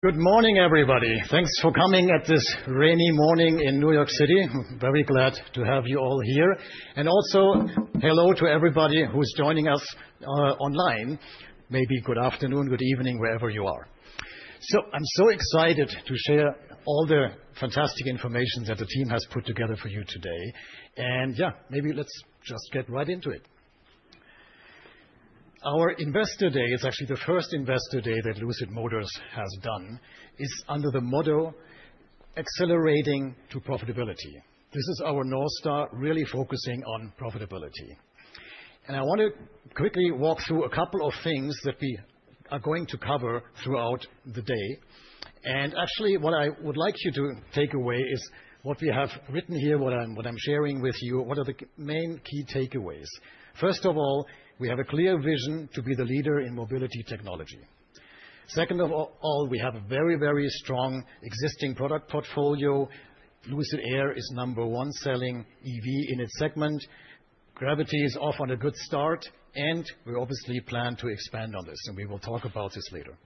Good morning, everybody. Thanks for coming on this rainy morning in New York City. Very glad to have you all here. Also hello to everybody who's joining us online. Maybe good afternoon, good evening, wherever you are. I'm so excited to share all the fantastic information that the team has put together for you today. Yeah, maybe let's just get right into it. Our investor day, it's actually the first investor day that Lucid Motors has done, is under the motto, Accelerating to Profitability. This is our North Star, really focusing on profitability. I want to quickly walk through a couple of things that we are going to cover throughout the day. Actually, what I would like you to take away is what we have written here, what I'm sharing with you, what are the main key takeaways. First of all, we have a clear vision to be the leader in mobility technology. Second of all, we have a very, very strong existing product portfolio. Lucid Air is number one selling EV in its segment. Gravity is off to a good start, and we obviously plan to expand on this, and we will talk about this later.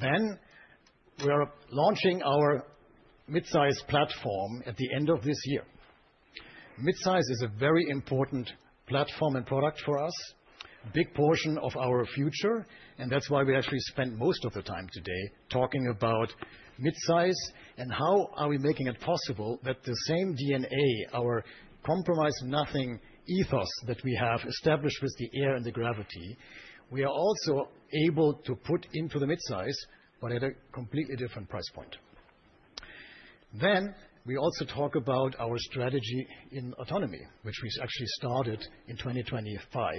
We are launching our midsize platform at the end of this year. Midsize is a very important platform and product for us, big portion of our future, and that's why we actually spend most of the time today talking about midsize and how are we making it possible that the same DNA, our compromise-nothing ethos that we have established with the Air and the Gravity, we are also able to put into the midsize, but at a completely different price point. We also talk about our strategy in autonomy, which we actually started in 2025,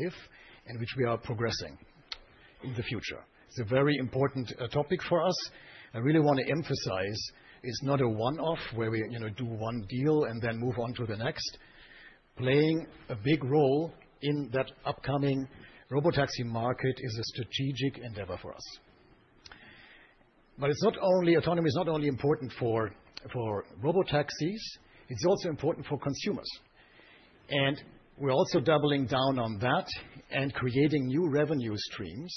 in which we are progressing in the future. It's a very important topic for us. I really wanna emphasize it's not a one-off where we, you know, do one deal and then move on to the next. Playing a big role in that upcoming robotaxi market is a strategic endeavor for us. Autonomy is not only important for robotaxis, it's also important for consumers. We're also doubling down on that and creating new revenue streams,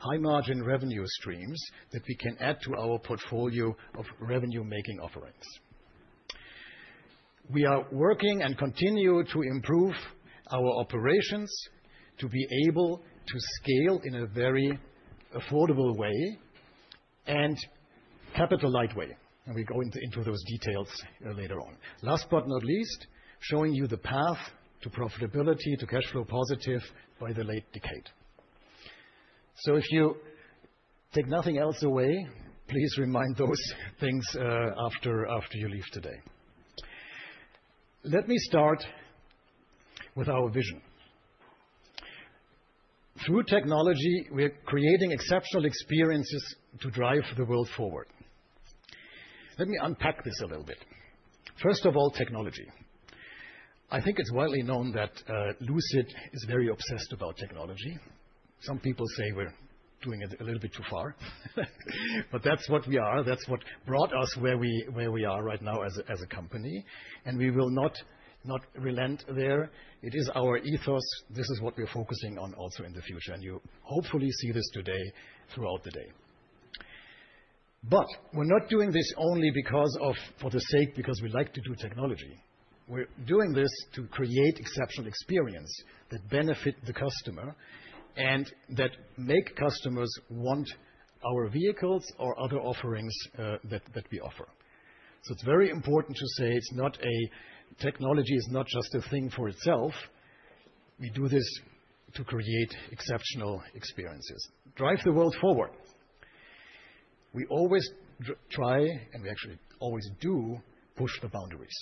high-margin revenue streams that we can add to our portfolio of revenue-making offerings. We are working and continue to improve our operations to be able to scale in a very affordable way and capital-light way, and we go into those details later on. Last but not least, showing you the path to profitability, to cash flow positive by the late decade. If you take nothing else away, please remind those things after you leave today. Let me start with our vision. Through technology, we're creating exceptional experiences to drive the world forward. Let me unpack this a little bit. First of all, technology. I think it's widely known that Lucid is very obsessed about technology. Some people say we're doing it a little bit too far, but that's what we are. That's what brought us where we are right now as a company, and we will not relent there. It is our ethos. This is what we're focusing on also in the future, and you hopefully see this today throughout the day. We're not doing this only because of. For the sake because we like to do technology. We're doing this to create exceptional experience that benefit the customer and that make customers want our vehicles or other offerings, that we offer. It's very important to say it's not a technology is not just a thing for itself. We do this to create exceptional experiences. Drive the world forward. We always try, and we actually always do, push the boundaries.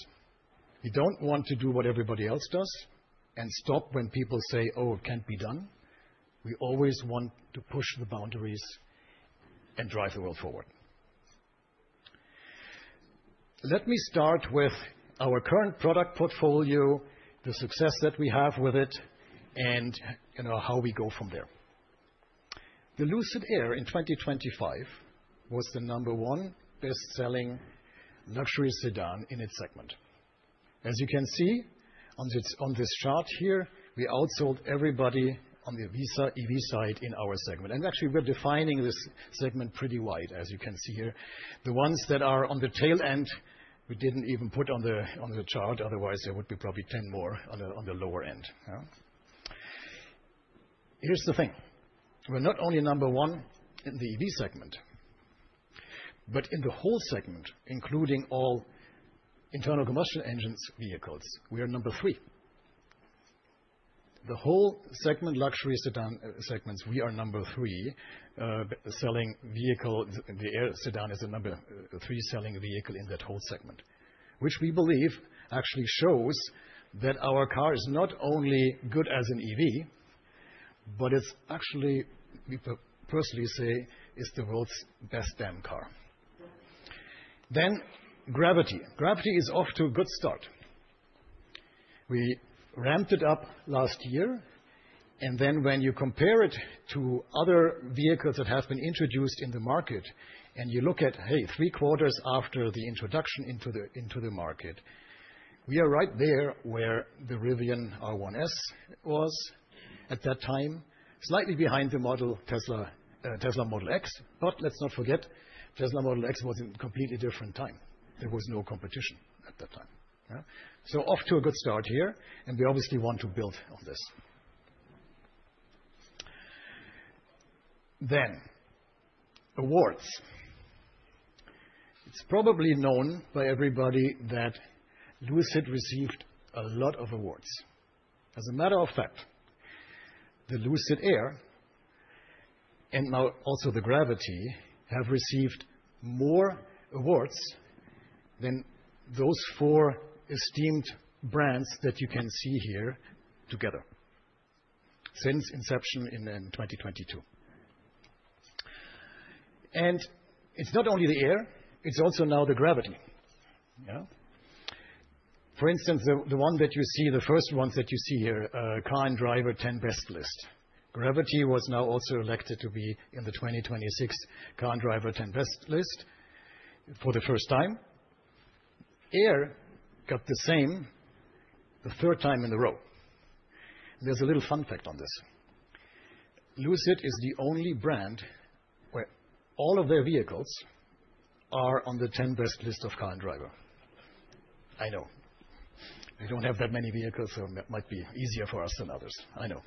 We don't want to do what everybody else does and stop when people say, "Oh, it can't be done." We always want to push the boundaries and drive the world forward. Let me start with our current product portfolio, the success that we have with it, and, you know, how we go from there. The Lucid Air in 2025 was the number one best-selling luxury sedan in its segment. As you can see on this chart here, we outsold everybody on the EV, ICEV side in our segment. Actually, we're defining this segment pretty wide, as you can see here. The ones that are on the tail end, we didn't even put on the chart. Otherwise, there would be probably 10 more on the lower end. Yeah. Here's the thing. We're not only number one in the EV segment, but in the whole segment, including all internal combustion engines vehicles, we are number three. The whole segment, luxury sedan segments, we are number three selling vehicle. The Lucid Air sedan is the number three selling vehicle in that whole segment, which we believe actually shows that our car is not only good as an EV, but it's actually, we personally say, is the world's best damn car. Then Lucid Gravity. Gravity is off to a good start. We ramped it up last year, and then when you compare it to other vehicles that have been introduced in the market, and you look at, hey, three quarters after the introduction into the market. We are right there where the Rivian R1S was at that time, slightly behind the Tesla Model X. Let's not forget, Tesla Model X was in completely different time. There was no competition at that time, yeah. Off to a good start here, and we obviously want to build on this. Awards. It's probably known by everybody that Lucid received a lot of awards. As a matter of fact, the Lucid Air, and now also the Gravity, have received more awards than those four esteemed brands that you can see here together since inception in 2022. It's not only the Air, it's also now the Gravity, yeah? For instance, the one that you see, the first ones that you see here, Car and Driver Ten Best list. Gravity was now also elected to be in the 2026 Car and Driver Ten Best list for the first time. Air got the same, the third time in a row. There's a little fun fact on this. Lucid is the only brand where all of their vehicles are on the Ten Best list of Car and Driver. I know. We don't have that many vehicles, so it might be easier for us than others, I know.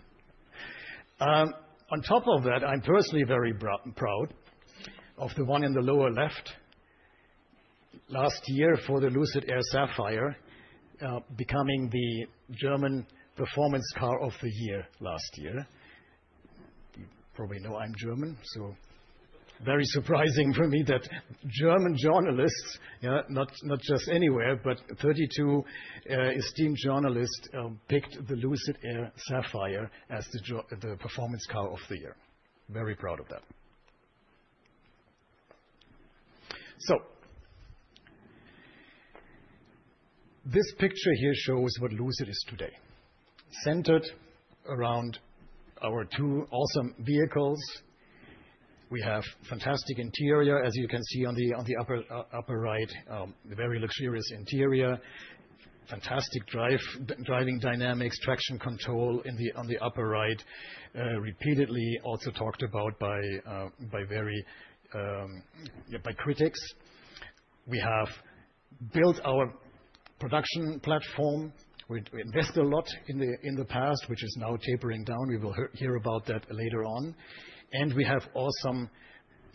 On top of that, I'm personally very proud of the one in the lower left. Last year for the Lucid Air Sapphire, becoming the German Performance Car of the Year last year. You probably know I'm German, so very surprising for me that German journalists, not just anywhere, but 32 esteemed journalists picked the Lucid Air Sapphire as the Performance Car of the Year. Very proud of that. This picture here shows what Lucid is today. Centered around our two awesome vehicles. We have fantastic interior, as you can see on the upper right, very luxurious interior. Fantastic driving dynamics, traction control on the upper right. Repeatedly also talked about by very critics. We have built our production platform. We invest a lot in the past, which is now tapering down. We will hear about that later on. We have awesome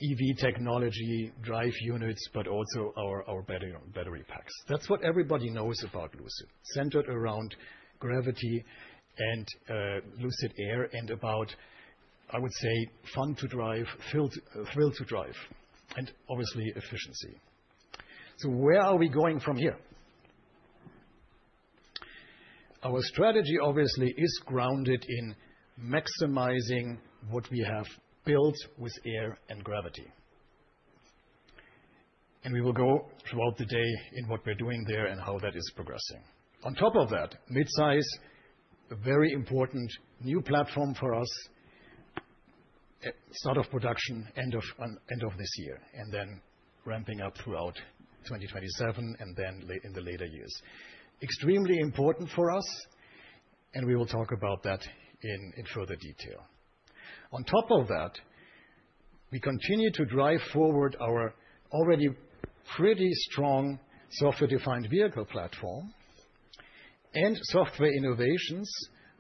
EV technology drive units, but also our battery packs. That's what everybody knows about Lucid, centered around Gravity and Lucid Air, and about, I would say, fun to drive, thrill to drive, and obviously efficiency. Where are we going from here? Our strategy obviously is grounded in maximizing what we have built with Air and Gravity. We will go throughout the day in what we're doing there and how that is progressing. On top of that, Midsize, a very important new platform for us. Start of production, end of this year, and then ramping up throughout 2027, and then in the later years. Extremely important for us, and we will talk about that in further detail. On top of that, we continue to drive forward our already pretty strong software-defined vehicle platform and software innovations,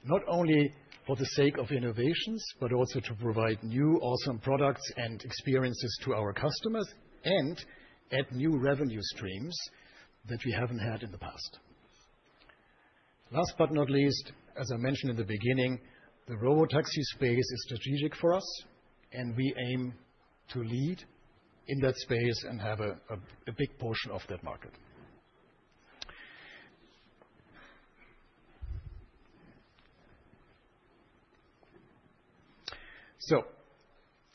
not only for the sake of innovations, but also to provide new awesome products and experiences to our customers, and add new revenue streams that we haven't had in the past. Last but not least, as I mentioned in the beginning, the robotaxi space is strategic for us, and we aim to lead in that space and have a big portion of that market.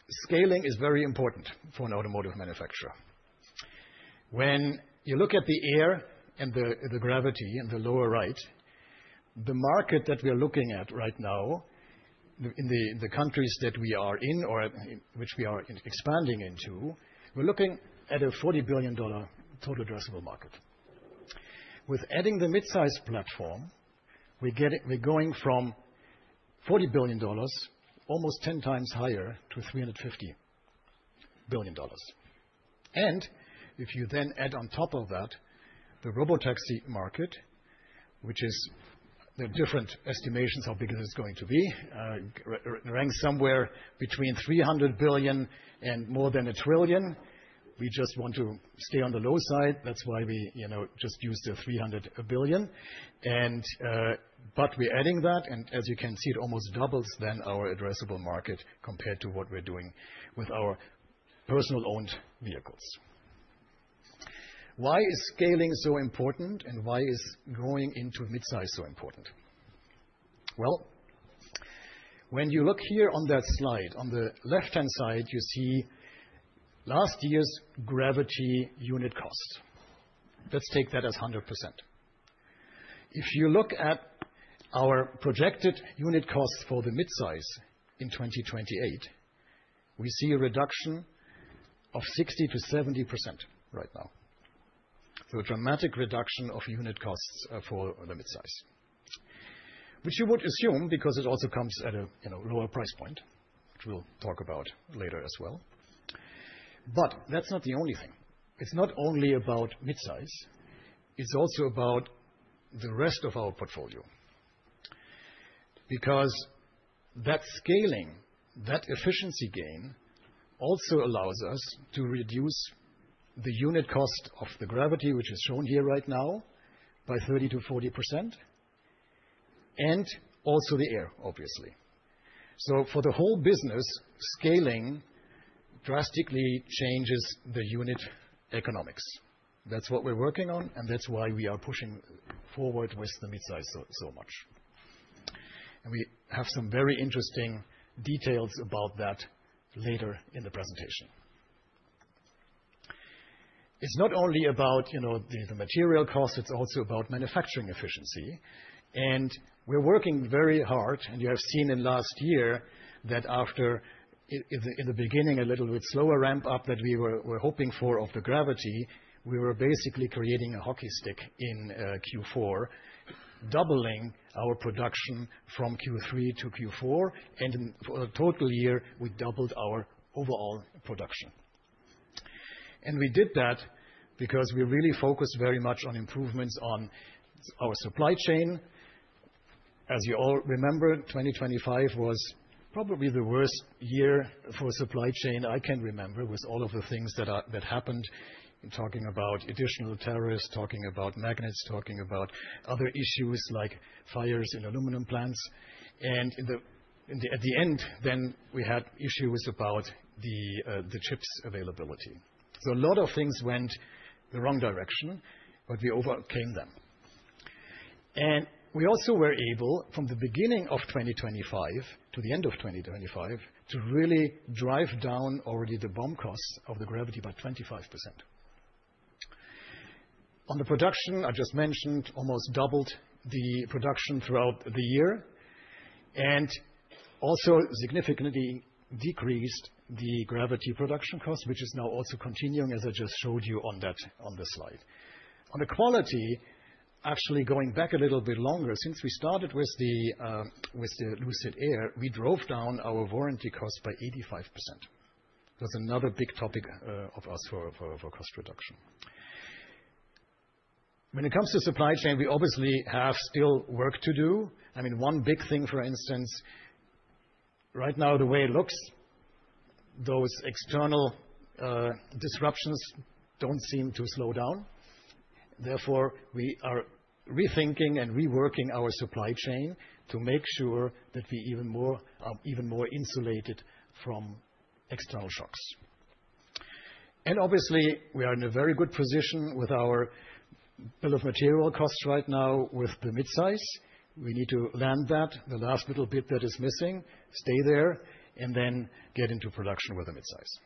Scaling is very important for an automotive manufacturer. When you look at the Air and the Gravity in the lower right, the market that we're looking at right now, in the countries that we are in, or which we are expanding into, we're looking at a $40 billion total addressable market. With adding the midsize platform, we get it—we're going from $40 billion, almost 10x higher to $350 billion. If you then add on top of that the robotaxi market, which is the different estimations of how big it is going to be, rank somewhere between $300 billion and more than $1 trillion. We just want to stay on the low side. That's why we, you know, just use the $300 billion. We're adding that, and as you can see, it almost doubles then our addressable market compared to what we're doing with our personal-owned vehicles. Why is scaling so important, and why is growing into midsize so important? Well, when you look here on that slide, on the left-hand side, you see last year's Gravity unit cost. Let's take that as 100%. If you look at our projected unit costs for the Midsize in 2028. We see a reduction of 60%-70% right now. A dramatic reduction of unit costs for the Midsize. Which you would assume because it also comes at a, you know, lower price point, which we'll talk about later as well. That's not the only thing. It's not only about Midsize, it's also about the rest of our portfolio. Because that scaling, that efficiency gain also allows us to reduce the unit cost of the Gravity, which is shown here right now, by 30%-40%, and also the Air, obviously. For the whole business, scaling drastically changes the unit economics. That's what we're working on, and that's why we are pushing forward with the Midsize so much. We have some very interesting details about that later in the presentation. It's not only about the material cost, it's also about manufacturing efficiency. We're working very hard, and you have seen in last year that after in the beginning, a little bit slower ramp-up than we were hoping for of the Gravity, we were basically creating a hockey stick in Q4, doubling our production from Q3 to Q4. For the total year, we doubled our overall production. We did that because we really focused very much on improvements on our supply chain. As you all remember, 2025 was probably the worst year for supply chain I can remember, with all of the things that happened. I'm talking about additional tariffs, talking about magnets, talking about other issues like fires in aluminum plants. At the end then we had issues about the chips availability. A lot of things went the wrong direction, but we overcame them. We also were able, from the beginning of 2025 to the end of 2025, to really drive down already the BOM costs of the Gravity by 25%. On the production, I just mentioned almost doubled the production throughout the year and also significantly decreased the Gravity production cost, which is now also continuing as I just showed you on that on the slide. On the quality, actually going back a little bit longer, since we started with the Lucid Air, we drove down our warranty costs by 85%. That's another big topic of us for cost reduction. When it comes to supply chain, we obviously have still work to do. I mean, one big thing, for instance, right now the way it looks, those external disruptions don't seem to slow down. Therefore, we are rethinking and reworking our supply chain to make sure that we are even more insulated from external shocks. Obviously, we are in a very good position with our bill of material costs right now with the midsize. We need to land that, the last little bit that is missing, stay there, and then get into production with the midsize.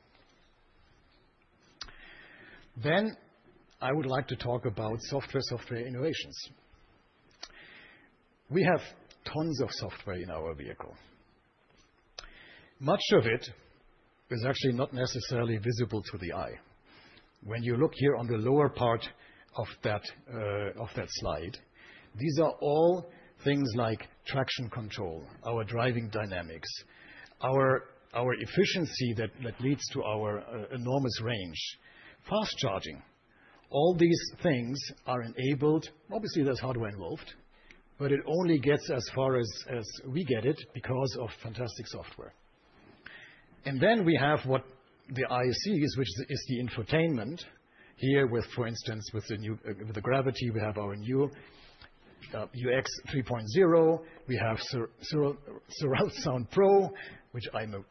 I would like to talk about software innovations. We have tons of software in our vehicle. Much of it is actually not necessarily visible to the eye. When you look here on the lower part of that slide, these are all things like traction control, our driving dynamics, our efficiency that leads to our enormous range, fast charging. All these things are enabled. Obviously, there's hardware involved, but it only gets as far as we get it because of fantastic software. Then we have what the eye sees, which is the infotainment. Here, for instance, with the Gravity, we have our new UX 3.0. We have Surround Sound Pro, which I'm a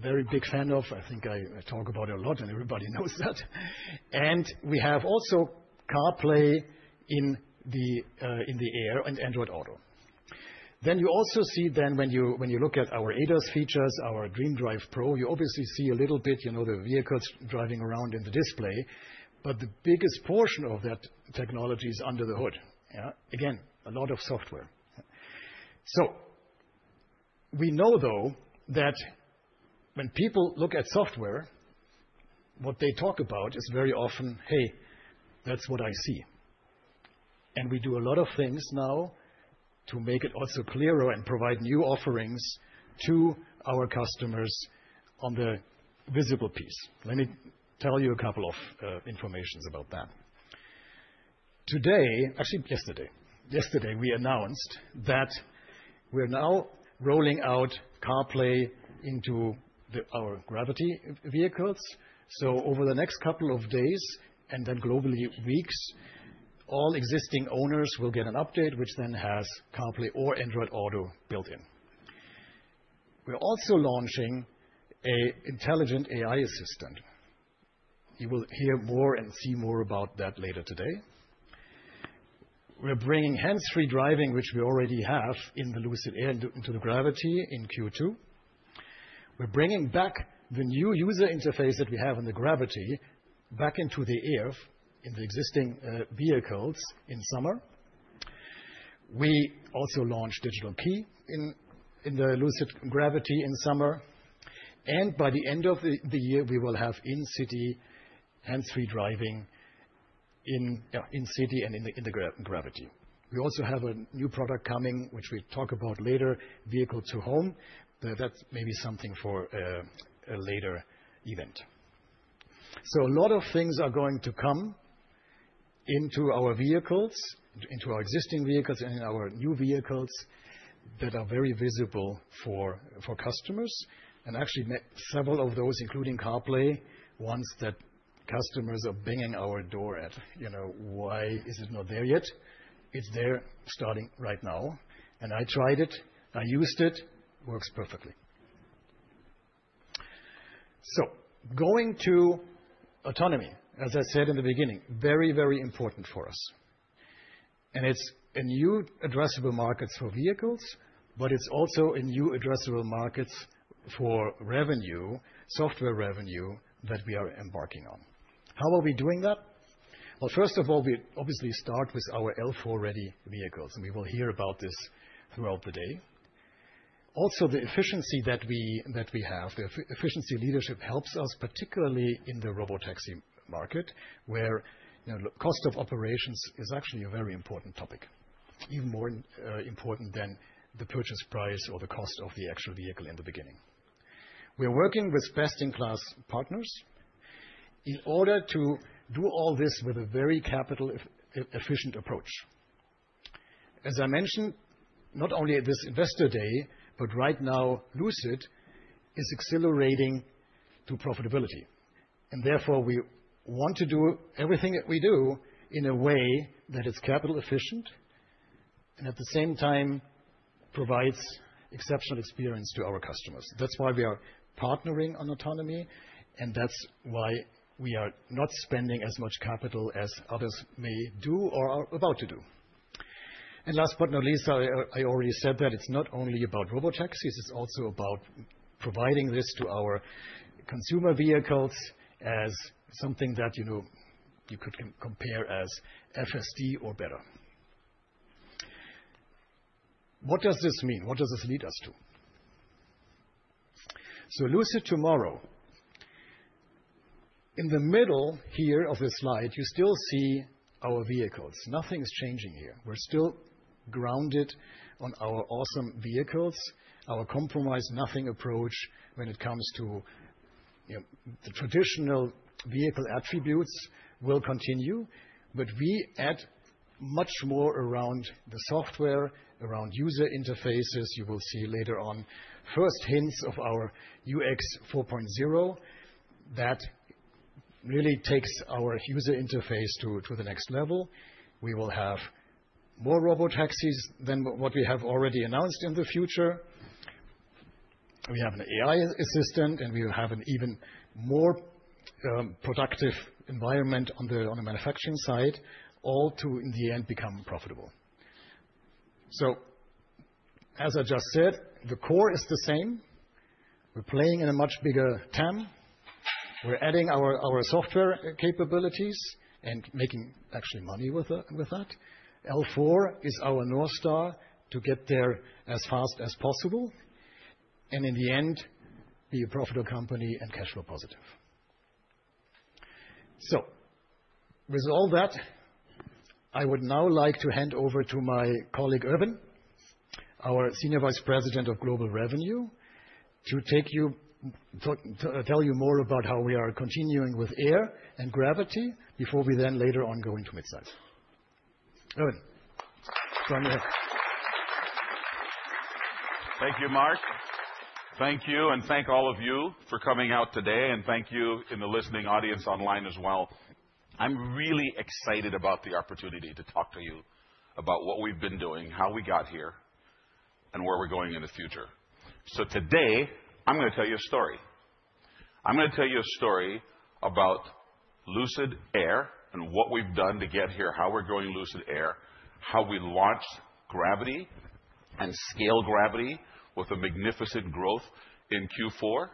very big fan of. I think I talk about it a lot, and everybody knows that. We have also CarPlay in the Air and Android Auto. You also see when you look at our ADAS features, our DreamDrive Pro, you obviously see a little bit, you know, the vehicles driving around in the display. But the biggest portion of that technology is under the hood. Yeah. Again, a lot of software. We know though that when people look at software, what they talk about is very often, "Hey, that's what I see." We do a lot of things now to make it also clearer and provide new offerings to our customers on the visible piece. Let me tell you a couple of informations about that. Actually, yesterday, we announced that we're now rolling out CarPlay into our Gravity vehicles. Over the next couple of days, and then globally weeks, all existing owners will get an update which then has CarPlay or Android Auto built in. We're also launching an intelligent AI assistant. You will hear more and see more about that later today. We're bringing hands-free driving, which we already have in the Lucid Air, into the Lucid Gravity in Q2. We're bringing back the new user interface that we have on the Lucid Gravity back into the Lucid Air in the existing vehicles in summer. We also launched Digital Key in the Lucid Gravity in summer. By the end of the year, we will have in-city hands-free driving in city and in the Lucid Gravity. We also have a new product coming, which we talk about later, Vehicle-to-Home. But that's maybe something for a later event. A lot of things are going to come into our vehicles, into our existing vehicles and in our new vehicles that are very visible for customers. Actually several of those, including CarPlay, ones that customers are banging at our door, you know. Why is it not there yet? It's there starting right now. I tried it, I used it, works perfectly. Going to autonomy, as I said in the beginning, very, very important for us. It's a new addressable markets for vehicles, but it's also a new addressable markets for revenue, software revenue that we are embarking on. How are we doing that? Well, first of all, we obviously start with our L4-ready vehicles, and we will hear about this throughout the day. Also, the efficiency that we have, the efficiency leadership helps us, particularly in the robotaxi market, where, you know, cost of operations is actually a very important topic, even more important than the purchase price or the cost of the actual vehicle in the beginning. We are working with best-in-class partners in order to do all this with a very capital efficient approach. As I mentioned, not only at this investor day, but right now, Lucid is accelerating to profitability, and therefore, we want to do everything that we do in a way that is capital efficient, and at the same time provides exceptional experience to our customers. That's why we are partnering on autonomy, and that's why we are not spending as much capital as others may do or are about to do. Last but not least, I already said that it's not only about robotaxis, it's also about providing this to our consumer vehicles as something that, you know, you could compare as FSD or better. What does this mean? What does this lead us to? Lucid Tomorrow. In the middle here of the slide, you still see our vehicles. Nothing's changing here. We're still grounded on our awesome vehicles. Our compromise nothing approach when it comes to, you know, the traditional vehicle attributes will continue, but we add much more around the software, around user interfaces. You will see later on first hints of our UX 4.0 that really takes our user interface to the next level. We will have more robotaxis than what we have already announced in the future. We have an AI assistant, and we will have an even more productive environment on the manufacturing side, all to in the end become profitable. As I just said, the core is the same. We're playing in a much bigger TAM. We're adding our software capabilities and making actually money with that. L4 is our North Star to get there as fast as possible, and in the end, be a profitable company and cash flow positive. With all that, I would now like to hand over to my colleague, Erwin, our Senior Vice President of Global Revenue, to tell you more about how we are continuing with Air and Gravity before we then later on go into midsize. Erwin. Join me up. Thank you, Marc. Thank you, and thank all of you for coming out today, and thank you to the listening audience online as well. I'm really excited about the opportunity to talk to you about what we've been doing, how we got here, and where we're going in the future. Today I'm gonna tell you a story. I'm gonna tell you a story about Lucid Air and what we've done to get here, how we're growing Lucid Air, how we launched Gravity and scaled Gravity with a magnificent growth in Q4.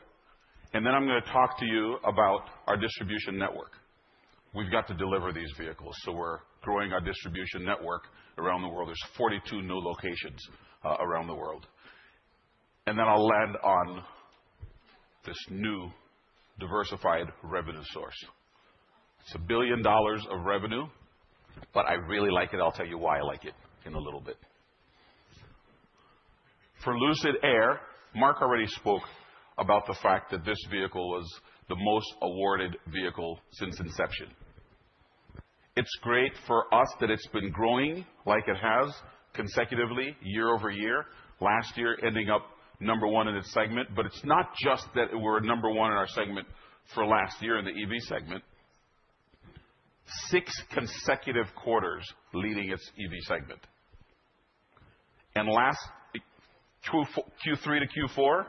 I'm gonna talk to you about our distribution network. We've got to deliver these vehicles, so we're growing our distribution network around the world. There's 42 new locations around the world. I'll land on this new diversified revenue source. It's $1 billion of revenue, but I really like it. I'll tell you why I like it in a little bit. For Lucid Air, Mark already spoke about the fact that this vehicle was the most awarded vehicle since inception. It's great for us that it's been growing like it has consecutively year over year. Last year ending up number one in its segment. It's not just that we're number one in our segment for last year in the EV segment. Six consecutive quarters leading its EV segment. Last two Q3 to Q4,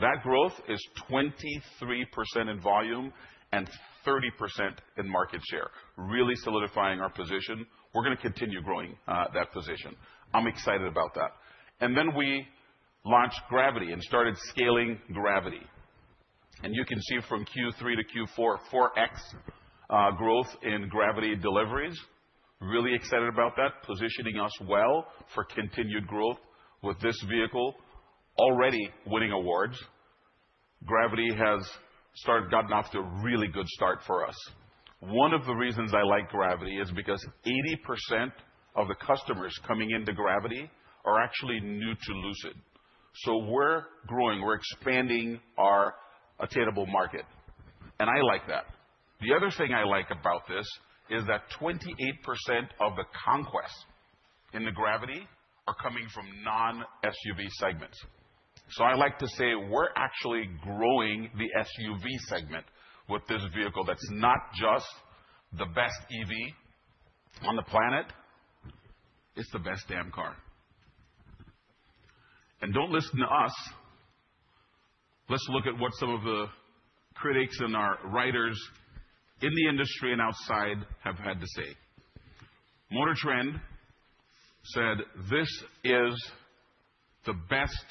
that growth is 23% in volume and 30% in market share, really solidifying our position. We're gonna continue growing that position. I'm excited about that. We launched Gravity and started scaling Gravity. You can see from Q3 to Q4, 4x growth in Gravity deliveries. Really excited about that. Positioning us well for continued growth with this vehicle. Already winning awards. Gravity has gotten off to a really good start for us. One of the reasons I like Gravity is because 80% of the customers coming into Gravity are actually new to Lucid. We're growing, we're expanding our attainable market, and I like that. The other thing I like about this is that 28% of the conquests in the Gravity are coming from non-SUV segments. I like to say we're actually growing the SUV segment with this vehicle that's not just the best EV on the planet, it's the best damn car. Don't listen to us. Let's look at what some of the critics and our writers in the industry and outside have had to say. MotorTrend said, "This is the best.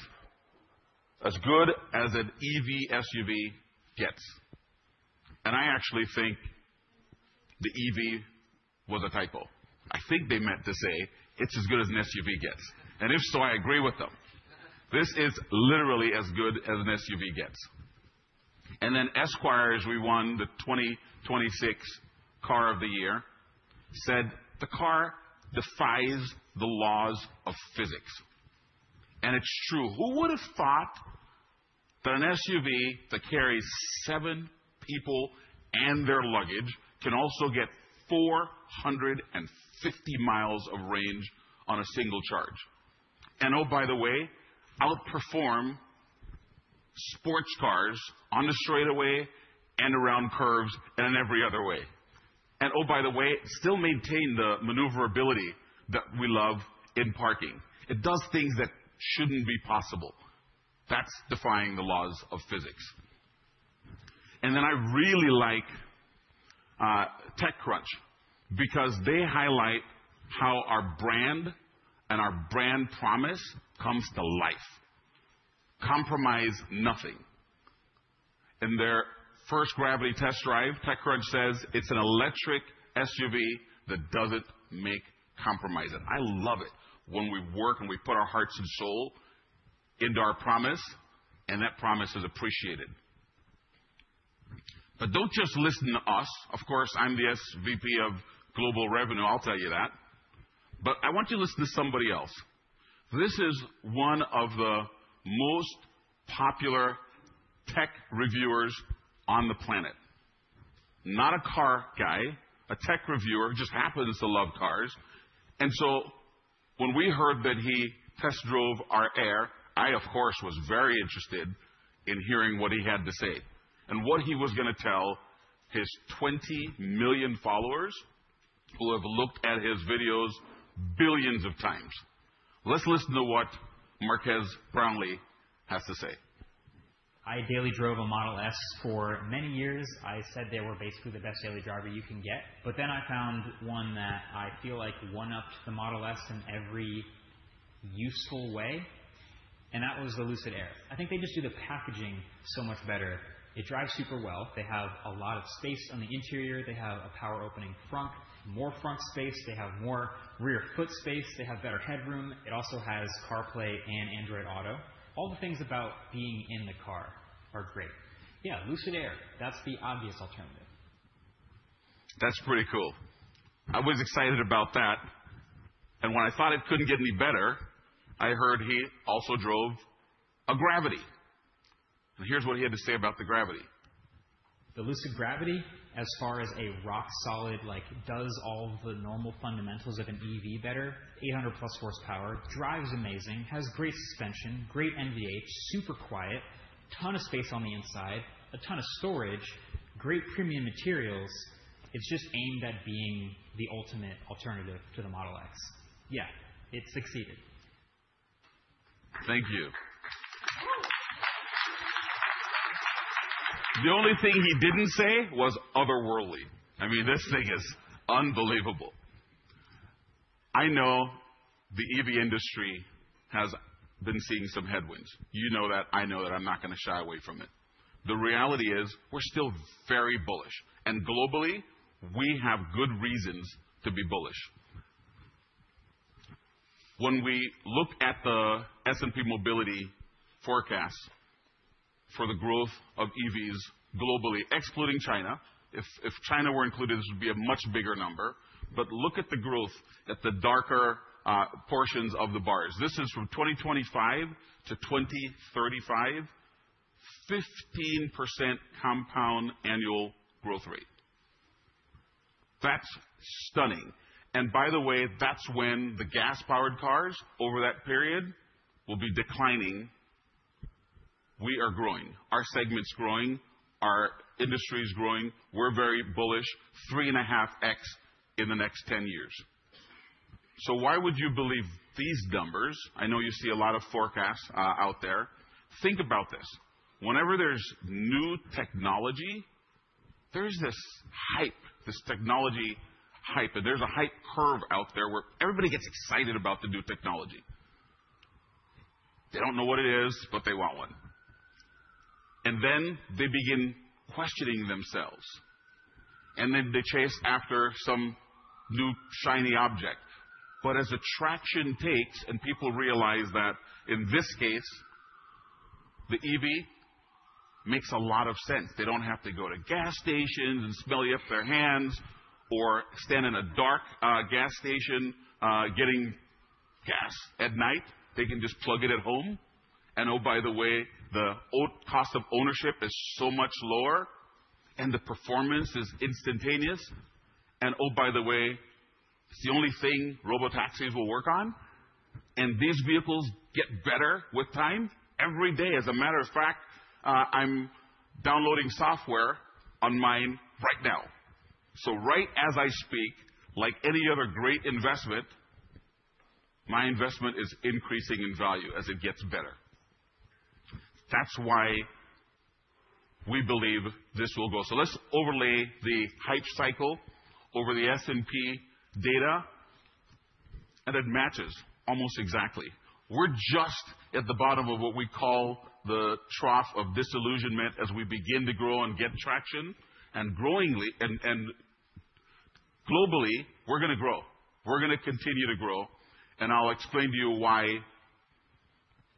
As good as an EV SUV gets." I actually think the EV was a typo. I think they meant to say it's as good as an SUV gets. If so, I agree with them. This is literally as good as an SUV gets. Then Esquire, as we won the 2026 Car of the Year, said, "The car defies the laws of physics." It's true. Who would have thought that an SUV that carries seven people and their luggage can also get 450 mi of range on a single charge? Oh, by the way, outperform sports cars on the straightaway and around curves and in every other way. Oh, by the way, still maintain the maneuverability that we love in parking. It does things that shouldn't be possible. That's defying the laws of physics. Then I really like TechCrunch because they highlight how our brand and our brand promise comes to life. Compromise nothing. In their first Gravity test drive, TechCrunch says, "It's an electric SUV that doesn't make compromises." I love it when we work and we put our hearts and soul into our promise, and that promise is appreciated. Don't just listen to us. Of course, I'm the SVP of Global Revenue, I'll tell you that. I want you to listen to somebody else. This is one of the most popular tech reviewers on the planet. Not a car guy, a tech reviewer, just happens to love cars. When we heard that he test drove our Air, I of course, was very interested in hearing what he had to say and what he was gonna tell his 20 million followers who have looked at his videos billions of times. Let's listen to what Marques Brownlee has to say. I daily drove a Model S for many years. I said they were basically the best daily driver you can get. I found one that I feel like one-upped the Model S in every useful way, and that was the Lucid Air. I think they just do the packaging so much better. It drives super well. They have a lot of space on the interior. They have a power opening front, more front space. They have more rear foot space. They have better headroom. It also has CarPlay and Android Auto. All the things about being in the car are great. Yeah, Lucid Air, that's the obvious alternative. That's pretty cool. I was excited about that. When I thought it couldn't get any better, I heard he also drove a Gravity. Here's what he had to say about the Gravity. The Lucid Gravity, as far as a rock solid, like, does all the normal fundamentals of an EV better. 800+ horsepower, drives amazing, has great suspension, great NVH, super quiet, ton of space on the inside, a ton of storage, great premium materials. It's just aimed at being the ultimate alternative to the Model X. Yeah, it succeeded. Thank you. The only thing he didn't say was otherworldly. I mean, this thing is unbelievable. I know the EV industry has been seeing some headwinds. You know that, I know that. I'm not gonna shy away from it. The reality is we're still very bullish. Globally, we have good reasons to be bullish. When we look at the S&P Global Mobility forecast for the growth of EVs globally, excluding China. If China were included, this would be a much bigger number. But look at the growth at the darker portions of the bars. This is from 2025 to 2035, 15% compound annual growth rate. That's stunning. By the way, that's when the gas-powered cars over that period will be declining. We are growing. Our segment's growing. Our industry is growing. We're very bullish. 3.5x in the next 10 years. Why would you believe these numbers? I know you see a lot of forecasts out there. Think about this. Whenever there's new technology, there's this hype, this technology hype. There's a hype curve out there where everybody gets excited about the new technology. They don't know what it is, but they want one. Then they begin questioning themselves, and then they chase after some new shiny object. As adoption takes and people realize that, in this case, the EV makes a lot of sense. They don't have to go to gas stations and smelly up their hands or stand in a dark gas station getting gas at night. They can just plug it at home. Oh, by the way, the cost of ownership is so much lower and the performance is instantaneous. Oh, by the way, it's the only thing robotaxis will work on. These vehicles get better with time every day. As a matter of fact, I'm downloading software on mine right now. Right as I speak, like any other great investment, my investment is increasing in value as it gets better. That's why we believe this will go. Let's overlay the hype cycle over the S&P data, and it matches almost exactly. We're just at the bottom of what we call the trough of disillusionment as we begin to grow and get traction. Globally, we're gonna grow. We're gonna continue to grow, and I'll explain to you why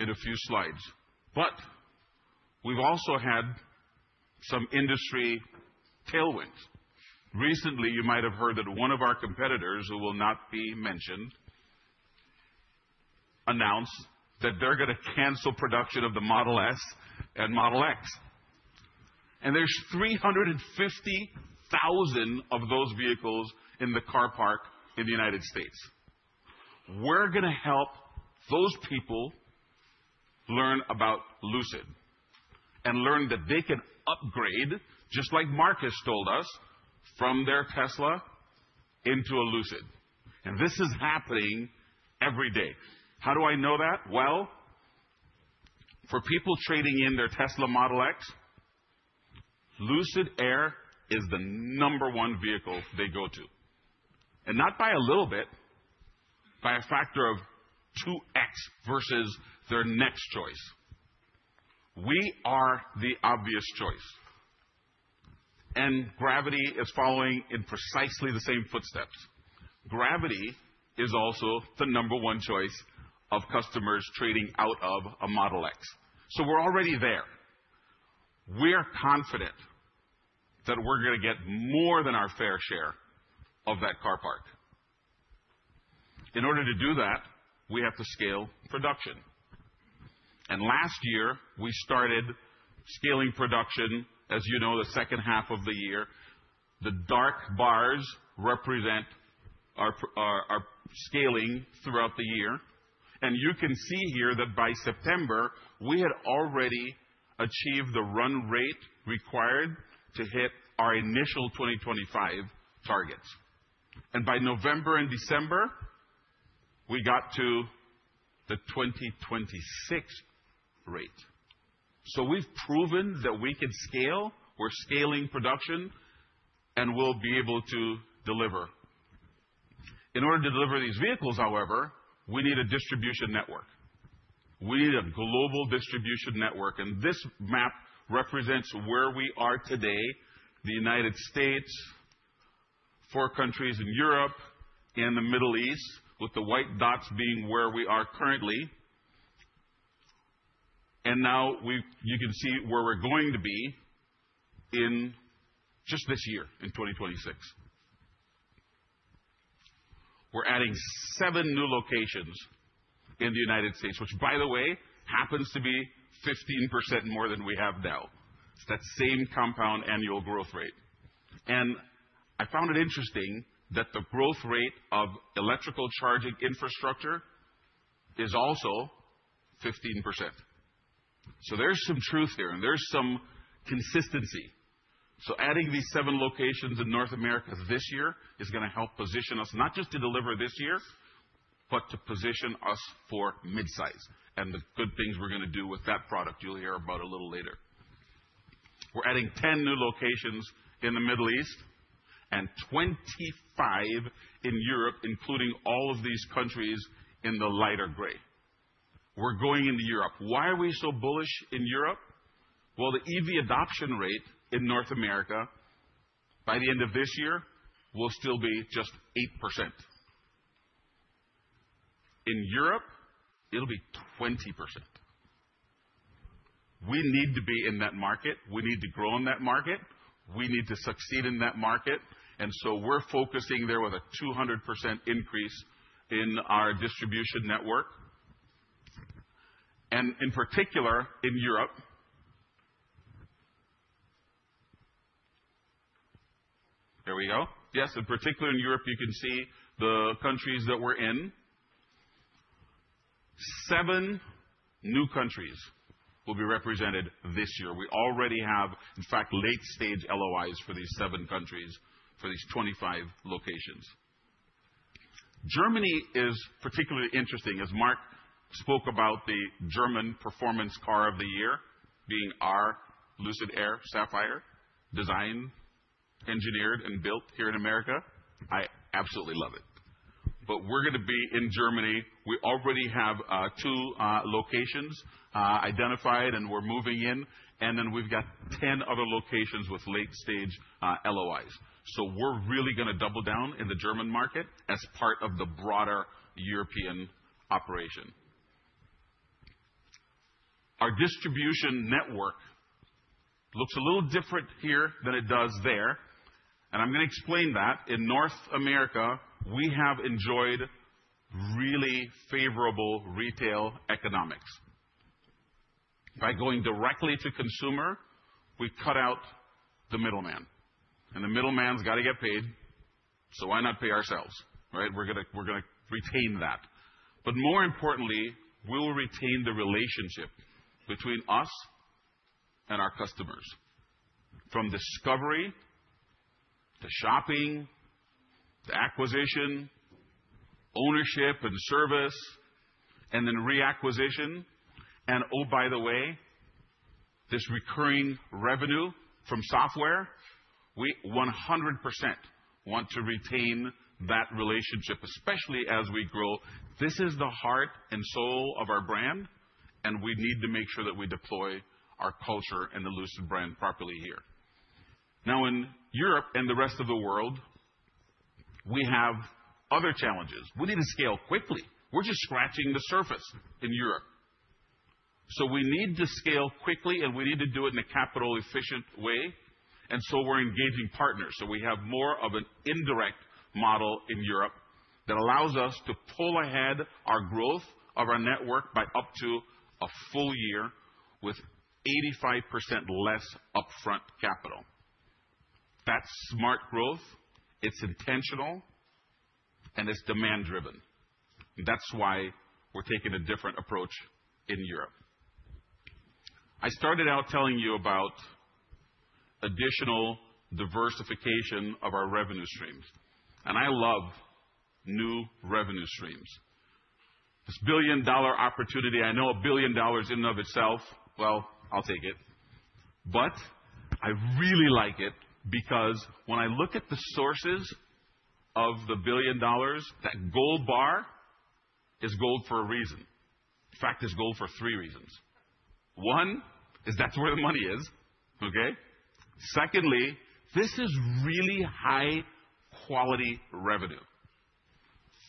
in a few slides. We've also had some industry tailwind. Recently, you might have heard that one of our competitors, who will not be mentioned, announced that they're gonna cancel production of the Model S and Model X. There's 350,000 of those vehicles in the parking lot in the United States. We're gonna help those people learn about Lucid and learn that they can upgrade, just like Marques told us, from their Tesla into a Lucid. This is happening every day. How do I know that? Well, for people trading in their Tesla Model X, Lucid Air is the number one vehicle they go to. Not by a little bit, by a factor of 2x versus their next choice. We are the obvious choice. Gravity is following in precisely the same footsteps. Gravity is also the number one choice of customers trading out of a Model X. We're already there. We're confident that we're gonna get more than our fair share of that car park. In order to do that, we have to scale production. Last year, we started scaling production, as you know, the second half of the year. The dark bars represent our scaling throughout the year. You can see here that by September, we had already achieved the run rate required to hit our initial 2025 targets. By November and December, we got to the 2026 rate. We've proven that we can scale. We're scaling production, and we'll be able to deliver. In order to deliver these vehicles, however, we need a distribution network. We need a global distribution network, and this map represents where we are today, the United States, four countries in Europe and the Middle East, with the white dots being where we are currently. You can see where we're going to be in just this year, in 2026. We're adding seven new locations in the United States, which by the way, happens to be 15% more than we have now. It's that same compound annual growth rate. I found it interesting that the growth rate of electric charging infrastructure is also 15%. There's some truth here, and there's some consistency. Adding these seven locations in North America this year is gonna help position us not just to deliver this year, but to position us for midsize and the good things we're gonna do with that product you'll hear about a little later. We're adding 10 new locations in the Middle East and 25 in Europe, including all of these countries in the lighter gray. We're going into Europe. Why are we so bullish in Europe? Well, the EV adoption rate in North America by the end of this year will still be just 8%. In Europe, it'll be 20%. We need to be in that market. We need to grow in that market. We need to succeed in that market. We're focusing there with a 200% increase in our distribution network. In particular, in Europe. There we go. Yes, in particular in Europe, you can see the countries that we're in. Seven new countries will be represented this year. We already have, in fact, late-stage LOIs for these seven countries for these 25 locations. Germany is particularly interesting as Marc spoke about the German performance car of the year being our Lucid Air Sapphire designed and engineered and built here in America. I absolutely love it. We're gonna be in Germany. We already have two locations identified and we're moving in, and then we've got 10 other locations with late-stage LOIs. We're really gonna double down in the German market as part of the broader European operation. Our distribution network looks a little different here than it does there, and I'm gonna explain that. In North America, we have enjoyed really favorable retail economics. By going directly to consumer, we cut out the middleman, and the middleman's gotta get paid, so why not pay ourselves, right? We're gonna retain that. More importantly, we will retain the relationship between us and our customers. From discovery to shopping to acquisition, ownership and service, and then reacquisition. Oh, by the way, this recurring revenue from software, we 100% want to retain that relationship, especially as we grow. This is the heart and soul of our brand, and we need to make sure that we deploy our culture and the Lucid brand properly here. Now, in Europe and the rest of the world, we have other challenges. We need to scale quickly. We're just scratching the surface in Europe. We need to scale quickly, and we need to do it in a capital-efficient way, and so we're engaging partners. We have more of an indirect model in Europe that allows us to pull ahead our growth of our network by up to a full year with 85% less upfront capital. That's smart growth, it's intentional, and it's demand-driven. That's why we're taking a different approach in Europe. I started out telling you about additional diversification of our revenue streams, and I love new revenue streams. This billion-dollar opportunity, I know $1 billion in and of itself. Well, I'll take it, but I really like it because when I look at the sources of the $1 billion, that gold bar is gold for a reason. In fact, it's gold for three reasons. One is that's where the money is, okay? Secondly, this is really high-quality revenue,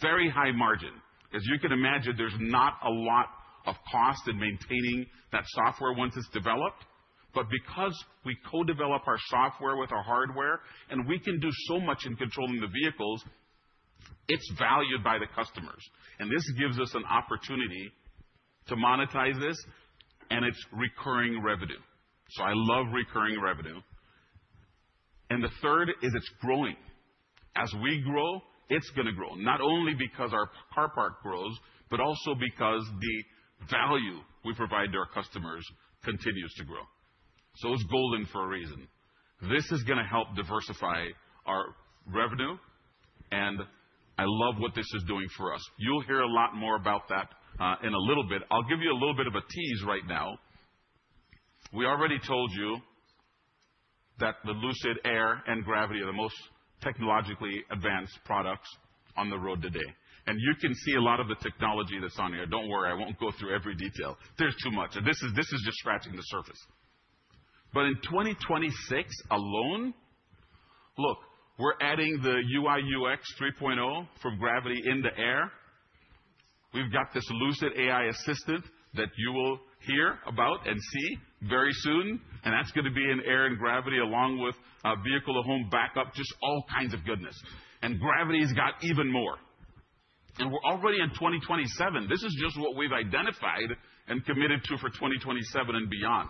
very high margin. As you can imagine, there's not a lot of cost in maintaining that software once it's developed. Because we co-develop our software with our hardware and we can do so much in controlling the vehicles, it's valued by the customers, and this gives us an opportunity to monetize this, and it's recurring revenue. I love recurring revenue. The third is it's growing. As we grow, it's gonna grow. Not only because our car park grows, but also because the value we provide to our customers continues to grow. It's golden for a reason. This is gonna help diversify our revenue, and I love what this is doing for us. You'll hear a lot more about that in a little bit. I'll give you a little bit of a tease right now. We already told you that the Lucid Air and Lucid Gravity are the most technologically advanced products on the road today. You can see a lot of the technology that's on here. Don't worry, I won't go through every detail. There's too much. This is just scratching the surface. In 2026 alone, look, we're adding the UX 3.0 from Gravity in the Air. We've got this Lucid AI Assistant that you will hear about and see very soon, and that's gonna be in Air and Gravity along with vehicle-to-home backup, just all kinds of goodness. Gravity has got even more. We're already in 2027. This is just what we've identified and committed to for 2027 and beyond.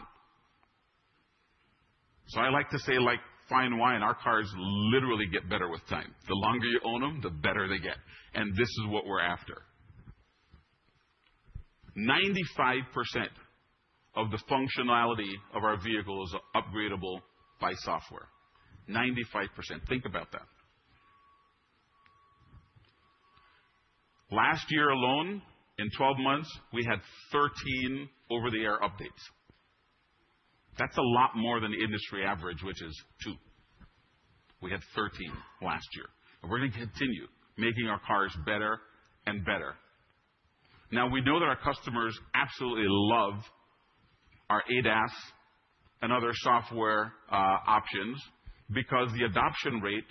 I like to say, like fine wine, our cars literally get better with time. The longer you own them, the better they get. This is what we're after. 95% of the functionality of our vehicles are upgradeable by software. 95%, think about that. Last year alone, in 12 months, we had 13 over-the-air updates. That's a lot more than industry average, which is two. We had 13 last year. We're gonna continue making our cars better and better. Now, we know that our customers absolutely love our ADAS and other software options because the adoption rate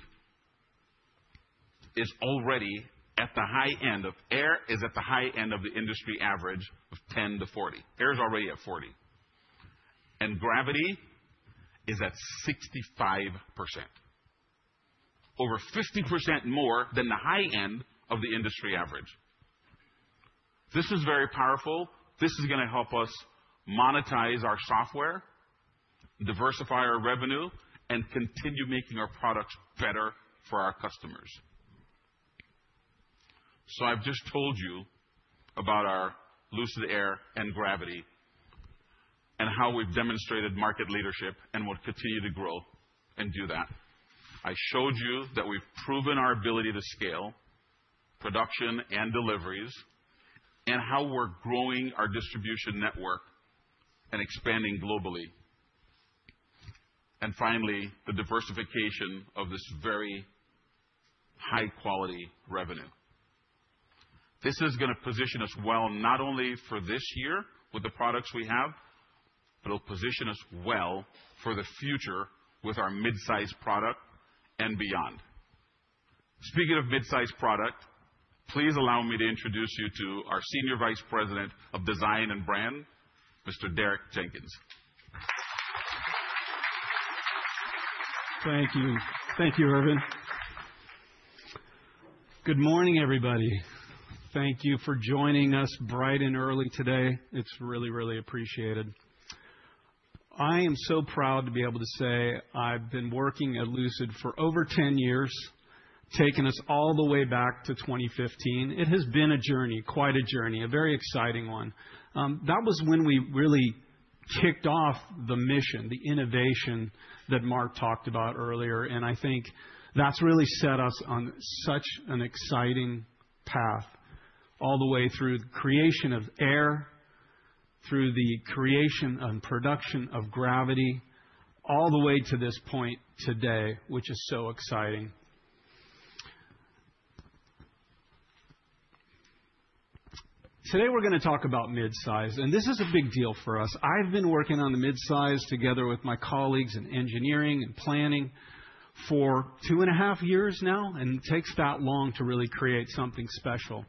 is already at the high end of the industry average of 10%-40%. Air is already at 40%. Gravity is at 65%. Over 50% more than the high end of the industry average. This is very powerful. This is gonna help us monetize our software, diversify our revenue, and continue making our products better for our customers. I've just told you about our Lucid Air and Gravity and how we've demonstrated market leadership and will continue to grow and do that. I showed you that we've proven our ability to scale production and deliveries and how we're growing our distribution network. Expanding globally. Finally, the diversification of this very high-quality revenue. This is gonna position us well, not only for this year with the products we have, but it'll position us well for the future with our mid-size product and beyond. Speaking of mid-size product, please allow me to introduce you to our Senior Vice President of Design and Brand, Mr. Derek Jenkins. Thank you. Thank you, Erwin. Good morning, everybody. Thank you for joining us bright and early today. It's really, really appreciated. I am so proud to be able to say I've been working at Lucid for over 10 years, taking us all the way back to 2015. It has been a journey, quite a journey, a very exciting one. That was when we really kicked off the mission, the innovation that Marc talked about earlier, and I think that's really set us on such an exciting path all the way through the creation of Air, through the creation and production of Gravity, all the way to this point today, which is so exciting. Today we're gonna talk about mid-size, and this is a big deal for us. I've been working on the Midsize together with my colleagues in engineering and planning for two and a half years now, and it takes that long to really create something special.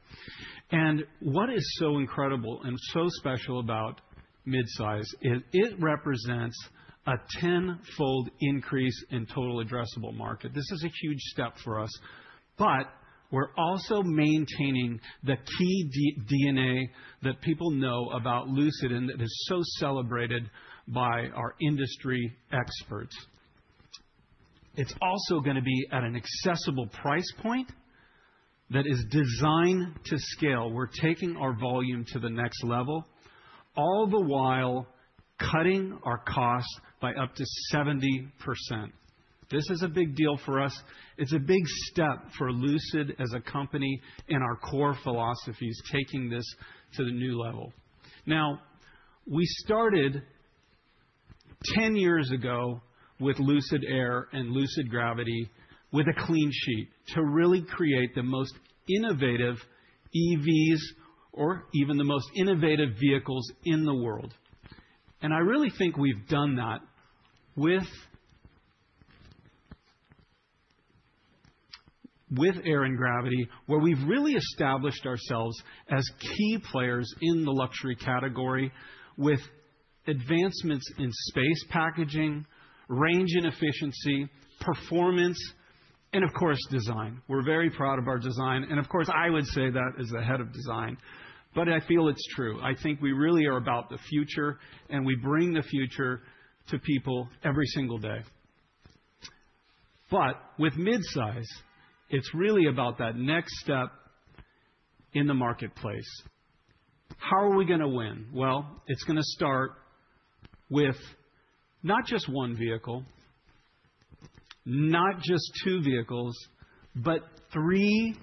What is so incredible and so special about Midsize is it represents a tenfold increase in total addressable market. This is a huge step for us, but we're also maintaining the key DNA that people know about Lucid and that is so celebrated by our industry experts. It's also gonna be at an accessible price point that is designed to scale. We're taking our volume to the next level, all the while cutting our costs by up to 70%. This is a big deal for us. It's a big step for Lucid as a company, and our core philosophy is taking this to the new level. Now, we started ten years ago with Lucid Air and Lucid Gravity with a clean sheet to really create the most innovative EVs or even the most innovative vehicles in the world. I really think we've done that with Air and Gravity, where we've really established ourselves as key players in the luxury category with advancements in space packaging, range and efficiency, performance and of course, design. We're very proud of our design, and of course I would say that as the head of design, but I feel it's true. I think we really are about the future, and we bring the future to people every single day. With mid-size, it's really about that next step in the marketplace. How are we gonna win? Well, it's gonna start with not just one vehicle, not just two vehicles, but three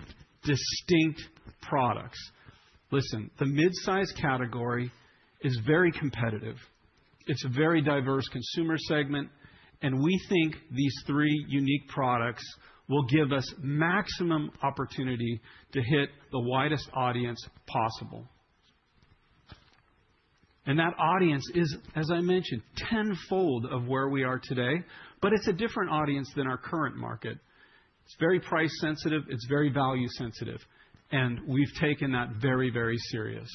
distinct products. Listen, the mid-size category is very competitive. It's a very diverse consumer segment, and we think these three unique products will give us maximum opportunity to hit the widest audience possible. That audience is, as I mentioned, tenfold of where we are today, but it's a different audience than our current market. It's very price sensitive, it's very value sensitive, and we've taken that very, very serious.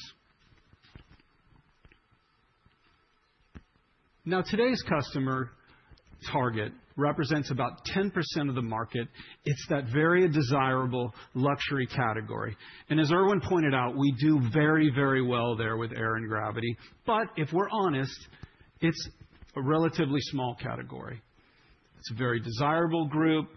Now, today's customer target represents about 10% of the market. It's that very desirable luxury category. As Erwin pointed out, we do very, very well there with Air and Gravity. If we're honest, it's a relatively small category. It's a very desirable group,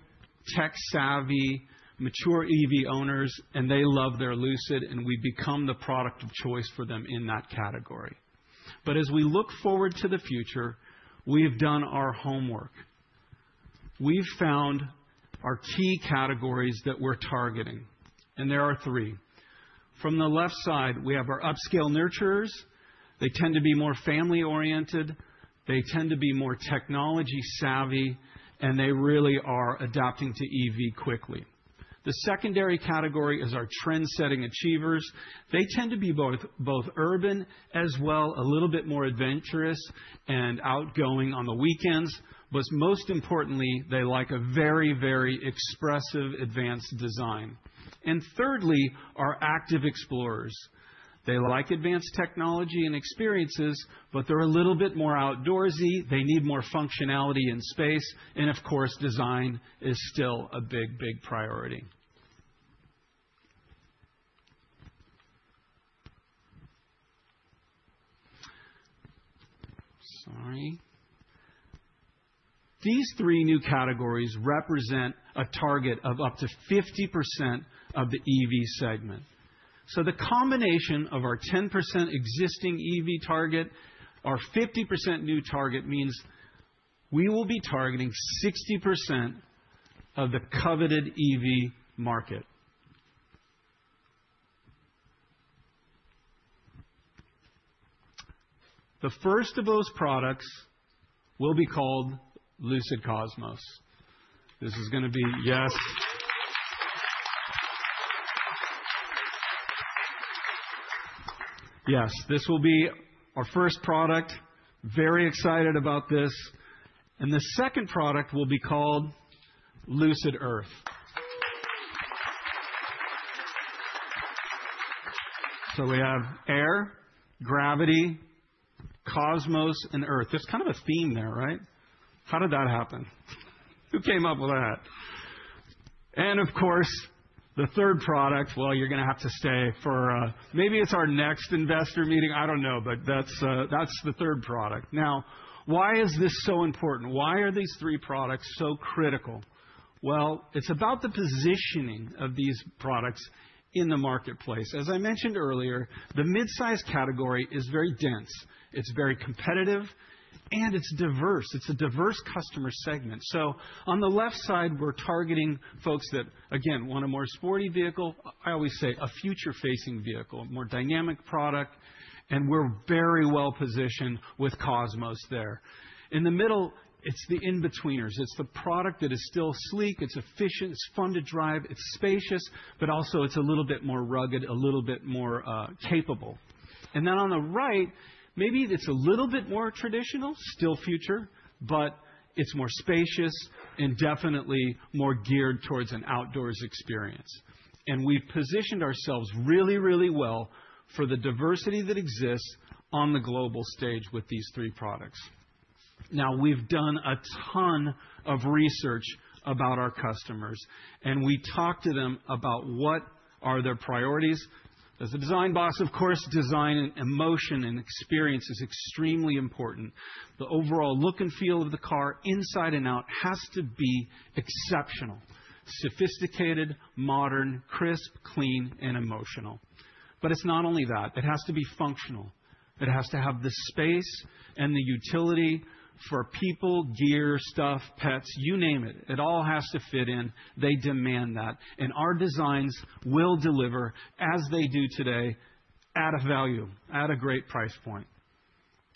tech-savvy, mature EV owners, and they love their Lucid and we've become the product of choice for them in that category. As we look forward to the future, we have done our homework. We've found our key categories that we're targeting, and there are three. From the left side, we have our upscale nurturers. They tend to be more family-oriented, they tend to be more technology savvy, and they really are adapting to EV quickly. The secondary category is our trendsetting achievers. They tend to be both urban, as well as a little bit more adventurous and outgoing on the weekends. Most importantly, they like a very, very expressive advanced design. Thirdly, our active explorers. They like advanced technology and experiences, but they're a little bit more outdoorsy. They need more functionality and space, and of course, design is still a big, big priority. Sorry. These three new categories represent a target of up to 50% of the EV segment. The combination of our 10% existing EV target, our 50% new target means we will be targeting 60% of the coveted EV market. The first of those products will be called Lucid Cosmos. This is gonna be. Yes. Yes, this will be our first product. Very excited about this. The second product will be called Lucid Earth. We have Air, Gravity, Cosmos, and Earth. There's kind of a theme there, right? How did that happen? Who came up with that? Of course, the third product, well, you're gonna have to stay for, maybe it's our next investor meeting. I don't know, but that's the third product. Now, why is this so important? Why are these three products so critical? Well, it's about the positioning of these products in the marketplace. As I mentioned earlier, the midsize category is very dense, it's very competitive, and it's diverse. It's a diverse customer segment. On the left side, we're targeting folks that, again, want a more sporty vehicle. I always say a future-facing vehicle, a more dynamic product, and we're very well-positioned with Cosmos there. In the middle, it's the in-betweeners. It's the product that is still sleek, it's efficient, it's fun to drive, it's spacious, but also it's a little bit more rugged, a little bit more capable. On the right, maybe it's a little bit more traditional, still future, but it's more spacious and definitely more geared towards an outdoors experience. We've positioned ourselves really, really well for the diversity that exists on the global stage with these three products. Now, we've done a ton of research about our customers, and we talked to them about what are their priorities. As a design boss, of course, design and emotion and experience is extremely important. The overall look and feel of the car inside and out has to be exceptional, sophisticated, modern, crisp, clean, and emotional. It's not only that. It has to be functional. It has to have the space and the utility for people, gear, stuff, pets, you name it. It all has to fit in. They demand that. Our designs will deliver, as they do today, at a value, at a great price point.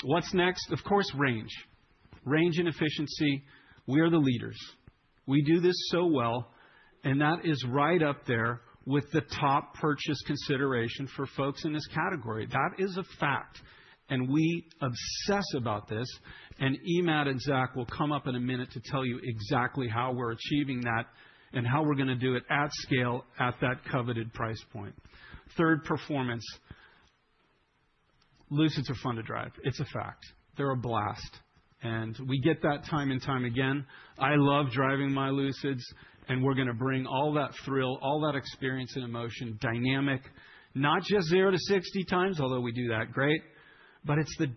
What's next? Of course, range. Range and efficiency, we are the leaders. We do this so well, and that is right up there with the top purchase consideration for folks in this category. That is a fact, and we obsess about this, and Emad and Zach will come up in a minute to tell you exactly how we're achieving that and how we're gonna do it at scale at that coveted price point. Third, performance. Lucids are fun to drive. It's a fact. They're a blast, and we get that time and time again. I love driving my Lucids, and we're gonna bring all that thrill, all that experience and emotion, dynamic, not just zero to 60 time, although we do that great, but it's the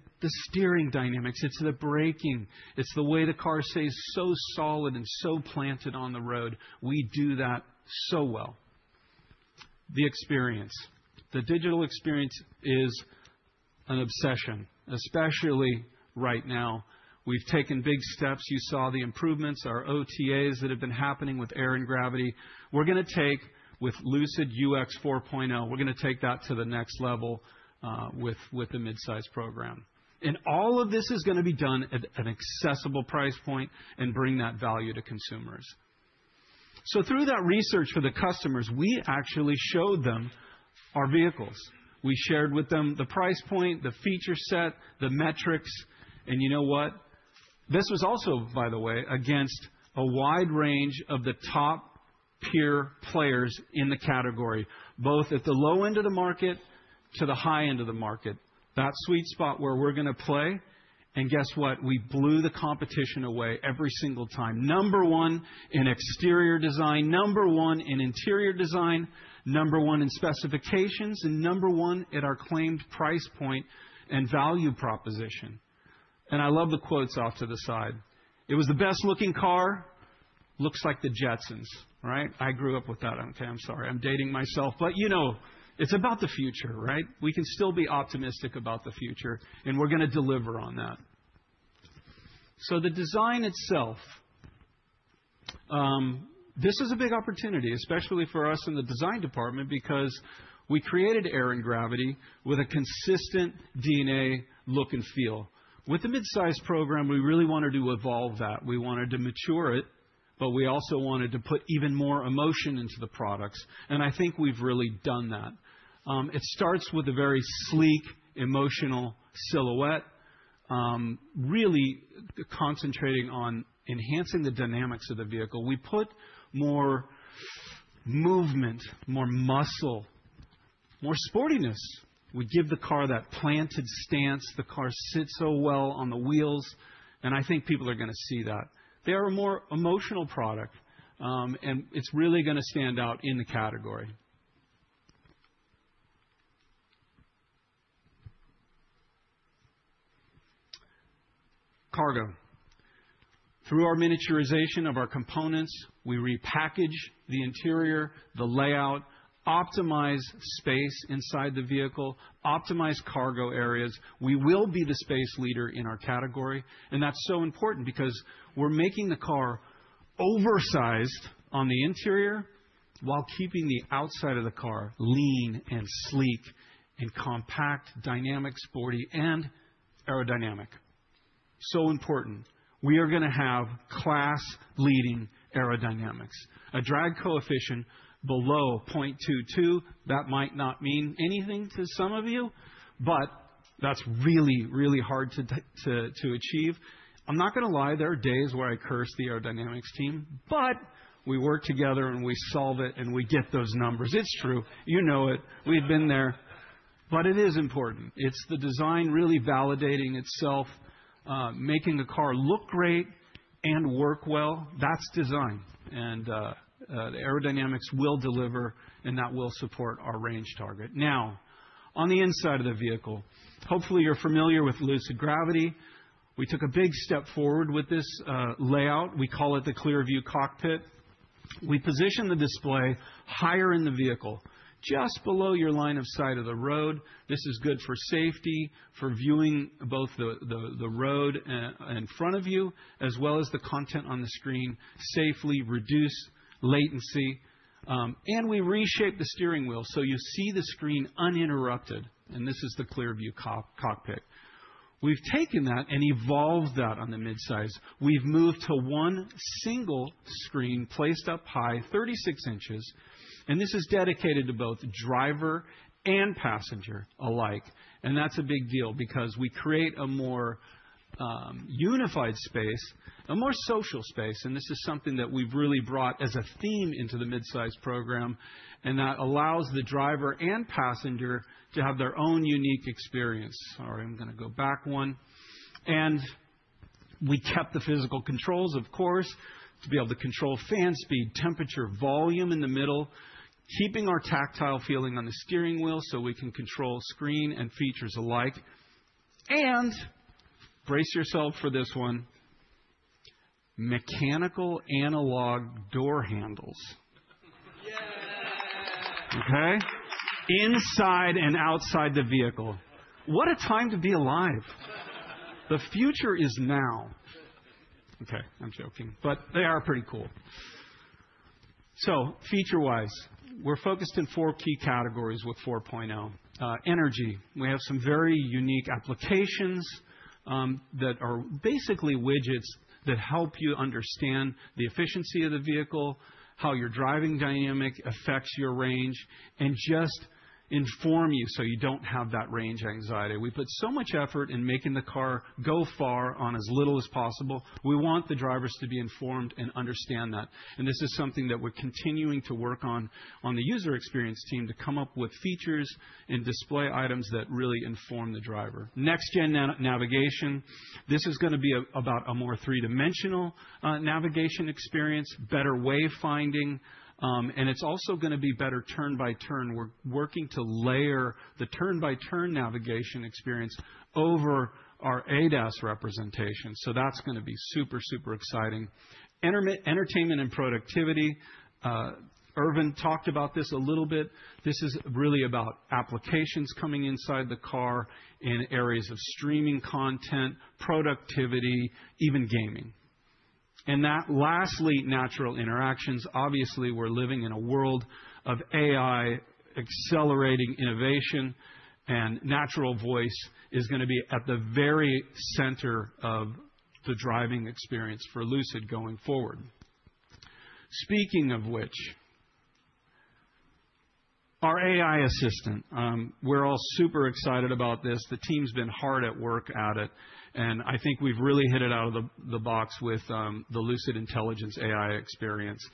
steering dynamics, it's the braking, it's the way the car stays so solid and so planted on the road. We do that so well. The experience. The digital experience is an obsession, especially right now. We've taken big steps. You saw the improvements, our OTAs that have been happening with Air and Gravity. We're gonna take with Lucid UX 4.0, we're gonna take that to the next level, with the midsize program. All of this is gonna be done at an accessible price point and bring that value to consumers. Through that research for the customers, we actually showed them our vehicles. We shared with them the price point, the feature set, the metrics. You know what? This was also, by the way, against a wide range of the top peer players in the category, both at the low end of the market to the high end of the market, that sweet spot where we're gonna play, and guess what? We blew the competition away every single time. Number one in exterior design, number one in interior design, number one in specifications, and number one at our claimed price point and value proposition. I love the quotes off to the side. "It was the best-looking car." "Looks like the Jetsons." Right? I grew up with that. Okay, I'm sorry. I'm dating myself, but, you know, it's about the future, right? We can still be optimistic about the future, and we're gonna deliver on that. The design itself, this is a big opportunity, especially for us in the design department, because we created Air and Gravity with a consistent DNA look and feel. With the midsize program, we really wanted to evolve that. We wanted to mature it, but we also wanted to put even more emotion into the products, and I think we've really done that. It starts with a very sleek, emotional silhouette, really concentrating on enhancing the dynamics of the vehicle. We put more movement, more muscle, more sportiness. We give the car that planted stance. The car sits so well on the wheels, and I think people are gonna see that. They're a more emotional product, and it's really gonna stand out in the category. Cargo. Through our miniaturization of our components, we repackage the interior, the layout, optimize space inside the vehicle, optimize cargo areas. We will be the space leader in our category, and that's so important because we're making the car oversized on the interior while keeping the outside of the car lean and sleek and compact, dynamic, sporty, and aerodynamic. Important. We are gonna have class-leading aerodynamics. A drag coefficient below 0.22. That might not mean anything to some of you, but that's really, really hard to achieve. I'm not gonna lie, there are days where I curse the aerodynamics team, but we work together, and we solve it, and we get those numbers. It's true. You know it. We've been there. But it is important. It's the design really validating itself, making the car look great and work well. That's design. The aerodynamics will deliver, and that will support our range target. Now, on the inside of the vehicle, hopefully, you're familiar with Lucid Gravity. We took a big step forward with this layout. We call it the Clearview Cockpit. We position the display higher in the vehicle, just below your line of sight of the road. This is good for safety, for viewing both the road in front of you, as well as the content on the screen, safely reduce latency, and we reshaped the steering wheel, so you see the screen uninterrupted, and this is the Clearview Cockpit. We've taken that and evolved that on the midsize. We've moved to one single screen placed up high, 36 inches, and this is dedicated to both driver and passenger alike, and that's a big deal because we create a more unified space, a more social space, and this is something that we've really brought as a theme into the midsize program, and that allows the driver and passenger to have their own unique experience. Sorry, I'm gonna go back one. We kept the physical controls, of course, to be able to control fan speed, temperature, volume in the middle, keeping our tactile feeling on the steering wheel, so we can control screen and features alike. Brace yourself for this one. Mechanical analog door handles. Okay. Inside and outside the vehicle. What a time to be alive. The future is now. Okay, I'm joking, but they are pretty cool. Feature wise, we're focused in four key categories with 4.0. Energy, we have some very unique applications that are basically widgets that help you understand the efficiency of the vehicle, how your driving dynamic affects your range, and just inform you, so you don't have that range anxiety. We put so much effort in making the car go far on as little as possible. We want the drivers to be informed and understand that. This is something that we're continuing to work on the user experience team to come up with features and display items that really inform the driver. Next-gen navigation. This is gonna be about a more three-dimensional navigation experience, better wayfinding, and it's also gonna be better turn-by-turn. We're working to layer the turn-by-turn navigation experience over our ADAS representation, so that's gonna be super exciting. In-car entertainment and productivity, Erwin talked about this a little bit. This is really about applications coming inside the car in areas of streaming content, productivity, even gaming. That lastly, natural interactions. Obviously, we're living in a world of AI accelerating innovation, and natural voice is gonna be at the very center of the driving experience for Lucid going forward. Speaking of which, our AI assistant, we're all super excited about this. The team's been hard at work at it, and I think we've really hit it out of the box with the Lucid Intelligence AI experience.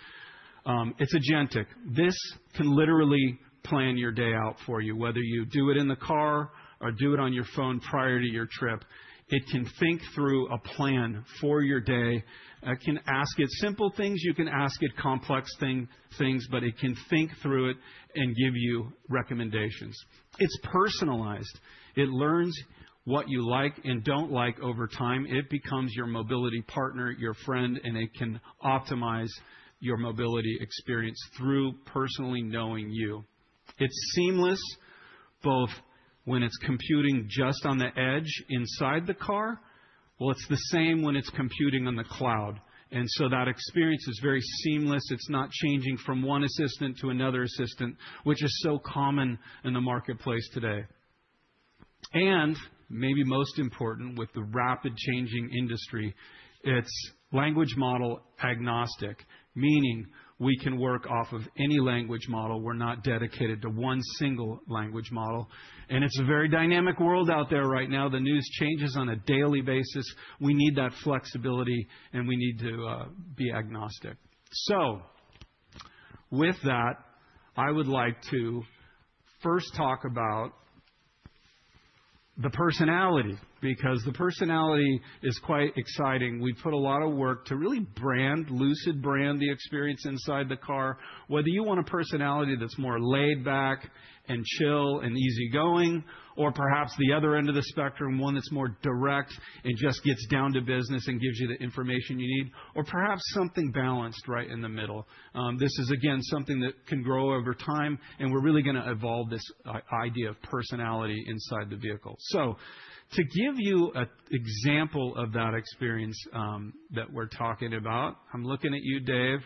It's agentic. This can literally plan your day out for you, whether you do it in the car or do it on your phone prior to your trip. It can think through a plan for your day. Can ask it simple things. You can ask it complex things, but it can think through it and give you recommendations. It's personalized. It learns what you like and don't like over time. It becomes your mobility partner, your friend, and it can optimize your mobility experience through personally knowing you. It's seamless, both when it's computing just on the edge inside the car. It's the same when it's computing on the cloud, and so that experience is very seamless. It's not changing from one assistant to another assistant, which is so common in the marketplace today. Maybe most important with the rapid changing industry, it's language model agnostic, meaning we can work off of any language model. We're not dedicated to one single language model. It's a very dynamic world out there right now. The news changes on a daily basis. We need that flexibility, and we need to be agnostic. With that, I would like to first talk about the personality because the personality is quite exciting. We put a lot of work to really brand Lucid, brand the experience inside the car. Whether you want a personality that's more laid back and chill and easygoing, or perhaps the other end of the spectrum, one that's more direct and just gets down to business and gives you the information you need or perhaps something balanced right in the middle. This is again, something that can grow over time, and we're really gonna evolve this idea of personality inside the vehicle. To give you an example of that experience that we're talking about, I'm looking at you, Dave.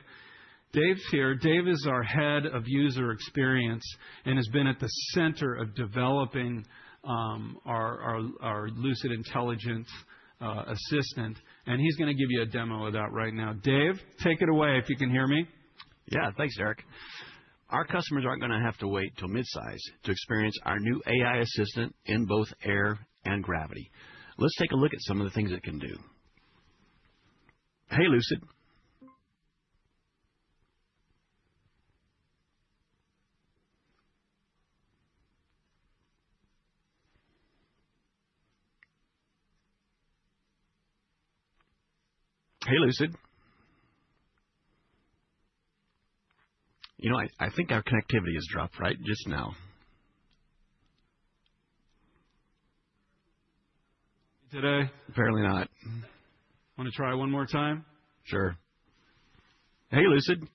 Dave's here. Dave is our head of user experience and has been at the center of developing our Lucid Intelligence assistant, and he's gonna give you a demo of that right now. Dave, take it away if you can hear me. Yeah. Thanks, Derek. Our customers aren't gonna have to wait till midsize to experience our new AI assistant in both Air and Gravity. Let's take a look at some of the things it can do. Hey, Lucid. Hey, Lucid. You know, I think our connectivity has dropped right just now. Today. Apparently not. Wanna try one more time? Sure. Hey, Lucid.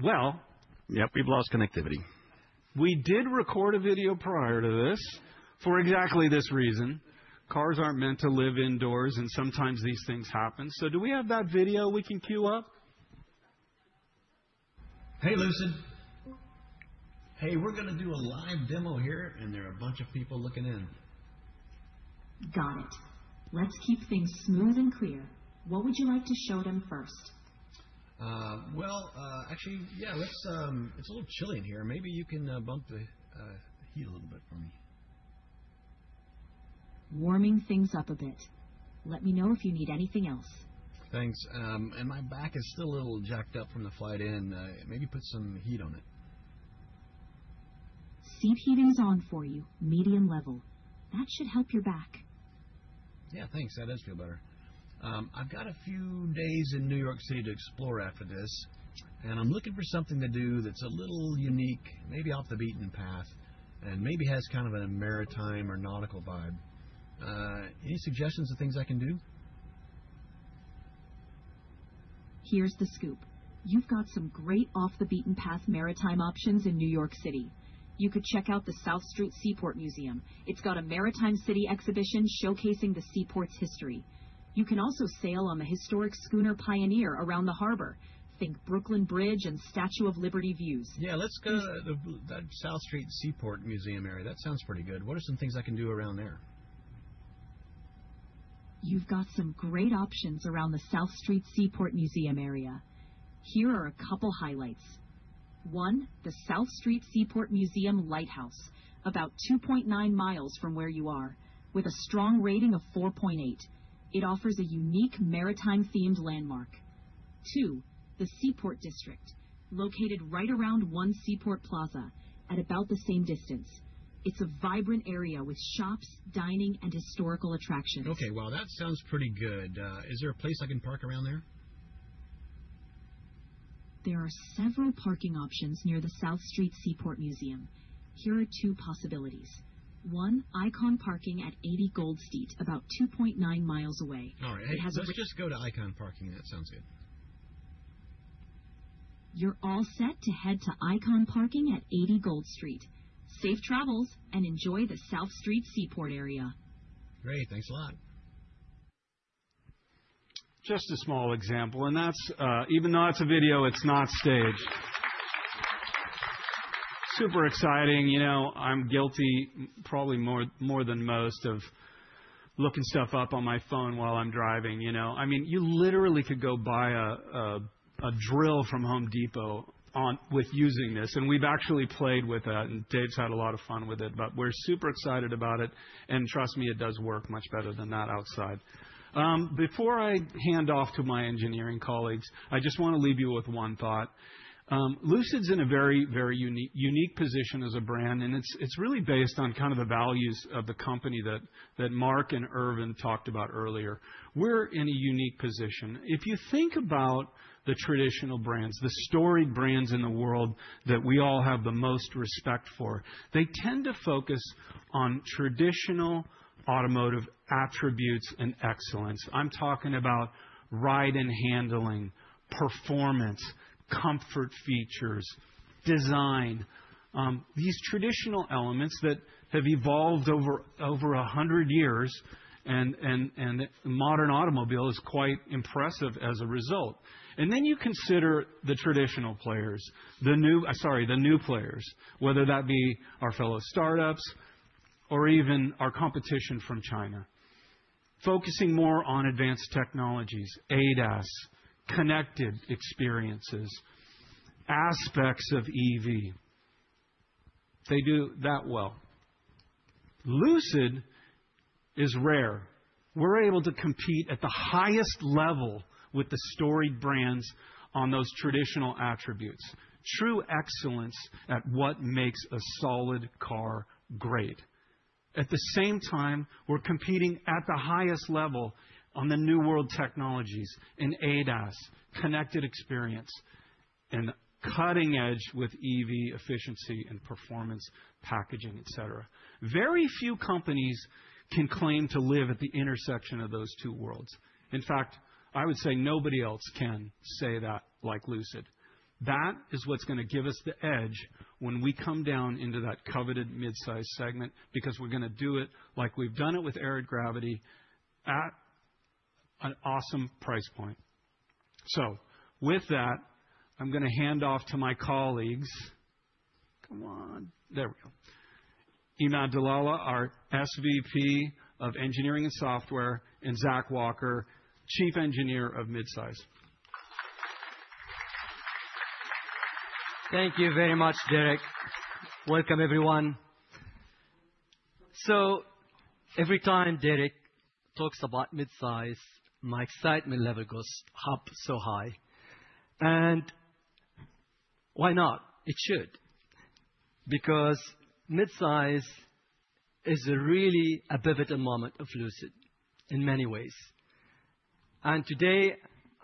Well- Yep, we've lost connectivity. We did record a video prior to this for exactly this reason. Cars aren't meant to live indoors, and sometimes these things happen. Do we have that video we can queue up? Hey, Lucid. Hey, we're gonna do a live demo here, and there are a bunch of people looking in. Got it. Let's keep things smooth and clear. What would you like to show them first? Well, actually, yeah. It's a little chilly in here. Maybe you can bump the heat a little bit for me. Warming things up a bit. Let me know if you need anything else. Thanks. My back is still a little jacked up from the flight in. Maybe put some heat on it. Seat heating's on for you, medium level. That should help your back. Yeah, thanks. That does feel better. I've got a few days in New York City to explore after this, and I'm looking for something to do that's a little unique, maybe off the beaten path, and maybe has kind of a maritime or nautical vibe. Any suggestions of things I can do? Here's the scoop. You've got some great off-the-beaten-path maritime options in New York City. You could check out the South Street Seaport Museum. It's got a Maritime City exhibition showcasing the seaport's history. You can also sail on the historic schooner Pioneer around the harbor. Think Brooklyn Bridge and Statue of Liberty views. Yeah, let's go to the South Street Seaport Museum area. That sounds pretty good. What are some things I can do around there? You've got some great options around the South Street Seaport Museum area. Here are a couple highlights. One, the South Street Seaport Museum Lighthouse, about 2.9 mi from where you are with a strong rating of 4.8. It offers a unique maritime-themed landmark. Two, the Seaport District, located right around one Seaport Plaza at about the same distance. It's a vibrant area with shops, dining, and historical attractions. Okay. Well, that sounds pretty good. Is there a place I can park around there? There are several parking options near the South Street Seaport Museum. Here are two possibilities. One, Icon Parking at 80 Gold Street, about 2.9 mi away. All right. Hey, let's just go to Icon Parking. That sounds good. You're all set to head to Icon Parking at 80 Gold Street. Safe travels, and enjoy the South Street Seaport area. Great. Thanks a lot. Just a small example, and that's even though it's a video, it's not staged. Super exciting. You know, I'm guilty probably more than most of looking stuff up on my phone while I'm driving, you know? I mean, you literally could go buy a drill from Home Depot with using this, and we've actually played with that, and Dave's had a lot of fun with it. We're super excited about it, and trust me, it does work much better than that outside. Before I hand off to my engineering colleagues, I just wanna leave you with one thought. Lucid's in a very unique position as a brand, and it's really based on kind of the values of the company that Marc and Erwin talked about earlier. We're in a unique position. If you think about the traditional brands, the storied brands in the world that we all have the most respect for, they tend to focus on traditional automotive attributes and excellence. I'm talking about ride and handling, performance, comfort features, design, these traditional elements that have evolved over a hundred years and the modern automobile is quite impressive as a result. Then you consider the new players, whether that be our fellow startups or even our competition from China, focusing more on advanced technologies, ADAS, connected experiences, aspects of EV. They do that well. Lucid is rare. We're able to compete at the highest level with the storied brands on those traditional attributes, true excellence at what makes a solid car great. At the same time, we're competing at the highest level on the new world technologies in ADAS, connected experience, and cutting-edge with EV efficiency and performance, packaging, et cetera. Very few companies can claim to live at the intersection of those two worlds. In fact, I would say nobody else can say that like Lucid. That is what's gonna give us the edge when we come down into that coveted midsize segment because we're gonna do it like we've done it with Air and Gravity at an awesome price point. With that, I'm gonna hand off to my colleagues. Come on. There we go. Emad Dlala, our SVP of Engineering and Software, and Zach Walker, Chief Engineer of Midsize. Thank you very much, Derek. Welcome, everyone. Every time Derek talks about mid-size, my excitement level goes up so high. Why not? It should. Mid-size is really a pivotal moment of Lucid in many ways. Today,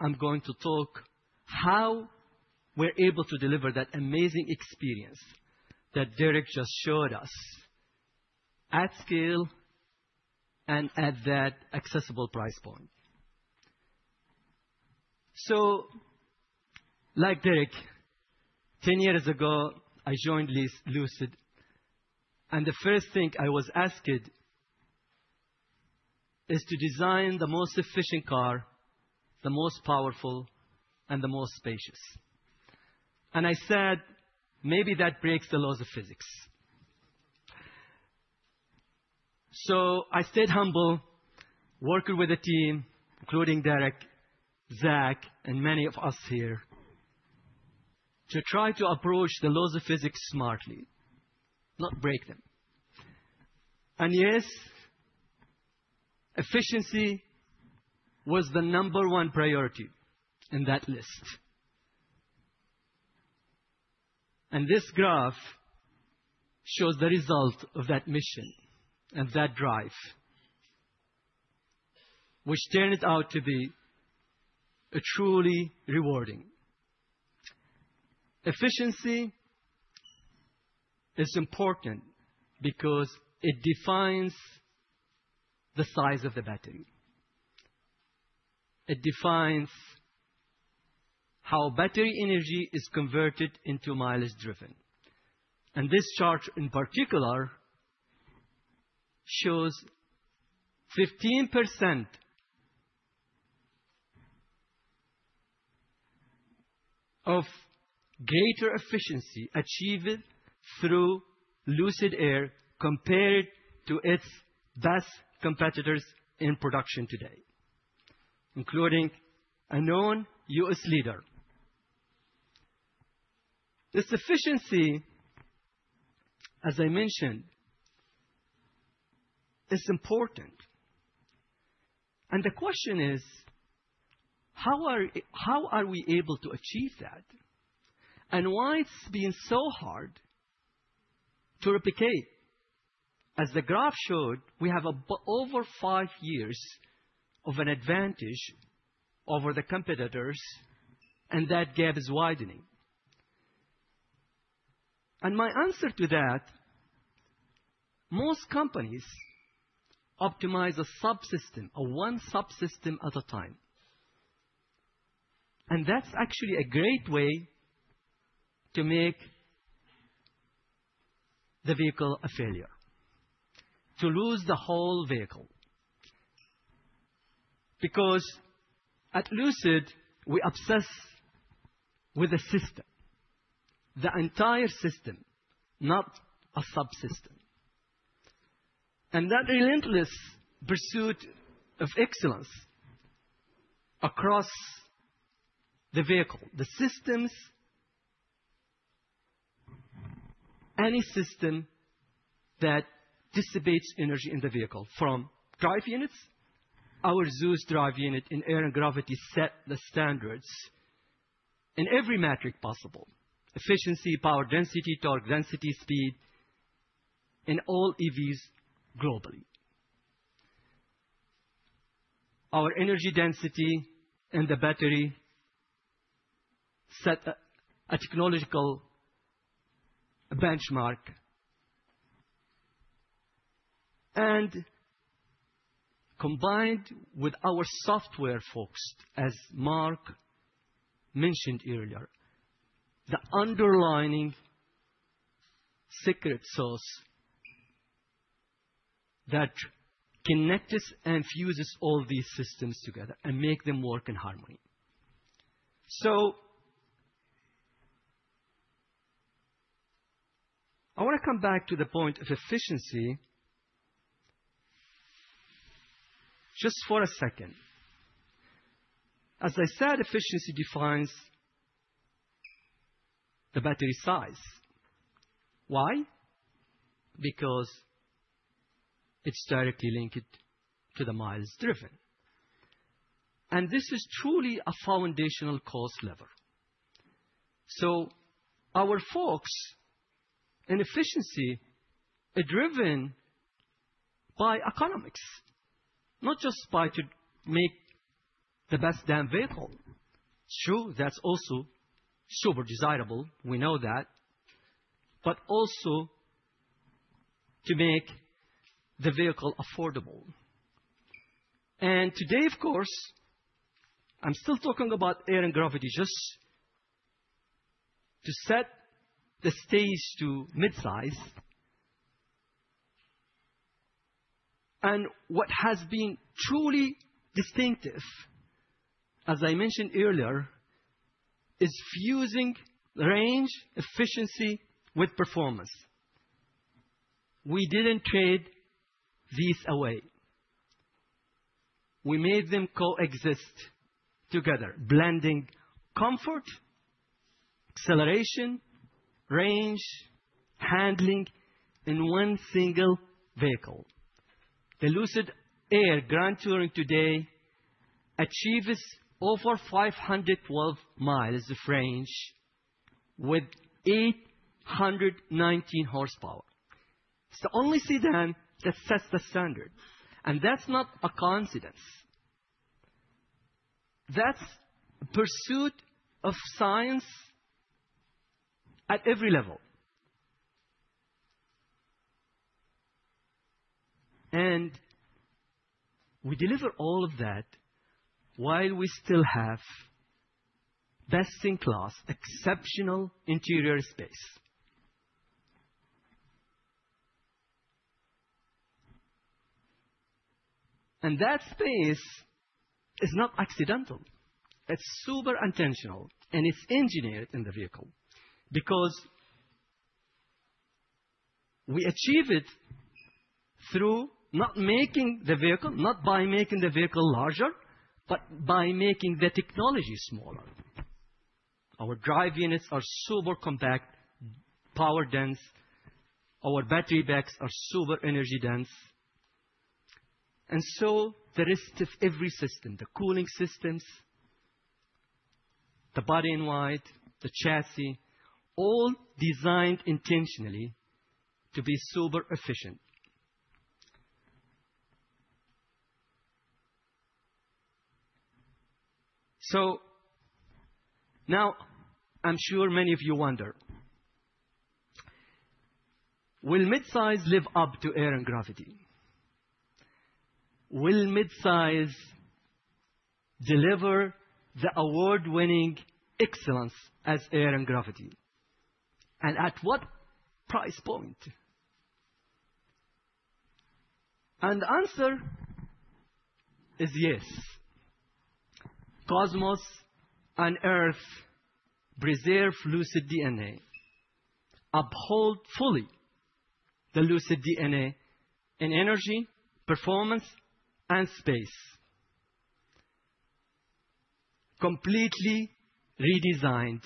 I'm going to talk how we're able to deliver that amazing experience that Derek just showed us at scale and at that accessible price point. Like Derek, 10 years ago, I joined Lucid, and the first thing I was asked is to design the most efficient car, the most powerful, and the most spacious. I said, "Maybe that breaks the laws of physics." I stayed humble, working with a team including Derek, Zach, and many of us here, to try to approach the laws of physics smartly, not break them. Yes, efficiency was the number one priority in that list. This graph shows the result of that mission and that drive, which turned out to be truly rewarding. Efficiency is important because it defines the size of the battery. It defines how battery energy is converted into miles driven. This chart, in particular, shows 15% greater efficiency achieved through Lucid Air compared to its vast competitors in production today, including a known U.S. leader. This efficiency, as I mentioned, is important. The question is, how are we able to achieve that, and why it's been so hard to replicate? As the graph showed, we have over five years of an advantage over the competitors, and that gap is widening. My answer to that, most companies optimize a subsystem or one subsystem at a time. That's actually a great way to make the vehicle a failure, to lose the whole vehicle. Because at Lucid, we obsess with the system, the entire system, not a subsystem. That relentless pursuit of excellence across the vehicle, the systems, any system that dissipates energy in the vehicle from drive units. Our Zeus drive unit in Air and Gravity set the standards in every metric possible, efficiency, power density, torque density, speed, in all EVs globally. Our energy density in the battery set a technological benchmark. Combined with our software folks, as Mark mentioned earlier, the underlying secret sauce that connects and fuses all these systems together and make them work in harmony. I wanna come back to the point of efficiency just for a second. As I said, efficiency defines the battery size. Why? Because it's directly linked to the miles driven. This is truly a foundational cost lever. Our folks in efficiency are driven by economics, not just by to make the best damn vehicle. It's true, that's also super desirable, we know that, but also to make the vehicle affordable. Today, of course, I'm still talking about Air and Gravity just to set the stage to midsize. What has been truly distinctive, as I mentioned earlier, is fusing range efficiency with performance. We didn't trade these away. We made them coexist together, blending comfort, acceleration, range, handling in one single vehicle. The Lucid Air Grand Touring today achieves over 512 mi of range with 819 horsepower. It's the only sedan that sets the standard, and that's not a coincidence. That's pursuit of science at every level. We deliver all of that while we still have best-in-class exceptional interior space. That space is not accidental. It's super intentional, and it's engineered in the vehicle because we achieve it through not making the vehicle, not by making the vehicle larger, but by making the technology smaller. Our drive units are super compact, power dense. Our battery packs are super energy dense. The rest of every system, the cooling systems, the body in white, the chassis, all designed intentionally to be super efficient. Now I'm sure many of you wonder, will Midsize live up to Air and Gravity? Will Midsize deliver the award-winning excellence as Air and Gravity? And at what price point? And the answer is yes. Cosmos and Earth preserve Lucid DNA, uphold fully the Lucid DNA in energy, performance, and space. Completely redesigned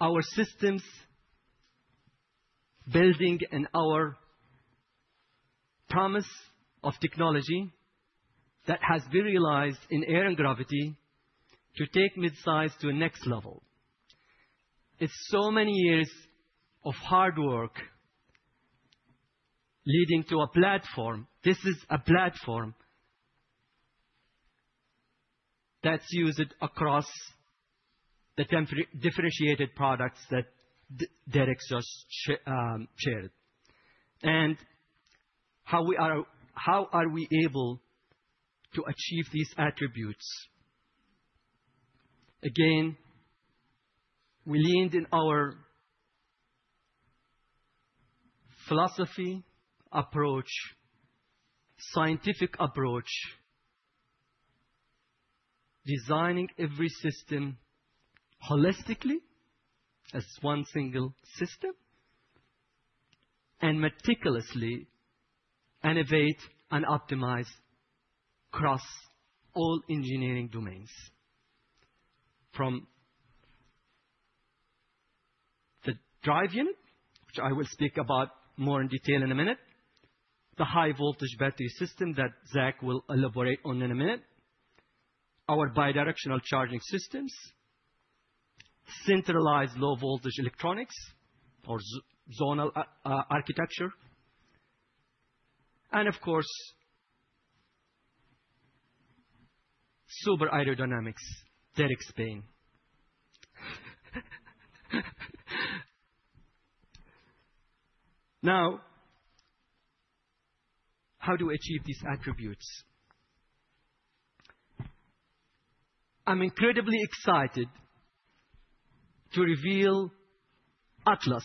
our systems, building on our promise of technology that has been realized in Air and Gravity to take Midsize to a next level. It's so many years of hard work leading to a platform. This is a platform that's used across differentiated products that Derek just shared. How are we able to achieve these attributes? Again, we leaned in our philosophy approach, scientific approach, designing every system holistically as one single system, and meticulously innovate and optimize across all engineering domains. From the drive unit, which I will speak about more in detail in a minute, the high voltage battery system that Zach will elaborate on in a minute, our bidirectional charging systems, centralized low voltage electronics or zonal architecture, and of course, super aerodynamics, Derek's bane. Now, how to achieve these attributes. I'm incredibly excited to reveal Atlas,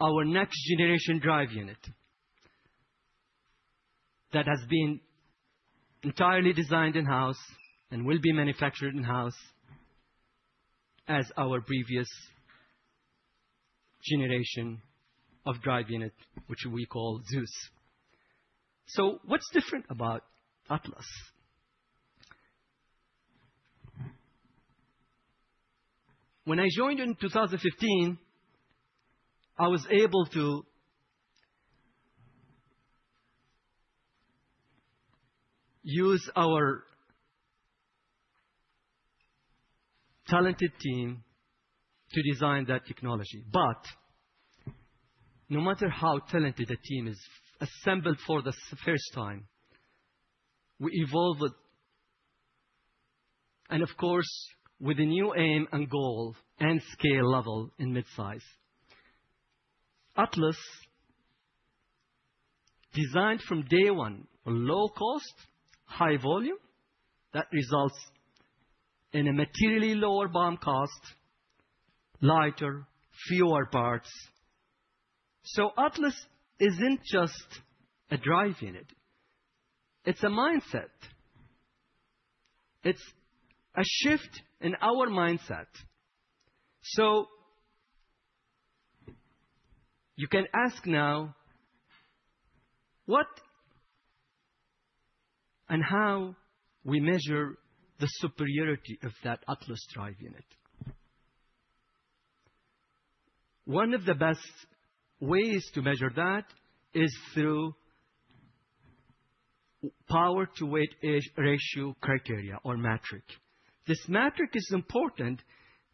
our next generation drive unit, that has been entirely designed in-house and will be manufactured in-house as our previous generation of drive unit, which we call Zeus. What's different about Atlas? When I joined in 2015, I was able to use our talented team to design that technology. No matter how talented a team is assembled for the first time, we evolved it and of course, with a new aim and goal and scale level in midsize. Atlas designed from day one, low cost, high volume that results in a materially lower BOM cost. Lighter, fewer parts. Atlas isn't just a drive unit, it's a mindset. It's a shift in our mindset. You can ask now what and how we measure the superiority of that Atlas drive unit. One of the best ways to measure that is through power-to-weight ratio criteria or metric. This metric is important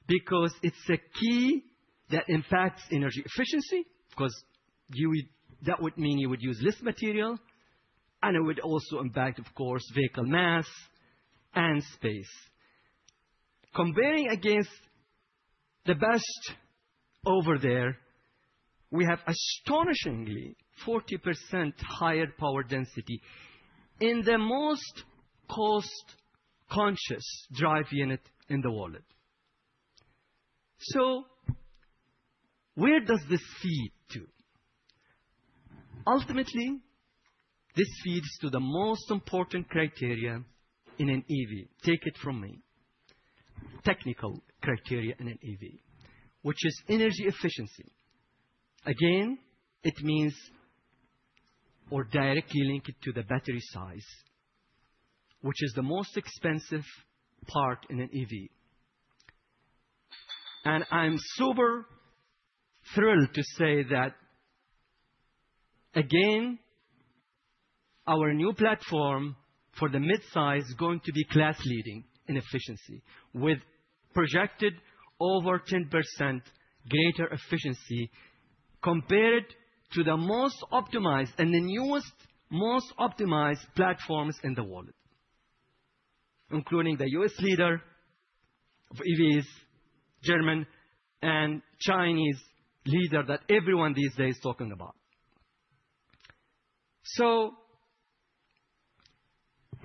because it's a key that impacts energy efficiency, because you would... That would mean you would use this material, and it would also impact, of course, vehicle mass and space. Comparing against the best over there, we have astonishingly 40% higher power density in the most cost-conscious drive unit in the world. Where does this feed to? Ultimately, this feeds to the most important criteria in an EV. Take it from me. Technical criteria in an EV, which is energy efficiency. Again, it means or directly link it to the battery size, which is the most expensive part in an EV. I'm super thrilled to say that, again, our new platform for the midsize is going to be class-leading in efficiency with projected over 10% greater efficiency compared to the most optimized and the newest, most optimized platforms in the world, including the U.S. leader of EVs, German and Chinese leader that everyone these days is talking about.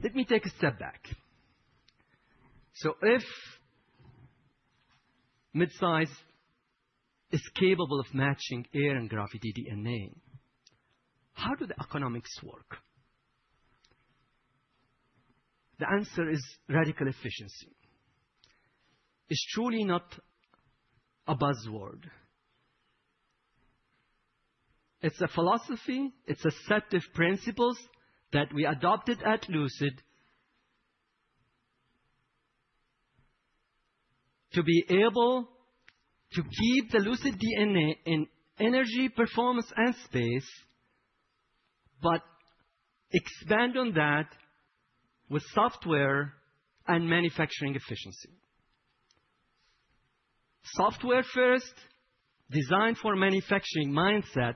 Let me take a step back. If midsize is capable of matching Air and Gravity DNA, how do the economics work? The answer is radical efficiency. It's truly not a buzzword. It's a philosophy. It's a set of principles that we adopted at Lucid to be able to keep the Lucid DNA in energy performance and space, but expand on that with software and manufacturing efficiency. Software first designed for a manufacturing mindset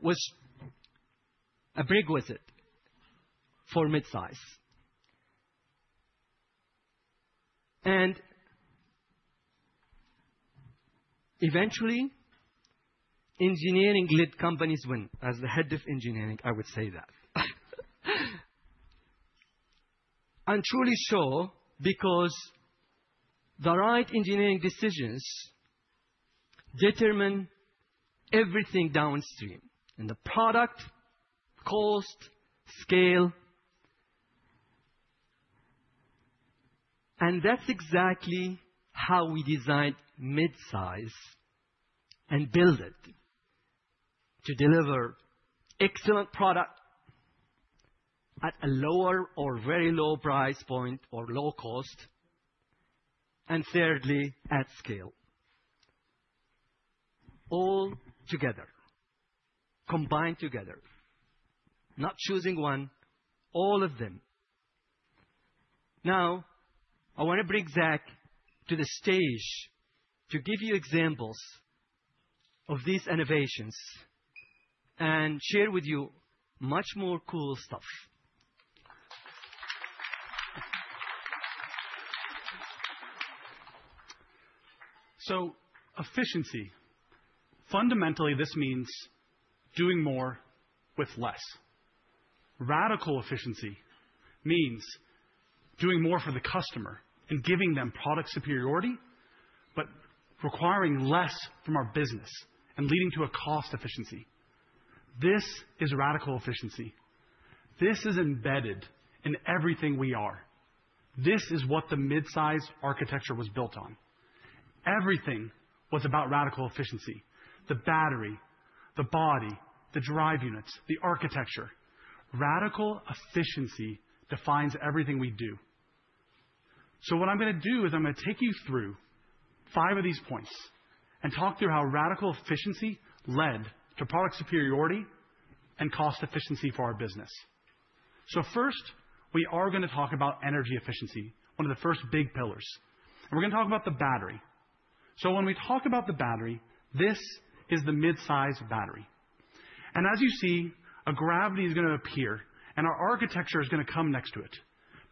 was a prerequisite for midsize. Eventually, engineering-led companies win. As the head of engineering, I would say that. I'm truly sure because the right engineering decisions determine everything downstream, in the product, cost, scale. That's exactly how we designed Midsize and build it to deliver excellent product at a lower or very low price point or low cost, and thirdly, at scale. All together, combined together, not choosing one, all of them. Now, I wanna bring Zach to the stage to give you examples of these innovations and share with you much more cool stuff. So efficiency. Fundamentally, this means doing more with less. Radical efficiency means doing more for the customer and giving them product superiority, but requiring less from our business and leading to a cost efficiency. This is radical efficiency. This is embedded in everything we are. This is what the Midsize architecture was built on. Everything was about radical efficiency: the battery, the body, the drive units, the architecture. Radical efficiency defines everything we do. What I'm gonna do is I'm gonna take you through five of these points and talk through how radical efficiency led to product superiority and cost efficiency for our business. First, we are gonna talk about energy efficiency, one of the first big pillars. We're gonna talk about the battery. When we talk about the battery, this is the midsize battery. As you see, a Gravity is gonna appear, and our architecture is gonna come next to it.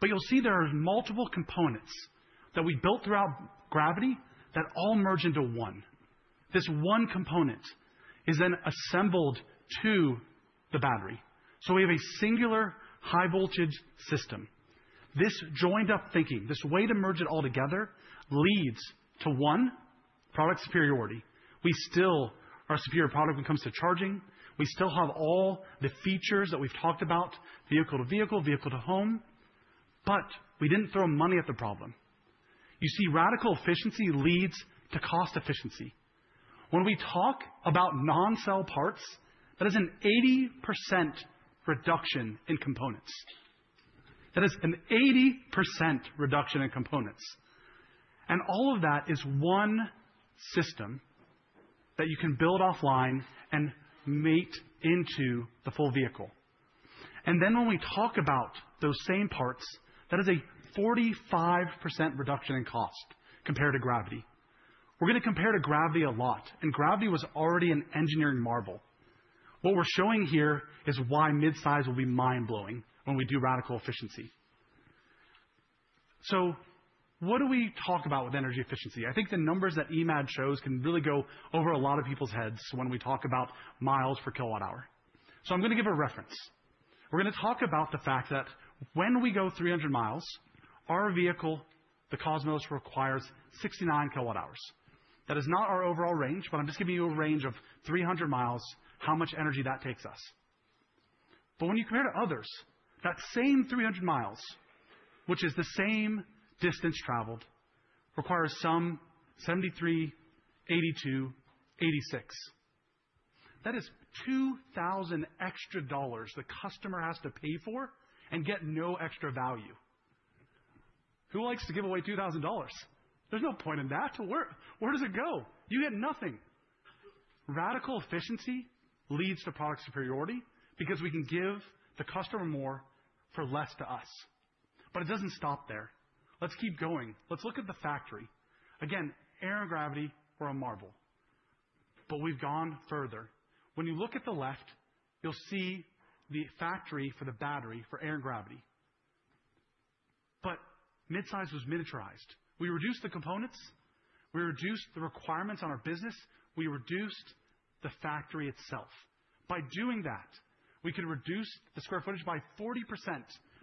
You'll see there are multiple components that we built throughout Gravity that all merge into one. This one component is then assembled to the battery. We have a singular high-voltage system. This joined-up thinking, this way to merge it all together leads to one product superiority. We still are a superior product when it comes to charging. We still have all the features that we've talked about, Vehicle-to-Vehicle, Vehicle-to-Home, but we didn't throw money at the problem. You see, radical efficiency leads to cost efficiency. When we talk about non-cell parts, that is an 80% reduction in components. All of that is one system that you can build offline and mate into the full vehicle. When we talk about those same parts, that is a 45% reduction in cost compared to Gravity. We're gonna compare to Gravity a lot, and Gravity was already an engineering marvel. What we're showing here is why midsize will be mind-blowing when we do radical efficiency. What do we talk about with energy efficiency? I think the numbers that Emad shows can really go over a lot of people's heads when we talk about miles per kilowatt-hour. I'm gonna give a reference. We're gonna talk about the fact that when we go 300 mi, our vehicle, the Cosmos, requires 69 kWh. That is not our overall range, but I'm just giving you a range of 300 mi, how much energy that takes us. When you compare to others, that same 300 mi, which is the same distance traveled, requires some 73, 82, 86. That is $2,000 extra dollars the customer has to pay for and get no extra value. Who likes to give away $2,000? There's no point in that. To where does it go? You get nothing. Radical efficiency leads to product superiority because we can give the customer more for less to us. It doesn't stop there. Let's keep going. Let's look at the factory. Again, Air and Gravity were a marvel, but we've gone further. When you look at the left, you'll see the factory for the battery for Air and Gravity. Midsize was miniaturized. We reduced the components, we reduced the requirements on our business, we reduced the factory itself. By doing that, we could reduce the square footage by 40%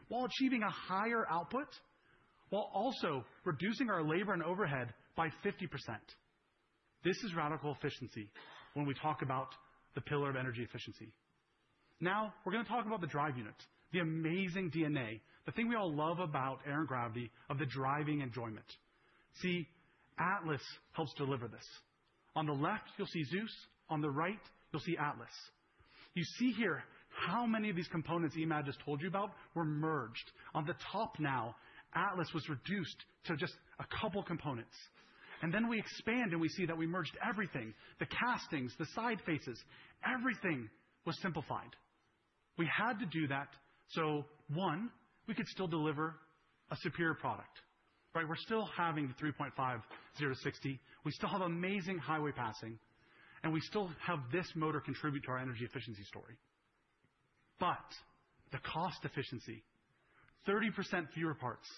while achieving a higher output, while also reducing our labor and overhead by 50%. This is radical efficiency when we talk about the pillar of energy efficiency. Now we're gonna talk about the drive units, the amazing DNA, the thing we all love about Air and Gravity of the driving enjoyment. See, Atlas helps deliver this. On the left, you'll see Zeus. On the right, you'll see Atlas. You see here how many of these components Emad just told you about were merged. On the top now, Atlas was reduced to just a couple components. We expand, and we see that we merged everything. The castings, the side faces, everything was simplified. We had to do that so one, we could still deliver a superior product, right? We're still having the 3.5 zero to sixty. We still have amazing highway passing, and we still have this motor contribute to our energy efficiency story. The cost efficiency, 30% fewer parts,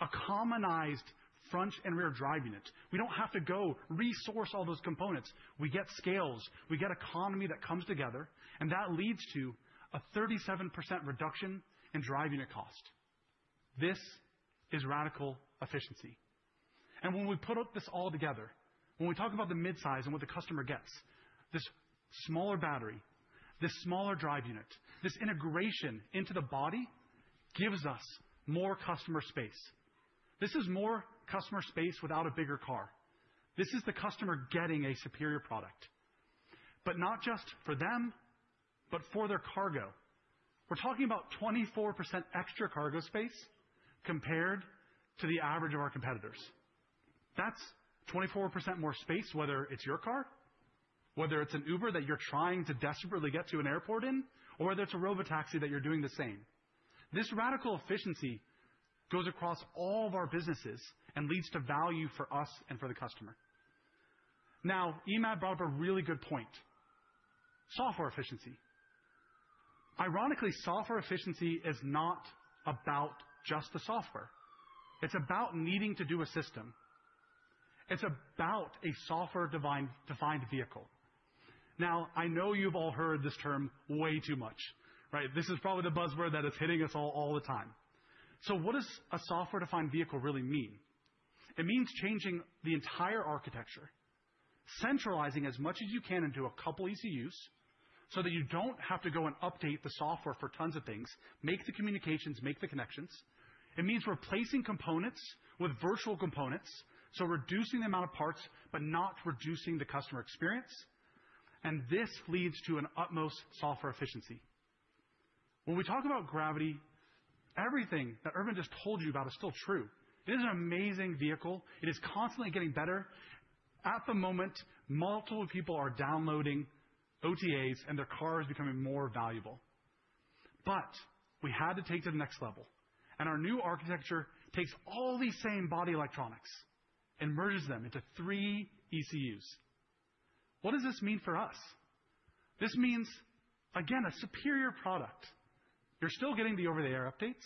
a commonized front and rear drive unit. We don't have to source all those components. We get scale, we get economies that come together and that leads to a 37% reduction in drive unit cost. This is radical efficiency. When we put it all together, when we talk about the midsize and what the customer gets, this smaller battery, this smaller drive unit, this integration into the body gives us more customer space. This is more customer space without a bigger car. This is the customer getting a superior product, but not just for them, but for their cargo. We're talking about 24% extra cargo space compared to the average of our competitors. That's 24% more space, whether it's your car, whether it's an Uber that you're trying to desperately get to an airport in, or whether it's a robotaxi that you're doing the same. This radical efficiency goes across all of our businesses and leads to value for us and for the customer. Now, Emad brought up a really good. Software efficiency. Ironically, software efficiency is not about just the software. It's about needing to do a system. It's about a software-defined vehicle. Now, I know you've all heard this term way too much, right? This is probably the buzzword that is hitting us all the time. What does a software-defined vehicle really mean? It means changing the entire architecture, centralizing as much as you can into a couple ECUs, so that you don't have to go and update the software for tons of things, make the communications, make the connections. It means replacing components with virtual components. So reducing the amount of parts, but not reducing the customer experience. This leads to an utmost software efficiency. When we talk about Gravity, everything that Erwin just told you about is still true. It is an amazing vehicle. It is constantly getting better. At the moment, multiple people are downloading OTAs and their car is becoming more valuable. We had to take to the next level, and our new architecture takes all these same body electronics and merges them into three ECUs. What does this mean for us? This means, again, a superior product. You're still getting the over-the-air updates.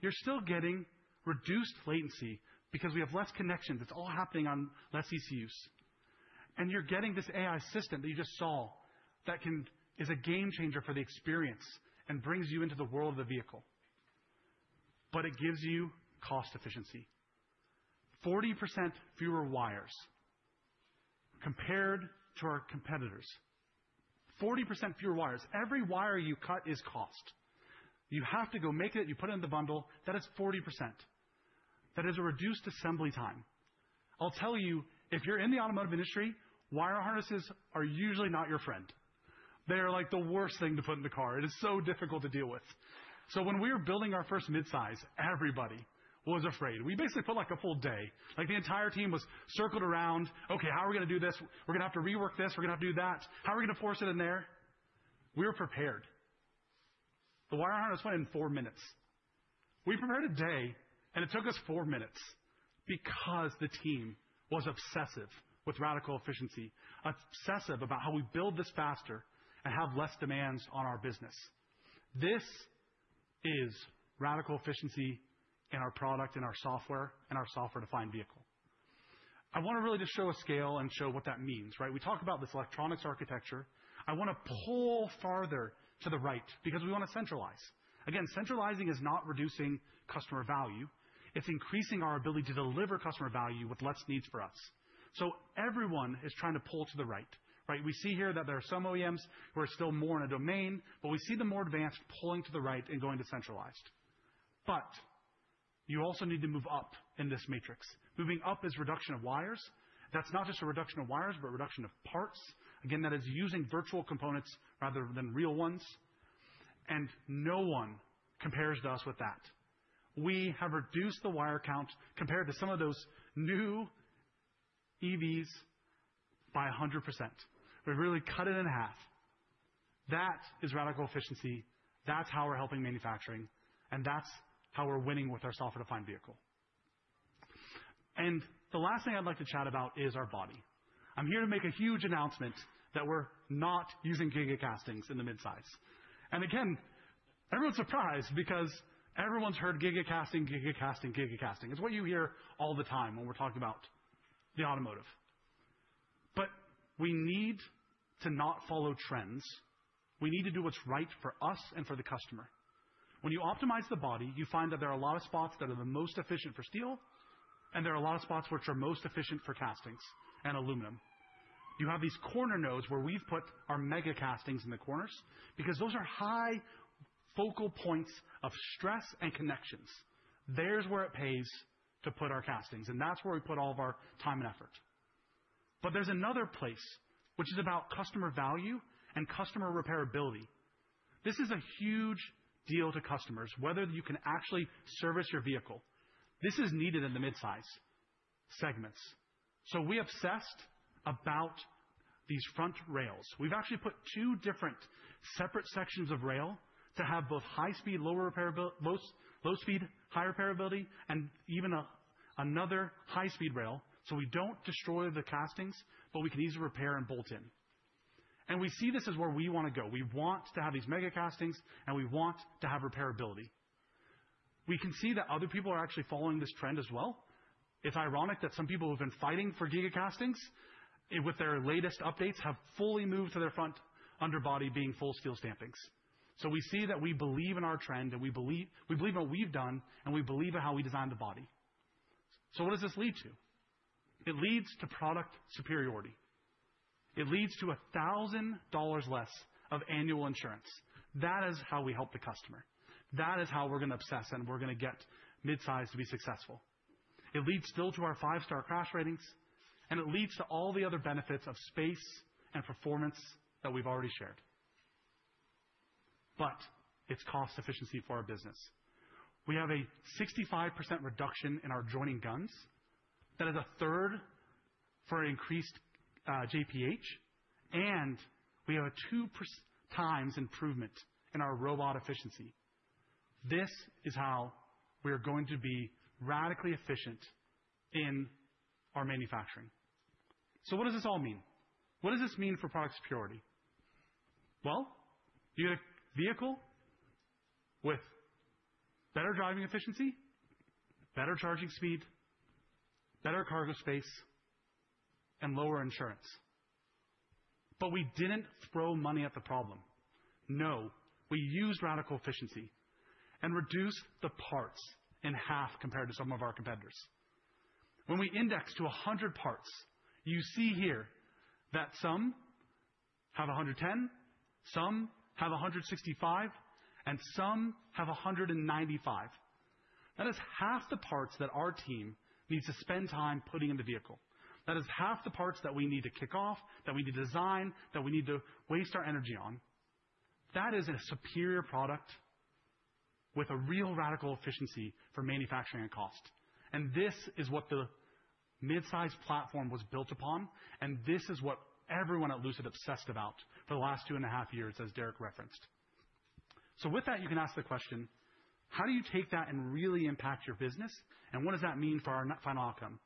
You're still getting reduced latency because we have less connections. It's all happening on less ECUs. You're getting this AI system that you just saw that is a game changer for the experience and brings you into the world of the vehicle. It gives you cost efficiency. 40% fewer wires compared to our competitors. 40% fewer wires. Every wire you cut is cost. You have to go make it. You put it in the bundle. That is 40%. That is a reduced assembly time. I'll tell you, if you're in the automotive industry, wire harnesses are usually not your friend. They are, like, the worst thing to put in the car. It is so difficult to deal with. When we were building our first midsize, everybody was afraid. We basically put, like, a full day. Like, the entire team was circled around, "Okay, how are we gonna do this? We're gonna have to rework this. We're gonna have to do that. How are we gonna force it in there?" We were prepared. The wire harness went in four minutes. We prepared a day, and it took us four minutes because the team was obsessive with radical efficiency, obsessive about how we build this faster and have less demands on our business. This is radical efficiency in our product, in our software, in our software-defined vehicle. I wanna really just show a scale and show what that means, right? We talked about this electronics architecture. I wanna pull farther to the right because we wanna centralize. Again, centralizing is not reducing customer value. It's increasing our ability to deliver customer value with less needs for us. Everyone is trying to pull to the right? We see here that there are some OEMs who are still more in a domain, but we see the more advanced pulling to the right and going to centralized. You also need to move up in this matrix. Moving up is reduction of wires. That's not just a reduction of wires, but a reduction of parts. Again, that is using virtual components rather than real ones, and no one compares to us with that. We have reduced the wire count compared to some of those new EVs by 100%. We've really cut it in half. That is radical efficiency. That's how we're helping manufacturing, and that's how we're winning with our software-defined vehicle. The last thing I'd like to chat about is our body. I'm here to make a huge announcement that we're not using giga castings in the midsize. Again, everyone's surprised because everyone's heard giga casting, giga casting, giga casting. It's what you hear all the time when we're talking about the automotive. We need to not follow trends. We need to do what's right for us and for the customer. When you optimize the body, you find that there are a lot of spots that are the most efficient for steel, and there are a lot of spots which are most efficient for castings and aluminum. You have these corner nodes where we've put our mega castings in the corners because those are high focal points of stress and connections. There's where it pays to put our castings, and that's where we put all of our time and effort. There's another place which is about customer value and customer repairability. This is a huge deal to customers, whether you can actually service your vehicle. This is needed in the midsize segments. We obsessed about these front rails. We've actually put two different separate sections of rail to have both high speed, low speed, high repairability, and even another high speed rail, so we don't destroy the castings, but we can easily repair and bolt in. We see this as where we wanna go. We want to have these mega castings, and we want to have repairability. We can see that other people are actually following this trend as well. It's ironic that some people who have been fighting for giga castings, with their latest updates, have fully moved to their front underbody being full steel stampings. We see that we believe in our trend, and we believe in what we've done, and we believe in how we designed the body. What does this lead to? It leads to product superiority. It leads to $1,000 less of annual insurance. That is how we help the customer. That is how we're gonna obsess, and we're gonna get midsize to be successful. It leads still to our five-star crash ratings, and it leads to all the other benefits of space and performance that we've already shared. It's cost efficiency for our business. We have a 65% reduction in our joining guns. That is a 1/3 for increased JPH, and we have a 2x improvement in our robot efficiency. This is how we are going to be radically efficient in our manufacturing. What does this all mean? What does this mean for product superiority? Well, you get a vehicle with better driving efficiency, better charging speed, better cargo space, and lower insurance. We didn't throw money at the problem. No, we used radical efficiency and reduced the parts in half compared to some of our competitors. When we index to 100 parts, you see here that some have 110, some have 165, and some have 195. That is half the parts that our team needs to spend time putting in the vehicle. That is half the parts that we need to kick off, that we need to design, that we need to waste our energy on. That is a superior product with a real radical efficiency for manufacturing and cost. This is what the midsize platform was built upon, and this is what everyone at Lucid obsessed about for the last two and a half years, as Derek referenced. With that, you can ask the question: how do you take that and really impact your business, and what does that mean for our n-final outcome?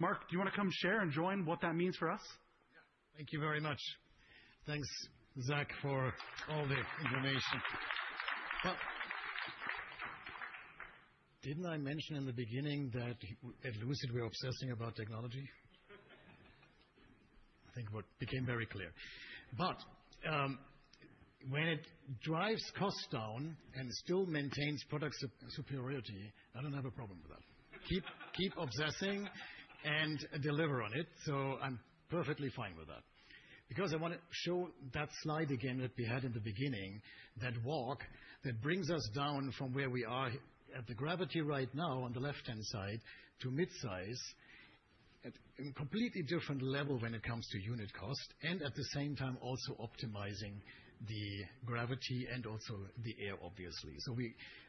Marc Winterhoff, do you wanna come share and join what that means for us? Thank you very much. Thanks, Zach, for all the information. Didn't I mention in the beginning that at Lucid we're obsessing about technology? I think what became very clear. When it drives costs down and still maintains product superiority, I don't have a problem with that. Keep obsessing and deliver on it. I'm perfectly fine with that. Because I wanna show that slide again that we had in the beginning, that walk that brings us down from where we are at the Gravity right now on the left-hand side to midsize, at a completely different level when it comes to unit cost, and at the same time also optimizing the Gravity and also the Air, obviously.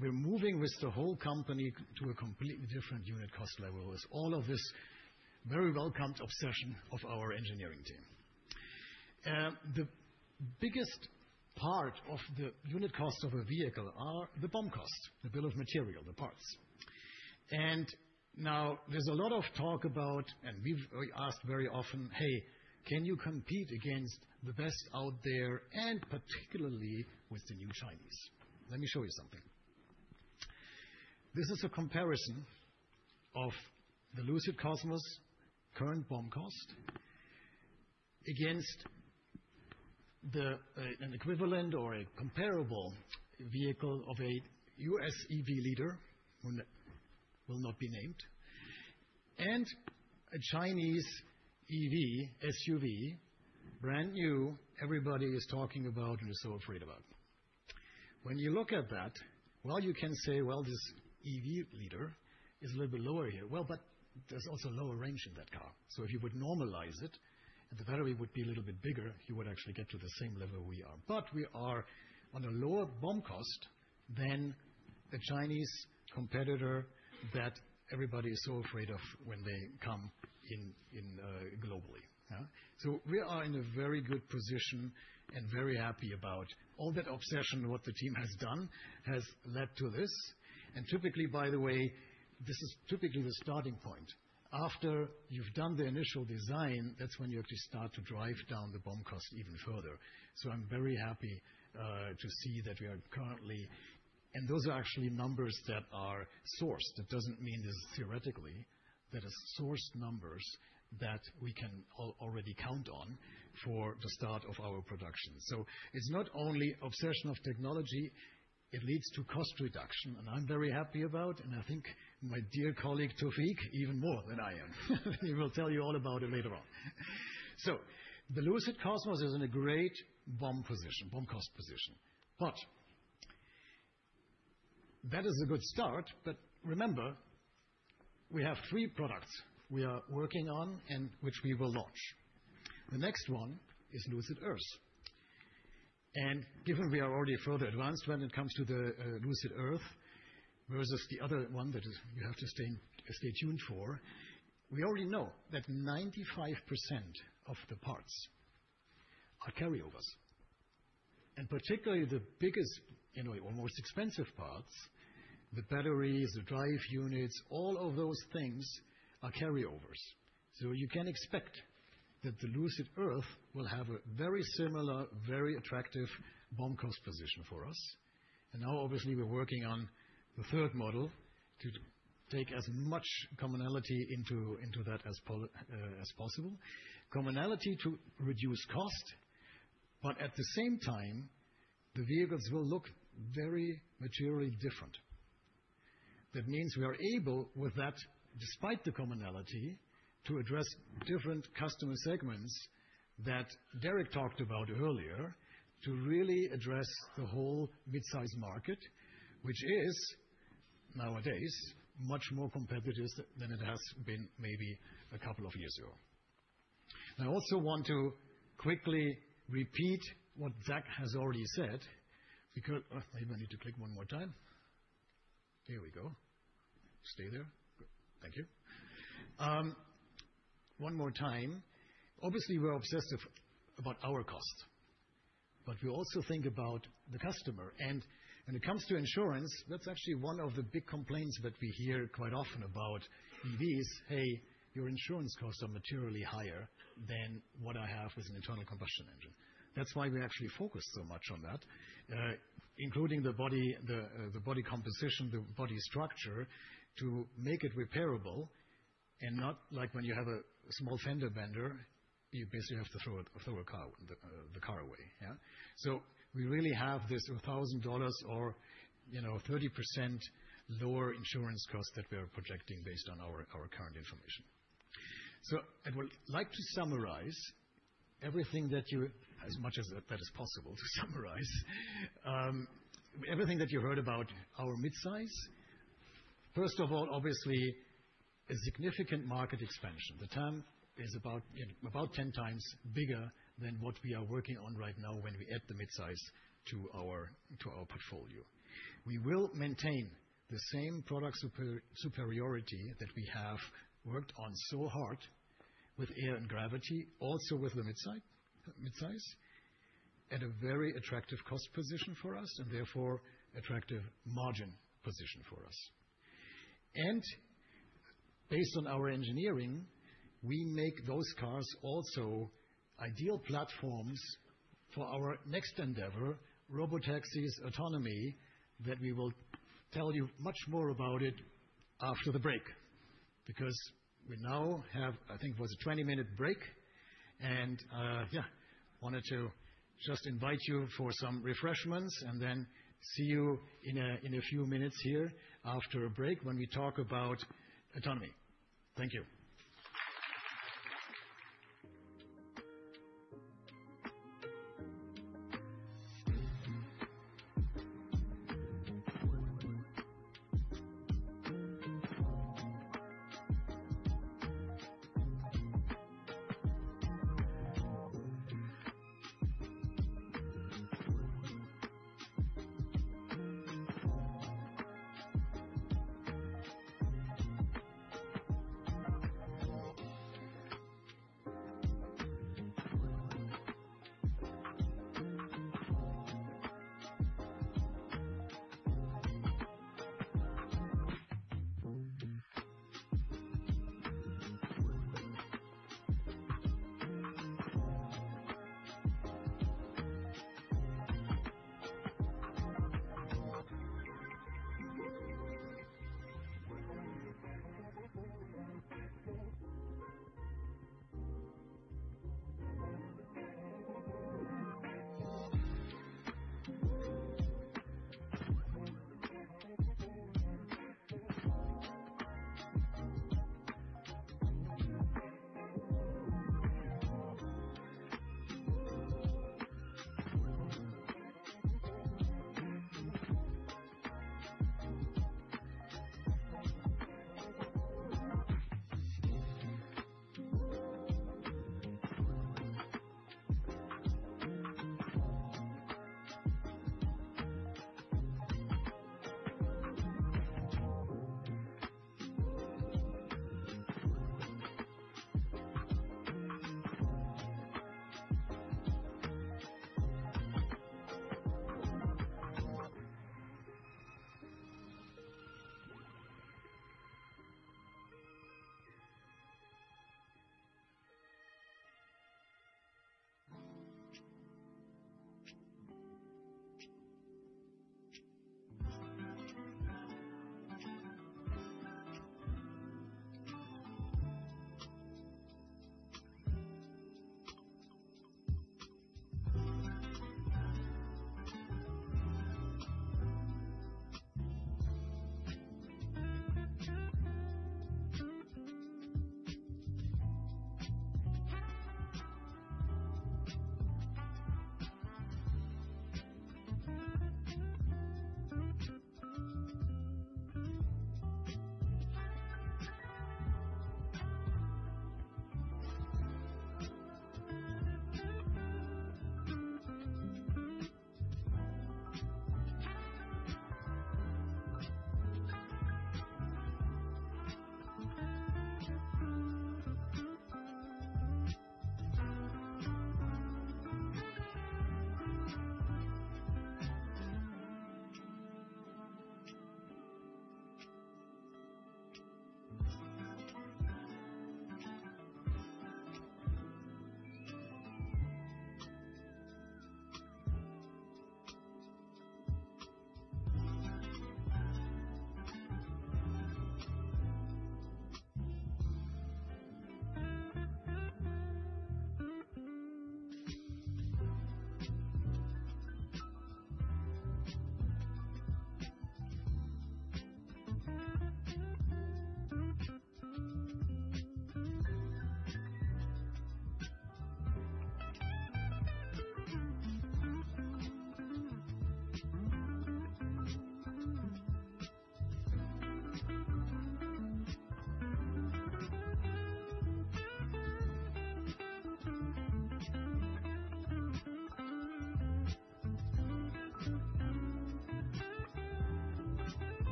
We're moving with the whole company to a completely different unit cost level with all of this very welcomed obsession of our engineering team. The biggest part of the unit cost of a vehicle are the BOM costs, the bill of material, the parts. Now there's a lot of talk about, and we asked very often, "Hey, can you compete against the best out there, and particularly with the new Chinese?" Let me show you something. This is a comparison of the Lucid Cosmos current BOM cost against an equivalent or a comparable vehicle of a U.S. EV leader, who will not be named. A Chinese EV SUV, brand new, everybody is talking about and is so afraid about. When you look at that, well, you can say, well, this EV leader is a little bit lower here. Well, but there's also lower range in that car. If you would normalize it, and the battery would be a little bit bigger, you would actually get to the same level we are. We are on a lower BoM cost than the Chinese competitor that everybody is so afraid of when they come in globally. Yeah. We are in a very good position and very happy about all that obsession what the team has done has led to this. Typically, by the way, this is typically the starting point. After you've done the initial design, that's when you actually start to drive down the BoM cost even further. I'm very happy to see that we are currently. Those are actually numbers that are sourced. That doesn't mean this is theoretically. That is sourced numbers that we can already count on for the start of our production. It's not only obsession of technology, it leads to cost reduction. I'm very happy about, and I think my dear colleague Taoufiq even more than I am. He will tell you all about it later on. The Lucid Cosmos is in a great BOM position, BOM cost position. That is a good start, but remember, we have three products we are working on and which we will launch. The next one is Lucid Earth. Given we are already further advanced when it comes to the Lucid Earth, versus the other one that is you have to stay tuned for, we already know that 95% of the parts are carryovers. Particularly the biggest, you know, or most expensive parts, the batteries, the drive units, all of those things are carryovers. You can expect that the Lucid Earth will have a very similar, very attractive BOM cost position for us. Now obviously, we're working on the third model to take as much commonality into that as possible. Commonality to reduce cost, but at the same time, the vehicles will look very materially different. That means we are able, with that, despite the commonality, to address different customer segments that Derek talked about earlier, to really address the whole midsize market, which is nowadays much more competitive than it has been maybe a couple of years ago. I also want to quickly repeat what Zach has already said, because obviously, we're obsessive about our costs, but we also think about the customer. When it comes to insurance, that's actually one of the big complaints that we hear quite often about EVs. "Hey, your insurance costs are materially higher than what I have with an internal combustion engine." That's why we actually focus so much on that, including the body, the body composition, the body structure, to make it repairable, and not like when you have a small fender bender, you basically have to throw the car away. Yeah. We really have this $1,000 or, you know, 30% lower insurance cost that we are projecting based on our current information. I would like to summarize everything that you, as much as that is possible to summarize. Everything that you heard about our midsize. First of all, obviously, a significant market expansion. The TAM is about 10x bigger than what we are working on right now when we add the midsize to our portfolio. We will maintain the same product super superiority that we have worked on so hard with Air and Gravity, also with the midsize, at a very attractive cost position for us, and therefore attractive margin position for us. Based on our engineering, we make those cars also ideal platforms for our next endeavor, Robotaxis autonomy, that we will tell you much more about it after the break. We now have, I think it was a 20 minute break, and wanted to just invite you for some refreshments and then see you in a few minutes here after a break when we talk about autonomy. Thank you.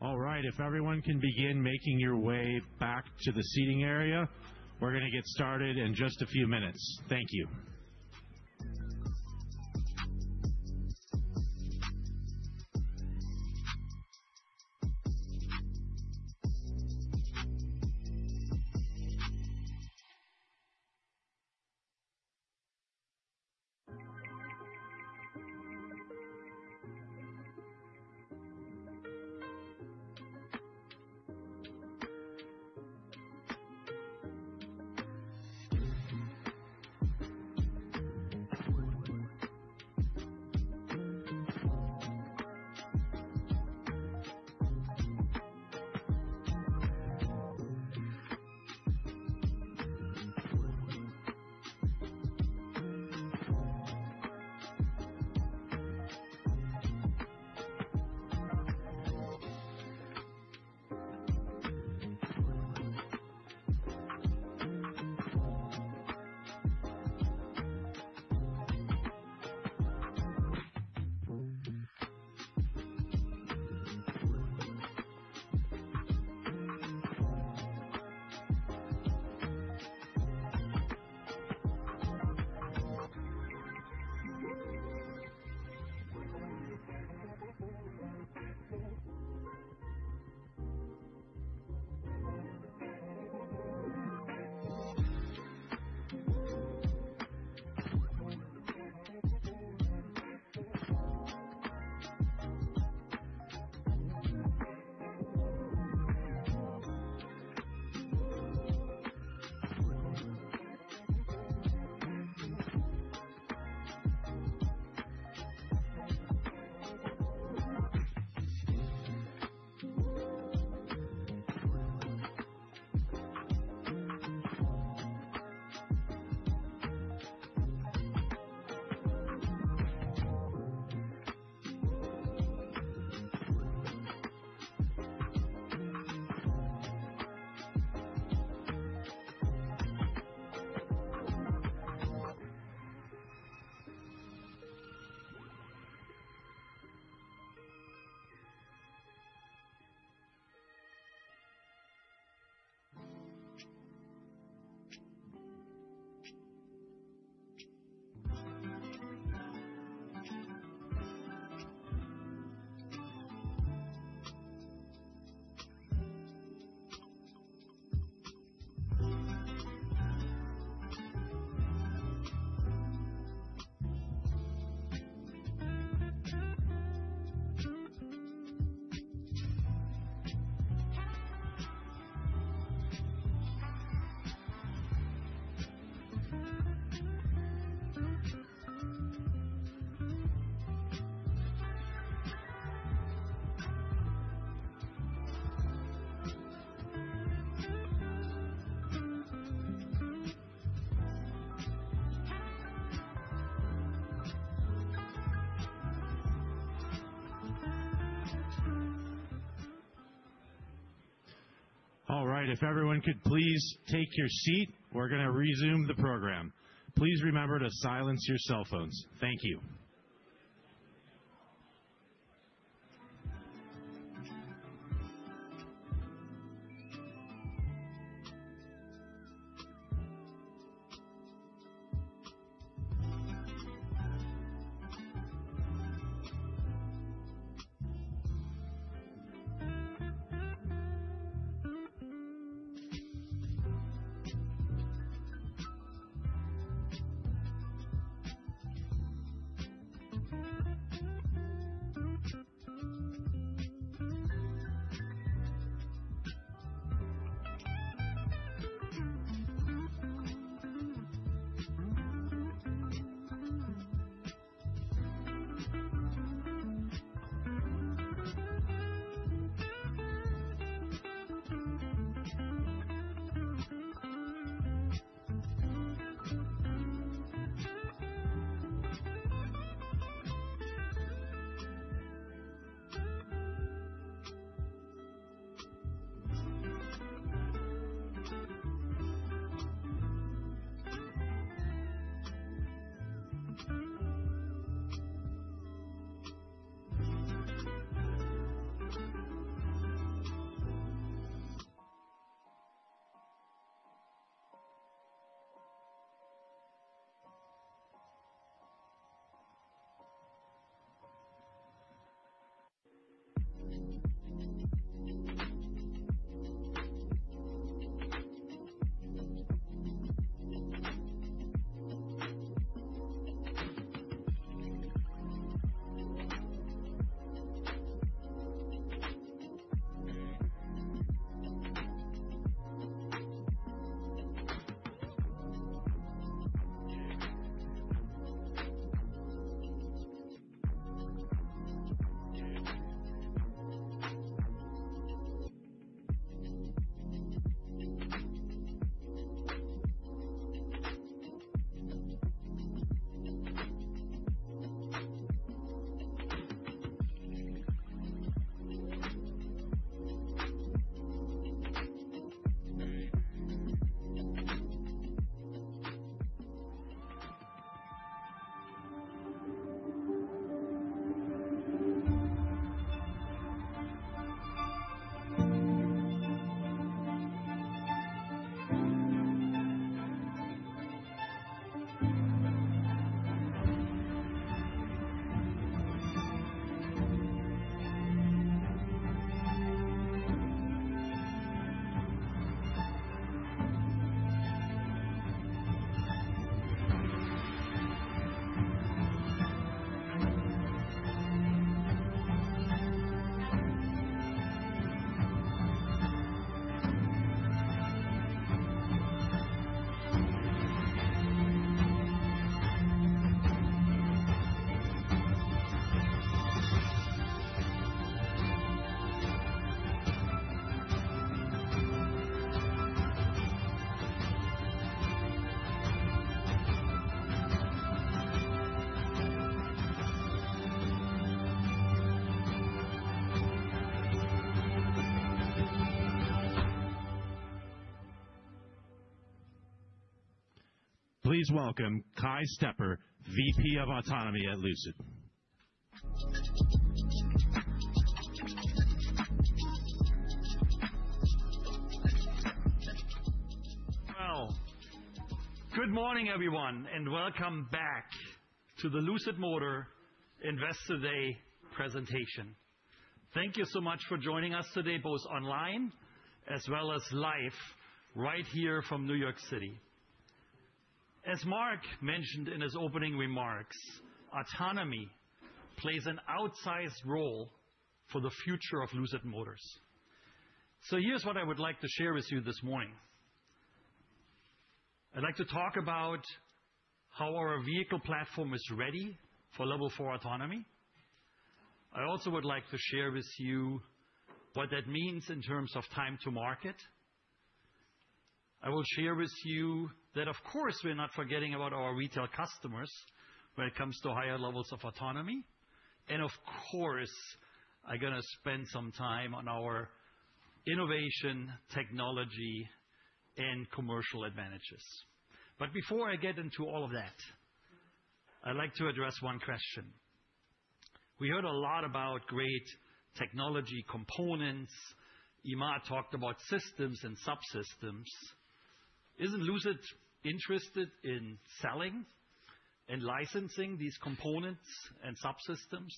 All right. If everyone can begin making your way back to the seating area, we're gonna get started in just a few minutes. Thank you. All right. If everyone could please take your seat, we're gonna resume the program. Please remember to silence your cell phones. Thank you. Please welcome Kay Stepper, VP of Autonomy at Lucid. Well, good morning, everyone, and welcome back to the Lucid Motors Investor Day presentation. Thank you so much for joining us today, both online as well as live right here from New York City. As Mark mentioned in his opening remarks, autonomy plays an outsized role for the future of Lucid Motors. Here's what I would like to share with you this morning. I'd like to talk about how our vehicle platform is ready for level four autonomy. I also would like to share with you what that means in terms of time to market. I will share with you that, of course, we're not forgetting about our retail customers when it comes to higher levels of autonomy. Of course, I'm gonna spend some time on our innovation, technology, and commercial advantages. Before I get into all of that, I'd like to address one question. We heard a lot about great technology components. Emad talked about systems and subsystems. Isn't Lucid interested in selling and licensing these components and subsystems?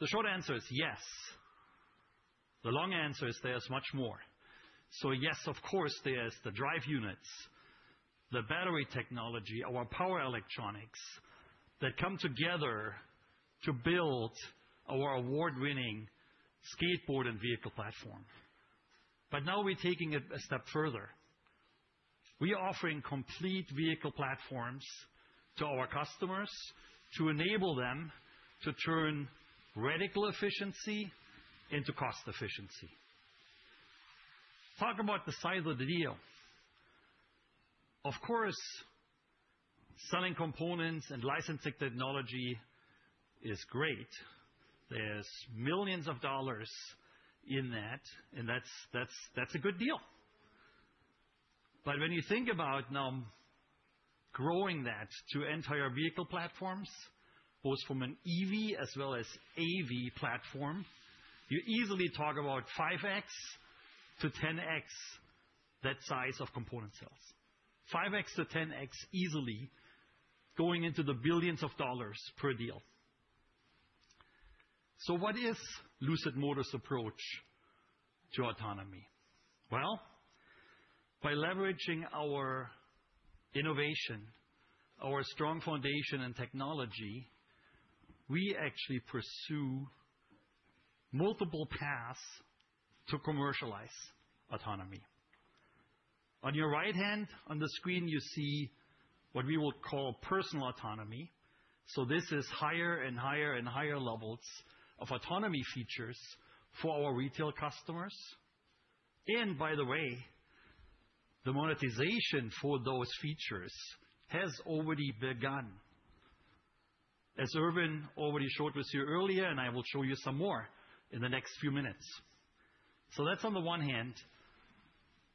The short answer is yes. The long answer is there's much more. Yes, of course, there's the drive units, the battery technology, our power electronics that come together to build our award-winning skateboard and vehicle platform. Now we're taking it a step further. We're offering complete vehicle platforms to our customers to enable them to turn radical efficiency into cost efficiency. Talk about the size of the deal. Of course, selling components and licensing technology is great. There's millions of dollars in that, and that's a good deal. When you think about now growing that to entire vehicle platforms, both from an EV as well as AV platform, you easily talk about 5x-10x, that size of component sales. 5x-10x easily going into the billions of dollars per deal. What is Lucid Motors approach to autonomy? Well, by leveraging our innovation, our strong foundation in technology, we actually pursue multiple paths to commercialize autonomy. On your right hand on the screen, you see what we will call personal autonomy. This is higher and higher and higher levels of autonomy features for our retail customers. By the way, the monetization for those features has already begun, as Erwin already showed with you earlier, and I will show you some more in the next few minutes. That's on the one hand.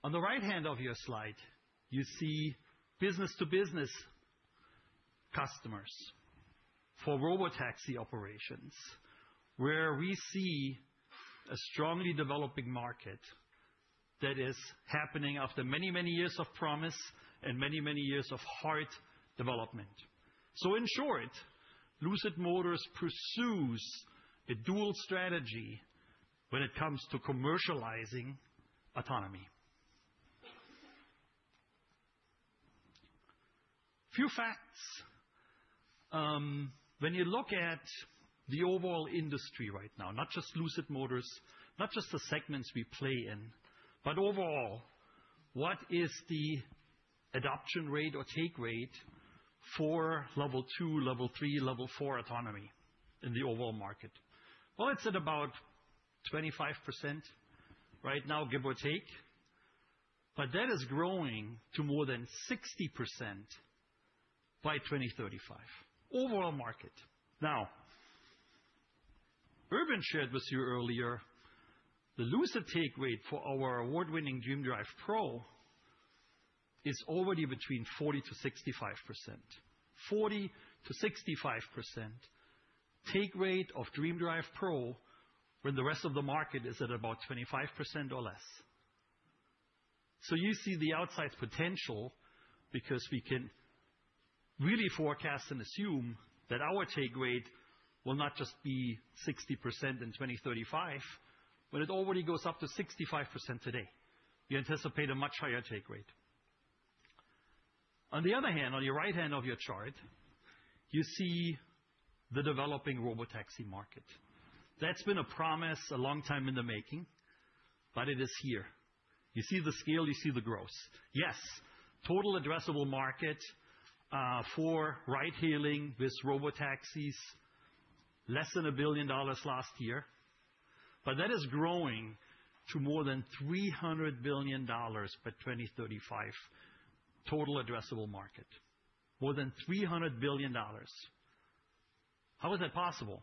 On the right hand of your slide, you see business-to-business customers for robotaxi operations, where we see a strongly developing market that is happening after many, many years of promise and many, many years of hard development. In short, Lucid Motors pursues a dual strategy when it comes to commercializing autonomy. Few facts. When you look at the overall industry right now, not just Lucid Motors, not just the segments we play in, but overall, what is the adoption rate or take rate for level two, level three, level four autonomy in the overall market? Well, it's at about 25% right now, give or take. That is growing to more than 60% by 2035. Overall market. Now, Urban shared with you earlier, the Lucid take rate for our award-winning DreamDrive Pro is already between 40%-65%. 40%-65% take rate of DreamDrive Pro, when the rest of the market is at about 25% or less. You see the outsize potential because we can really forecast and assume that our take rate will not just be 60% in 2035, but it already goes up to 65% today. We anticipate a much higher take rate. On the other hand, on your right hand of your chart, you see the developing robotaxi market. That's been a promise a long time in the making, but it is here. You see the scale, you see the growth. Yes, total addressable market for ride-hailing with robotaxis, less than $1 billion last year, but that is growing to more than $300 billion by 2035 total addressable market. More than $300 billion. How is that possible?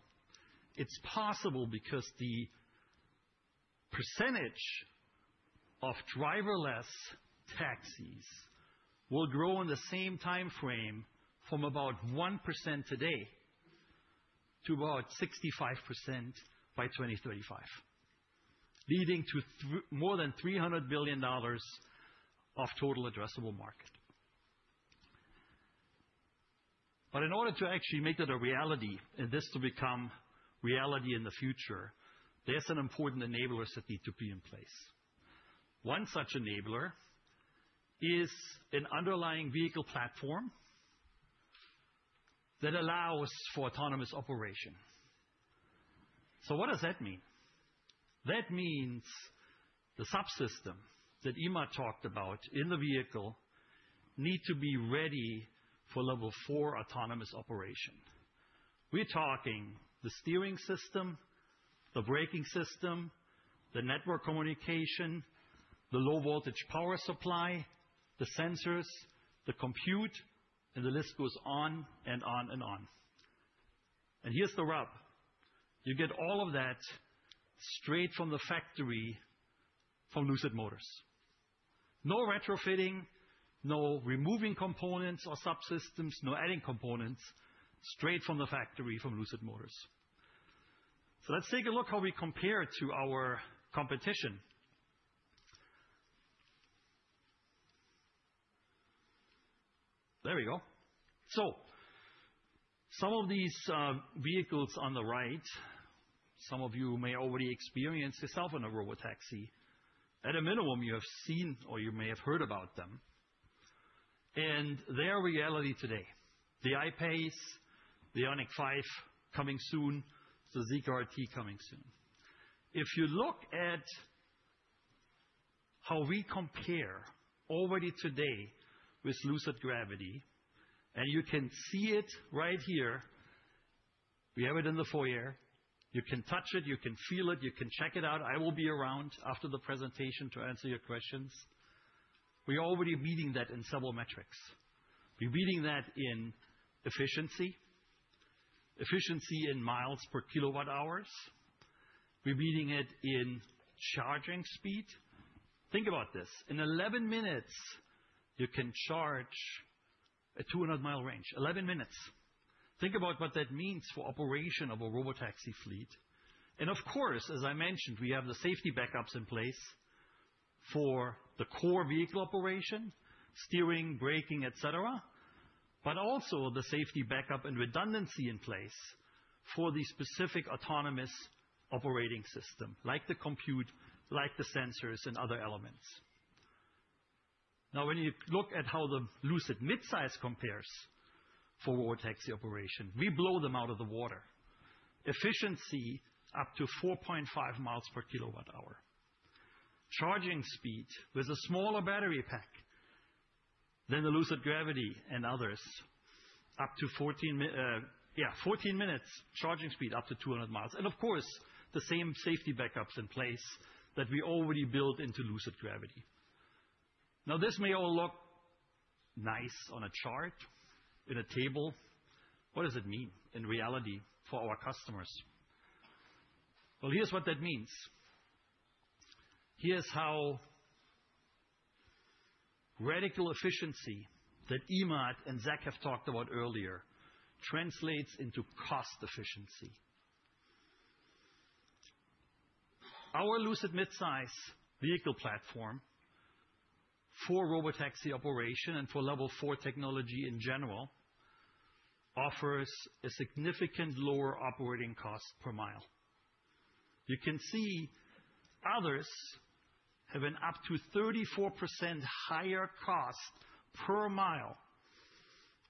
It's possible because the percentage of driverless taxis will grow in the same time frame from about 1% today to about 65% by 2035. Leading to more than $300 billion of total addressable market. In order to actually make that a reality, and this to become reality in the future, there's some important enablers that need to be in place. One such enabler is an underlying vehicle platform that allows for autonomous operation. What does that mean? That means the subsystem that Emad talked about in the vehicle need to be ready for level four autonomous operation. We're talking the steering system, the braking system, the network communication, the low voltage power supply, the sensors, the compute, and the list goes on and on and on. Here's the rub. You get all of that straight from the factory from Lucid Motors. No retrofitting, no removing components or subsystems, no adding components. Straight from the factory from Lucid Motors. Let's take a look how we compare to our competition. There we go. Some of these vehicles on the right, some of you may already experience yourself in a robotaxi. At a minimum, you have seen, or you may have heard about them. They are reality today. The I-PACE, the IONIQ 5 coming soon, the Zeekr RT coming soon. If you look at how we compare already today with Lucid Gravity, and you can see it right here. We have it in the foyer. You can touch it, you can feel it, you can check it out. I will be around after the presentation to answer your questions. We are already beating that in several metrics. We're beating that in efficiency. Efficiency in miles per kilowatt-hours. We're beating it in charging speed. Think about this. In 11 minutes, you can charge a 200 mile range. 11 minutes. Think about what that means for operation of a robotaxi fleet. Of course, as I mentioned, we have the safety backups in place for the core vehicle operation, steering, braking, et cetera. Also the safety backup and redundancy in place for the specific autonomous operating system, like the compute, like the sensors and other elements. Now, when you look at how the Lucid midsize compares for robotaxi operation, we blow them out of the water. Efficiency up to 4.5 mi per kWh. Charging speed with a smaller battery pack than the Lucid Gravity and others, up to 14 minutes charging speed, up to 200 mi. Of course, the same safety backups in place that we already built into Lucid Gravity. Now, this may all look nice on a chart, in a table. What does it mean in reality for our customers? Well, here's what that means. Here's how radical efficiency that Emad and Zach have talked about earlier translates into cost efficiency. Our Lucid midsize vehicle platform for robotaxi operation and for level four technology in general. Offers a significant lower operating cost per mile. You can see others have an up to 34% higher cost per mile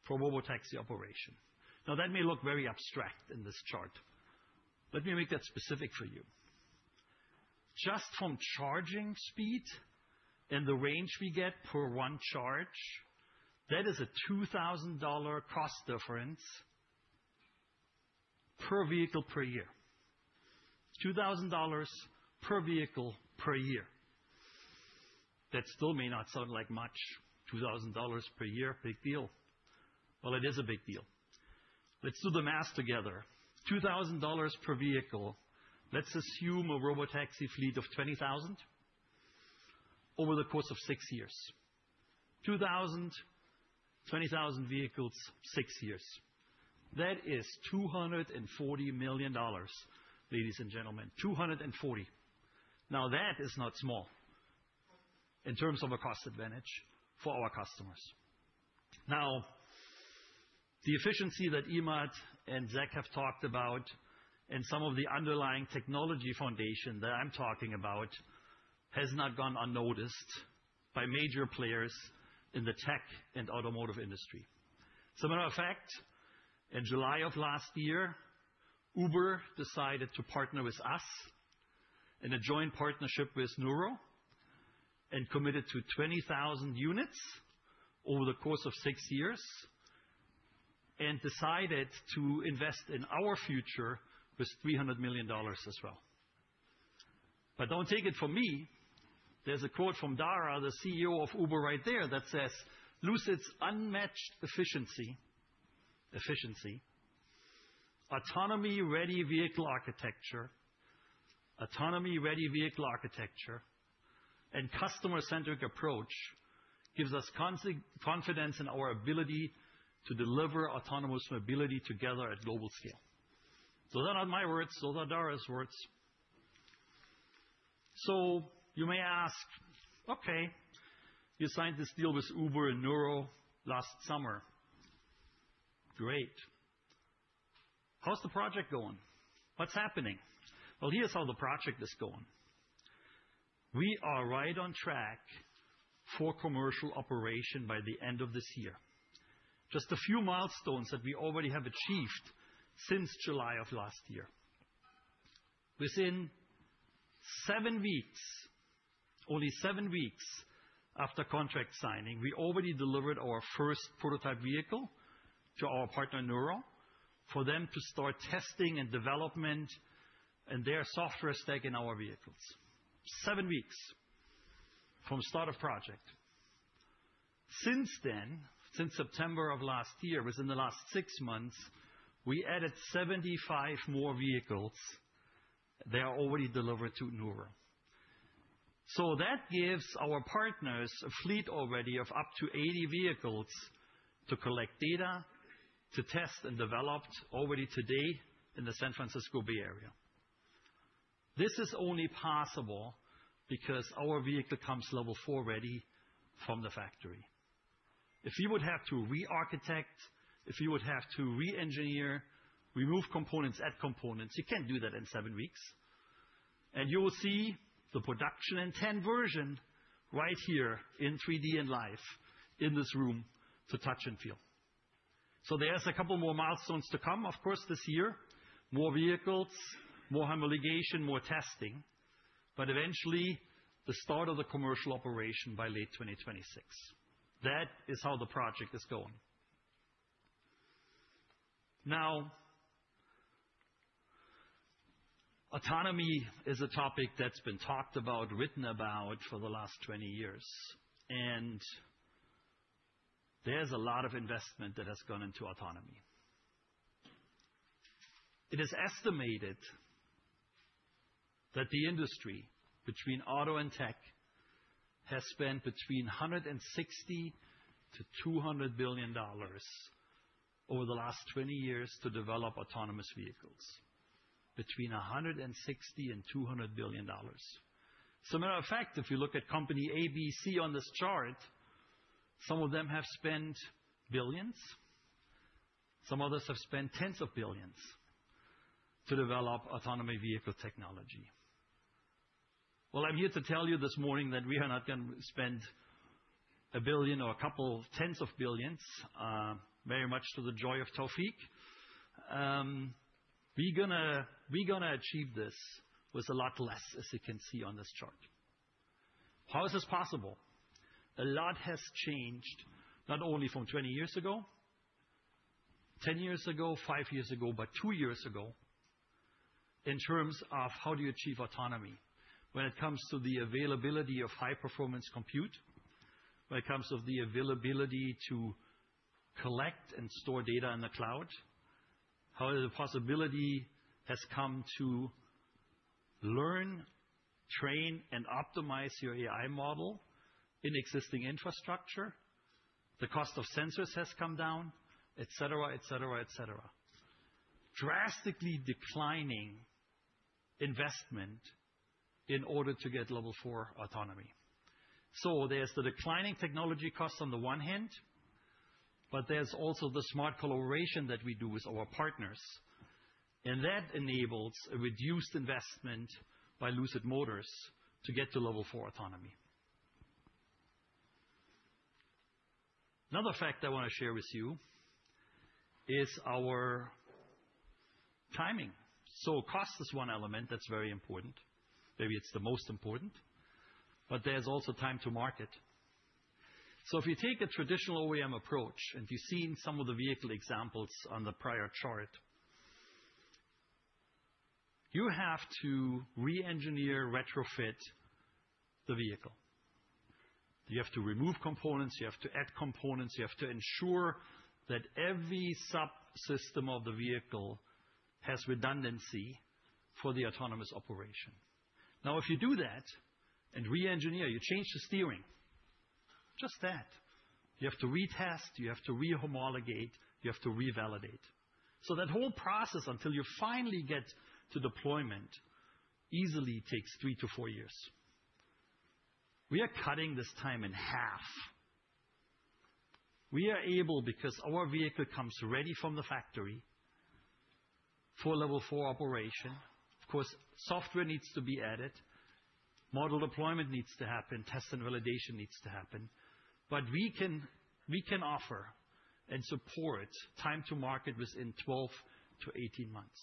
for robotaxi operation. Now, that may look very abstract in this chart. Let me make that specific for you. Just from charging speed and the range we get per one charge, that is a $2,000 cost difference per vehicle per year. $2,000 per vehicle per year. That still may not sound like much, $2,000 per year, big deal. Well, it is a big deal. Let's do the math together. $2,000 per vehicle. Let's assume a robotaxi fleet of 20,000 over the course of six years. $2,000, 20,000 vehicles, six years. That is $240 million, ladies and gentlemen. Two hundred and forty. Now, that is not small in terms of a cost advantage for our customers. Now, the efficiency that Emad and Zach have talked about and some of the underlying technology foundation that I'm talking about has not gone unnoticed by major players in the tech and automotive industry. As a matter of fact, in July of last year, Uber decided to partner with us in a joint partnership with Nuro and committed to 20,000 units over the course of six years and decided to invest in our future with $300 million as well. Don't take it from me. There's a quote from Dara Khosrowshahi, the CEO of Uber, right there that says, "Lucid's unmatched efficiency, atonomy-ready vehicle architecture, and customer-centric approach gives us confidence in our ability to deliver autonomous mobility together at global scale." They're not my words. Those are Dara's words. You may ask, okay, you signed this deal with Uber and Nuro last summer. Great. How's the project going? What's happening? Well, here's how the project is going. We are right on track for commercial operation by the end of this year. Just a few milestones that we already have achieved since July of last year. Within seven weeks, only seven weeks after contract signing, we already delivered our first prototype vehicle to our partner, Nuro, for them to start testing and development and their software stack in our vehicles. Seven weeks from start of project. Since then, since September of last year, within the last six months, we added 75 more vehicles. They are already delivered to Nuro. That gives our partners a fleet already of up to 80 vehicles to collect data, to test and develop already today in the San Francisco Bay Area. This is only possible because our vehicle comes level four ready from the factory. If you would have to re-architect, if you would have to re-engineer, remove components, add components, you can't do that in seven weeks. You will see the production intent version right here in 3D and live in this room to touch and feel. There's a couple more milestones to come, of course, this year, more vehicles, more homologation, more testing, but eventually the start of the commercial operation by late 2026. That is how the project is going. Now, autonomy is a topic that's been talked about, written about for the last 20 years, and there's a lot of investment that has gone into autonomy. It is estimated that the industry between auto and tech has spent between $160-$200 billion over the last 20 years to develop autonomous vehicles. Between $160 billion and $200 billion. As a matter of fact, if you look at company A, B, C on this chart, some of them have spent $ billions, some others have spent $ tens of billions to develop autonomous vehicle technology. Well, I'm here to tell you this morning that we are not gonna spend $1 billion or a couple $ tens of billions, very much to the joy of Taoufiq. We gonna achieve this with a lot less, as you can see on this chart. How is this possible? A lot has changed, not only from 20 years ago, 10 years ago, five years ago, but two years ago, in terms of how do you achieve autonomy. When it comes to the availability of high-performance compute, when it comes to the availability to collect and store data in the cloud, how the possibility has come to learn, train, and optimize your AI model in existing infrastructure. The cost of sensors has come down, et cetera, et cetera, et cetera. Drastically declining investment in order to get level four autonomy. There's the declining technology costs on the one hand, but there's also the smart collaboration that we do with our partners, and that enables a reduced investment by Lucid Motors to get to level four autonomy. Another fact I wanna share with you is our timing. Cost is one element that's very important. Maybe it's the most important, but there's also time to market. If you take a traditional OEM approach, and if you've seen some of the vehicle examples on the prior chart, you have to re-engineer, retrofit the vehicle. You have to remove components, you have to add components, you have to ensure that every subsystem of the vehicle has redundancy for the autonomous operation. Now, if you do that and re-engineer, you change the steering, just that, you have to retest, you have to re-homologate, you have to revalidate. That whole process, until you finally get to deployment, easily takes three to four years. We are cutting this time in half. We are able, because our vehicle comes ready from the factory for level four operation. Of course, software needs to be added, model deployment needs to happen, test and validation needs to happen. We can offer and support time to market within 12 to 18 months.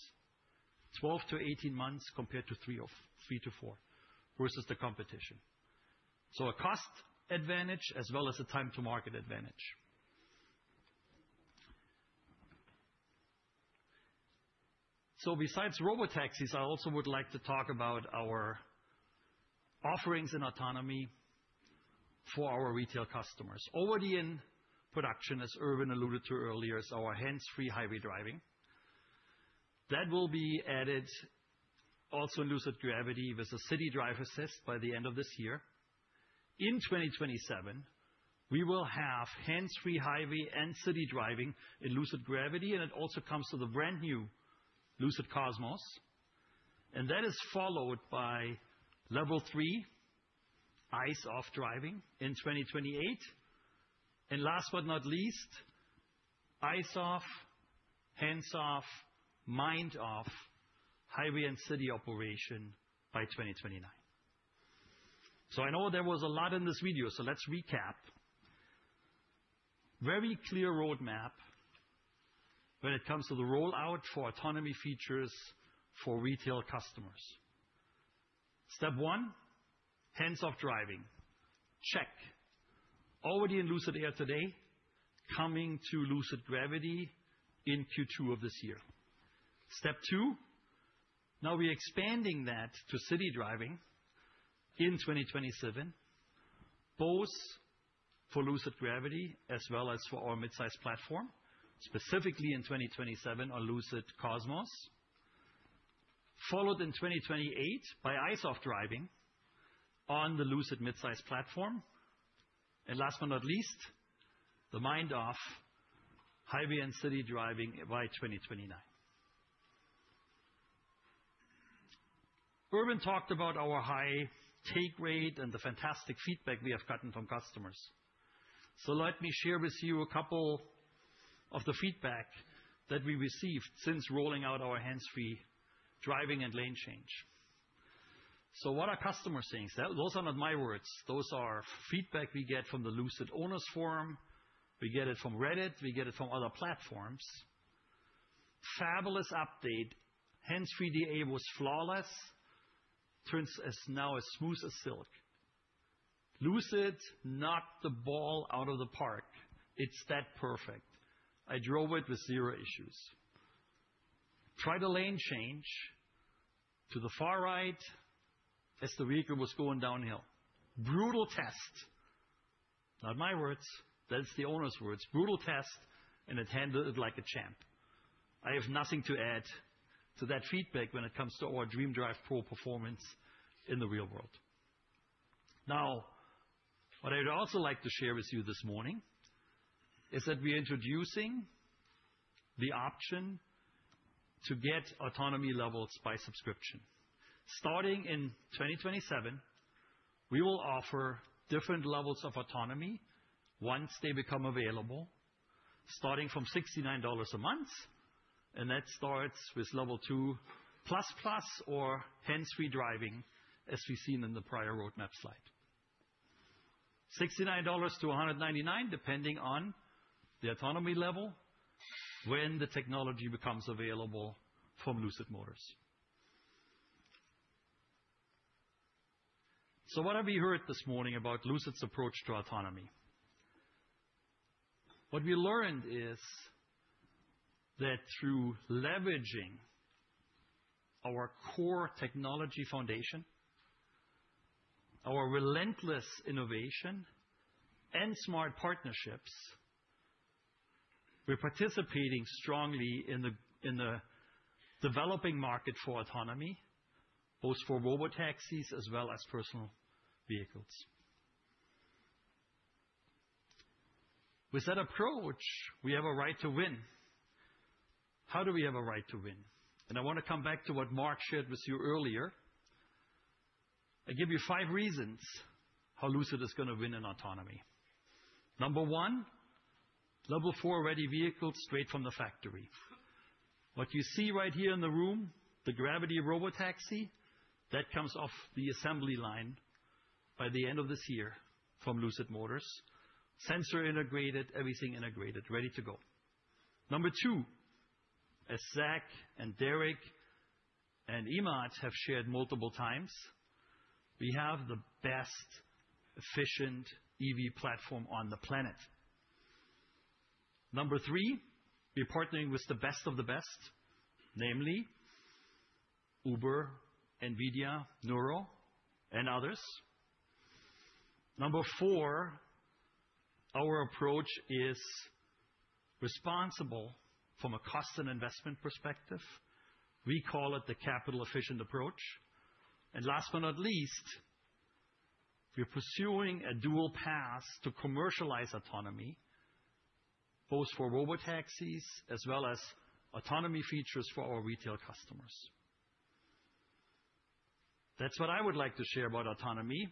12 to 18 months compared to three or four, versus the competition. A cost advantage as well as a time to market advantage. Besides robotaxis, I also would like to talk about our offerings in autonomy for our retail customers. Already in production, as Erwin alluded to earlier, is our hands-free highway driving. That will be added also in Lucid Gravity with the city drive assist by the end of this year. In 2027, we will have hands-free highway and city driving in Lucid Gravity, and it also comes to the brand new Lucid Cosmos. That is followed by level three eyes-off driving in 2028. Last but not least, eyes-off, hands-off, mind-off highway and city operation by 2029. I know there was a lot in this video, so let's recap. Very clear roadmap when it comes to the rollout for autonomy features for retail customers. Step one. Hands-off driving. Check. Already in Lucid Air today, coming to Lucid Gravity in Q2 of this year. Step two. Now we're expanding that to city driving in 2027, both for Lucid Gravity as well as for our midsize platform, specifically in 2027, our Lucid Cosmos. Followed in 2028 by eyes-off driving on the Lucid midsize platform. Last but not least, the mind-off highway and city driving by 2029. Erwin talked about our high take rate and the fantastic feedback we have gotten from customers. Let me share with you a couple of the feedback that we received since rolling out our hands-free driving and lane change. What are customers saying? Those are not my words. Those are feedback we get from the Lucid Owners Forum. We get it from Reddit, we get it from other platforms. "Fabulous update. Hands-free DA was flawless. Turns are now as smooth as silk." "Lucid knocked the ball out of the park. It's that perfect. I drove it with zero issues." "Tried a lane change to the far right as the vehicle was going downhill. Brutal test." Not my words, that's the owner's words. "Brutal test, and it handled it like a champ." I have nothing to add to that feedback when it comes to our DreamDrive Pro performance in the real world. Now, what I'd also like to share with you this morning is that we're introducing the option to get autonomy levels by subscription. Starting in 2027, we will offer different levels of autonomy once they become available, starting from $69 a month, and that starts with L2++ or hands-free driving, as we've seen in the prior roadmap slide. $69 to $199, depending on the autonomy level when the technology becomes available from Lucid Motors. What have you heard this morning about Lucid's approach to autonomy? What we learned is that through leveraging our core technology foundation, our relentless innovation, and smart partnerships, we're participating strongly in the developing market for autonomy, both for robotaxis as well as personal vehicles. With that approach, we have a right to win. How do we have a right to win? I wanna come back to what Mark shared with you earlier. I give you five reasons how Lucid is gonna win in autonomy. One, level four ready vehicles straight from the factory. What you see right here in the room, the Gravity Robotaxi, that comes off the assembly line by the end of this year from Lucid Motors. Sensor integrated, everything integrated, ready to go. Two, as Zach and Derek and Emad have shared multiple times, we have the best efficient EV platform on the planet. Three, we're partnering with the best of the best, namely Uber, NVIDIA, Nuro, and others. Four, our approach is responsible from a cost and investment perspective. We call it the capital-efficient approach. Last but not least, we are pursuing a dual path to commercialize autonomy, both for robotaxis as well as autonomy features for our retail customers. That's what I would like to share about autonomy,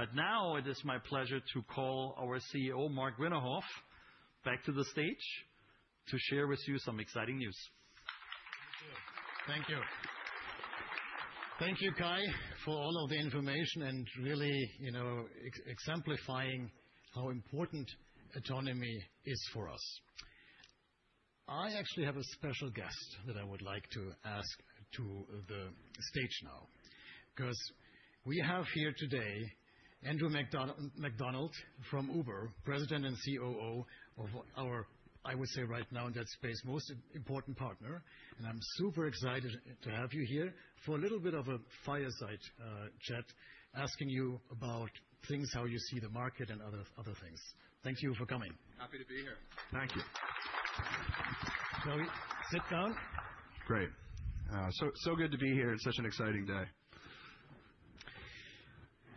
but now it is my pleasure to call our CEO, Marc Winterhoff, back to the stage to share with you some exciting news. Thank you, Kay, for all of the information and really, you know, exemplifying how important autonomy is for us. I actually have a special guest that I would like to ask to the stage now 'cause we have here today Andrew Macdonald from Uber, President and COO of our, I would say right now in that space, most important partner, and I'm super excited to have you here for a little bit of a fireside chat, asking you about things, how you see the market and other things. Thank you for coming. Happy to be here. Thank you. Shall we sit down? Great. Good to be here. It's such an exciting day.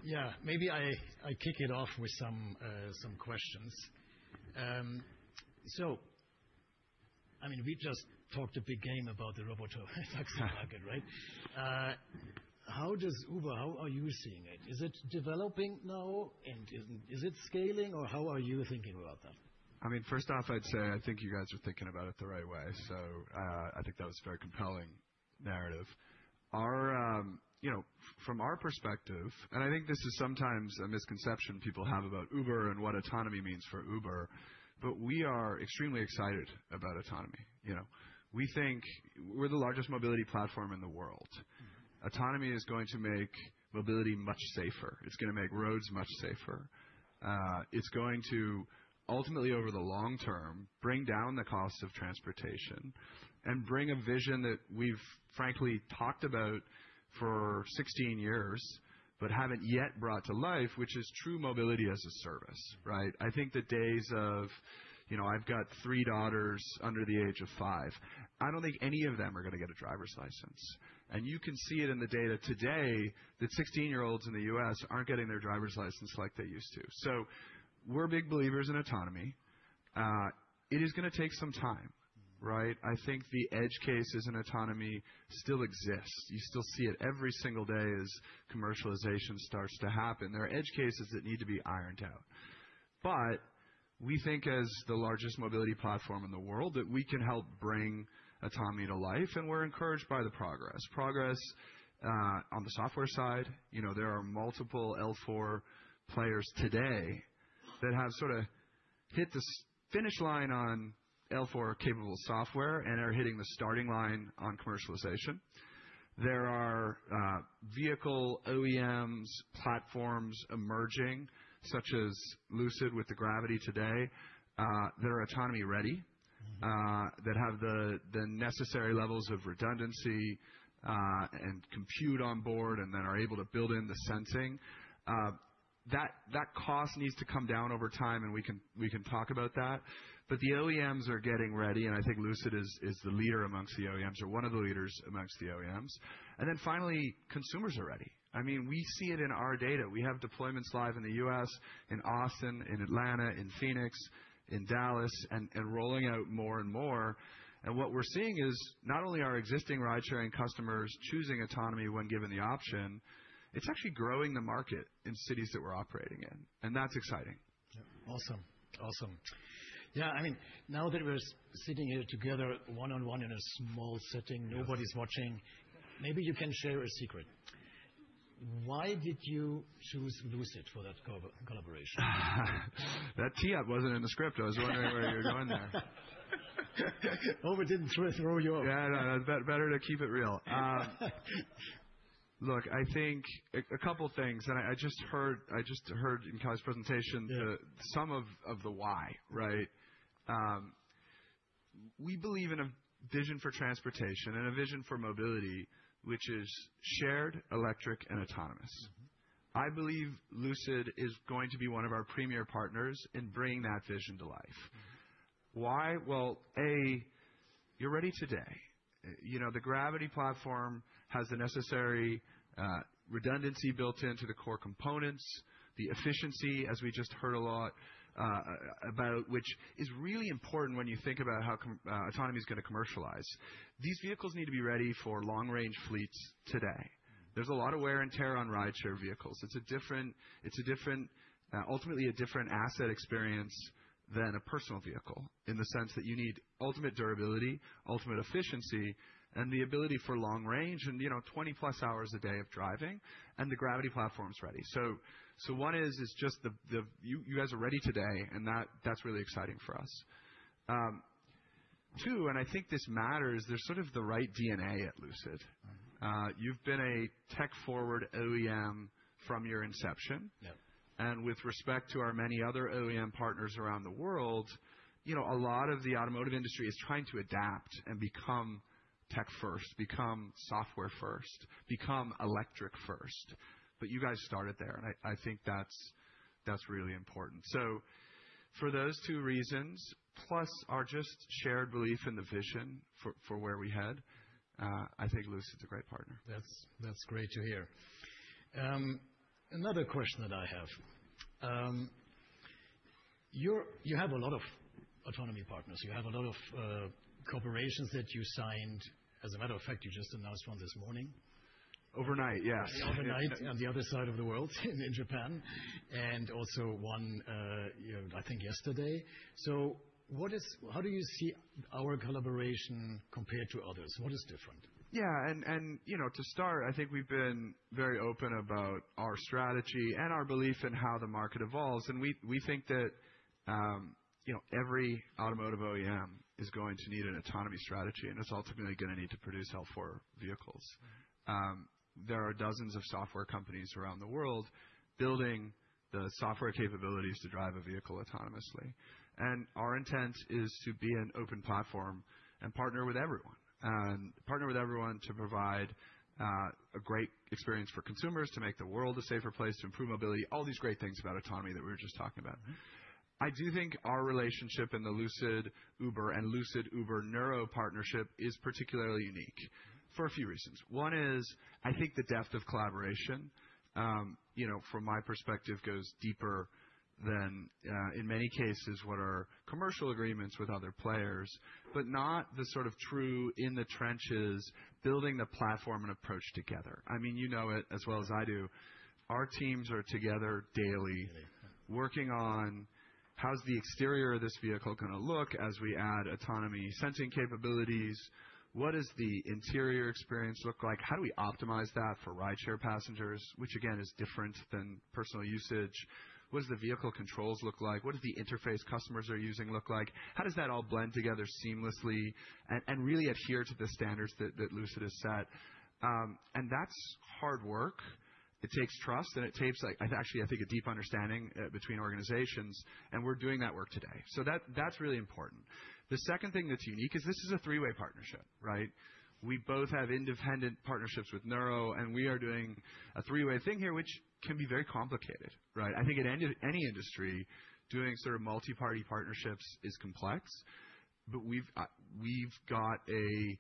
Yeah. Maybe I kick it off with some questions. I mean, we just talked a big game about the Robotaxi market, right? How does Uber, how are you seeing it? Is it developing now? Is it scaling or how are you thinking about that? I mean, first off, I'd say I think you guys are thinking about it the right way. I think that was a very compelling narrative. Our, you know, from our perspective, and I think this is sometimes a misconception people have about Uber and what autonomy means for Uber, but we are extremely excited about autonomy, you know. We think we're the largest mobility platform in the world. Autonomy is going to make mobility much safer. It's gonna make roads much safer. It's going to ultimately, over the long term, bring down the cost of transportation and bring a vision that we've frankly talked about for 16 years, but haven't yet brought to life, which is true mobility as a service, right? I think the days of, you know, I've got three daughters under the age of five. I don't think any of them are gonna get a driver's license. You can see it in the data today that 16 year olds in the U.S. aren't getting their driver's license like they used to. We're big believers in autonomy. It is gonna take some time, right? I think the edge cases in autonomy still exist. You still see it every single day as commercialization starts to happen. There are edge cases that need to be ironed out. We think as the largest mobility platform in the world, that we can help bring autonomy to life, and we're encouraged by the progress. Progress on the software side, you know, there are multiple L4 players today that have sorta hit the finish line on L4-capable software and are hitting the starting line on commercialization. There are vehicle OEM platforms emerging, such as Lucid Gravity today, that are autonomy-ready. Mm-hmm. That have the necessary levels of redundancy and compute on board, and then are able to build in the sensing. That cost needs to come down over time, and we can talk about that, but the OEMs are getting ready, and I think Lucid is the leader amongst the OEMs, or one of the leaders amongst the OEMs. Finally, consumers are ready. I mean, we see it in our data. We have deployments live in the U.S., in Austin, in Atlanta, in Phoenix, in Dallas, and rolling out more and more. What we're seeing is not only are existing ridesharing customers choosing autonomy when given the option, it's actually growing the market in cities that we're operating in, and that's exciting. Yeah. Awesome. Yeah, I mean, now that we're sitting here together one-on-one in a small setting. Yes. Nobody's watching, maybe you can share a secret. Why did you choose Lucid for that collaboration? That tee-up wasn't in the script. I was wondering where you were going there. Uber didn't throw you off. Better to keep it real. Look, I think a couple things, and I just heard in Kay's presentation. Yeah. We believe in a vision for transportation and a vision for mobility, which is shared, electric, and autonomous. Mm-hmm. I believe Lucid is going to be one of our premier partners in bringing that vision to life. Why? Well, A, you're ready today. You know, the Gravity platform has the necessary redundancy built into the core components, the efficiency, as we just heard a lot about, which is really important when you think about how autonomy is gonna commercialize. These vehicles need to be ready for long-range fleets today. There's a lot of wear and tear on rideshare vehicles. It's a different, ultimately a different asset experience than a personal vehicle in the sense that you need ultimate durability, ultimate efficiency, and the ability for long range and, you know, 20 plus hours a day of driving, and the Gravity platform's ready. One is, it's just the. You guys are ready today, and that's really exciting for us. Two, I think this matters. There's sort of the right DNA at Lucid. You've been a tech-forward OEM from your inception. With respect to our many other OEM partners around the world, you know, a lot of the automotive industry is trying to adapt and become tech first, become software first, become electric first, but you guys started there, and I think that's really important. For those two reasons, plus our just shared belief in the vision for where we head, I think Lucid's a great partner. That's great to hear. Another question that I have. You have a lot of autonomy partners. You have a lot of corporations that you signed. As a matter of fact, you just announced one this morning. Overnight, yes. Overnight on the other side of the world, in Japan, and also one, you know, I think yesterday. What is how do you see our collaboration compared to others? What is different? Yeah, you know, to start, I think we've been very open about our strategy and our belief in how the market evolves, and we think that, you know, every automotive OEM is going to need an autonomy strategy, and it's ultimately gonna need to produce L4 vehicles. There are dozens of software companies around the world building the software capabilities to drive a vehicle autonomously. Our intent is to be an open platform and partner with everyone to provide a great experience for consumers, to make the world a safer place, to improve mobility, all these great things about autonomy that we were just talking about. Mm-hmm. I do think our relationship in the Lucid-Uber and Lucid-Uber-Nuro partnership is particularly unique for a few reasons. One is I think the depth of collaboration, you know, from my perspective, goes deeper than, in many cases what are commercial agreements with other players, but not the sort of true in-the-trenches building the platform and approach together. I mean, you know it as well as I do. Our teams are together daily. Daily, yeah. how's the exterior of this vehicle gonna look as we add autonomy sensing capabilities? What is the interior experience look like? How do we optimize that for rideshare passengers, which again, is different than personal usage? What does the vehicle controls look like? What does the interface customers are using look like? How does that all blend together seamlessly and really adhere to the standards that Lucid has set? And that's hard work. It takes trust, and it takes, like, I've actually, I think, a deep understanding between organizations, and we're doing that work today. So that's really important. The second thing that's unique is this is a three-way partnership, right? We both have independent partnerships with Nuro, and we are doing a three-way thing here, which can be very complicated, right? I think in any industry, doing sort of multi-party partnerships is complex. We've got a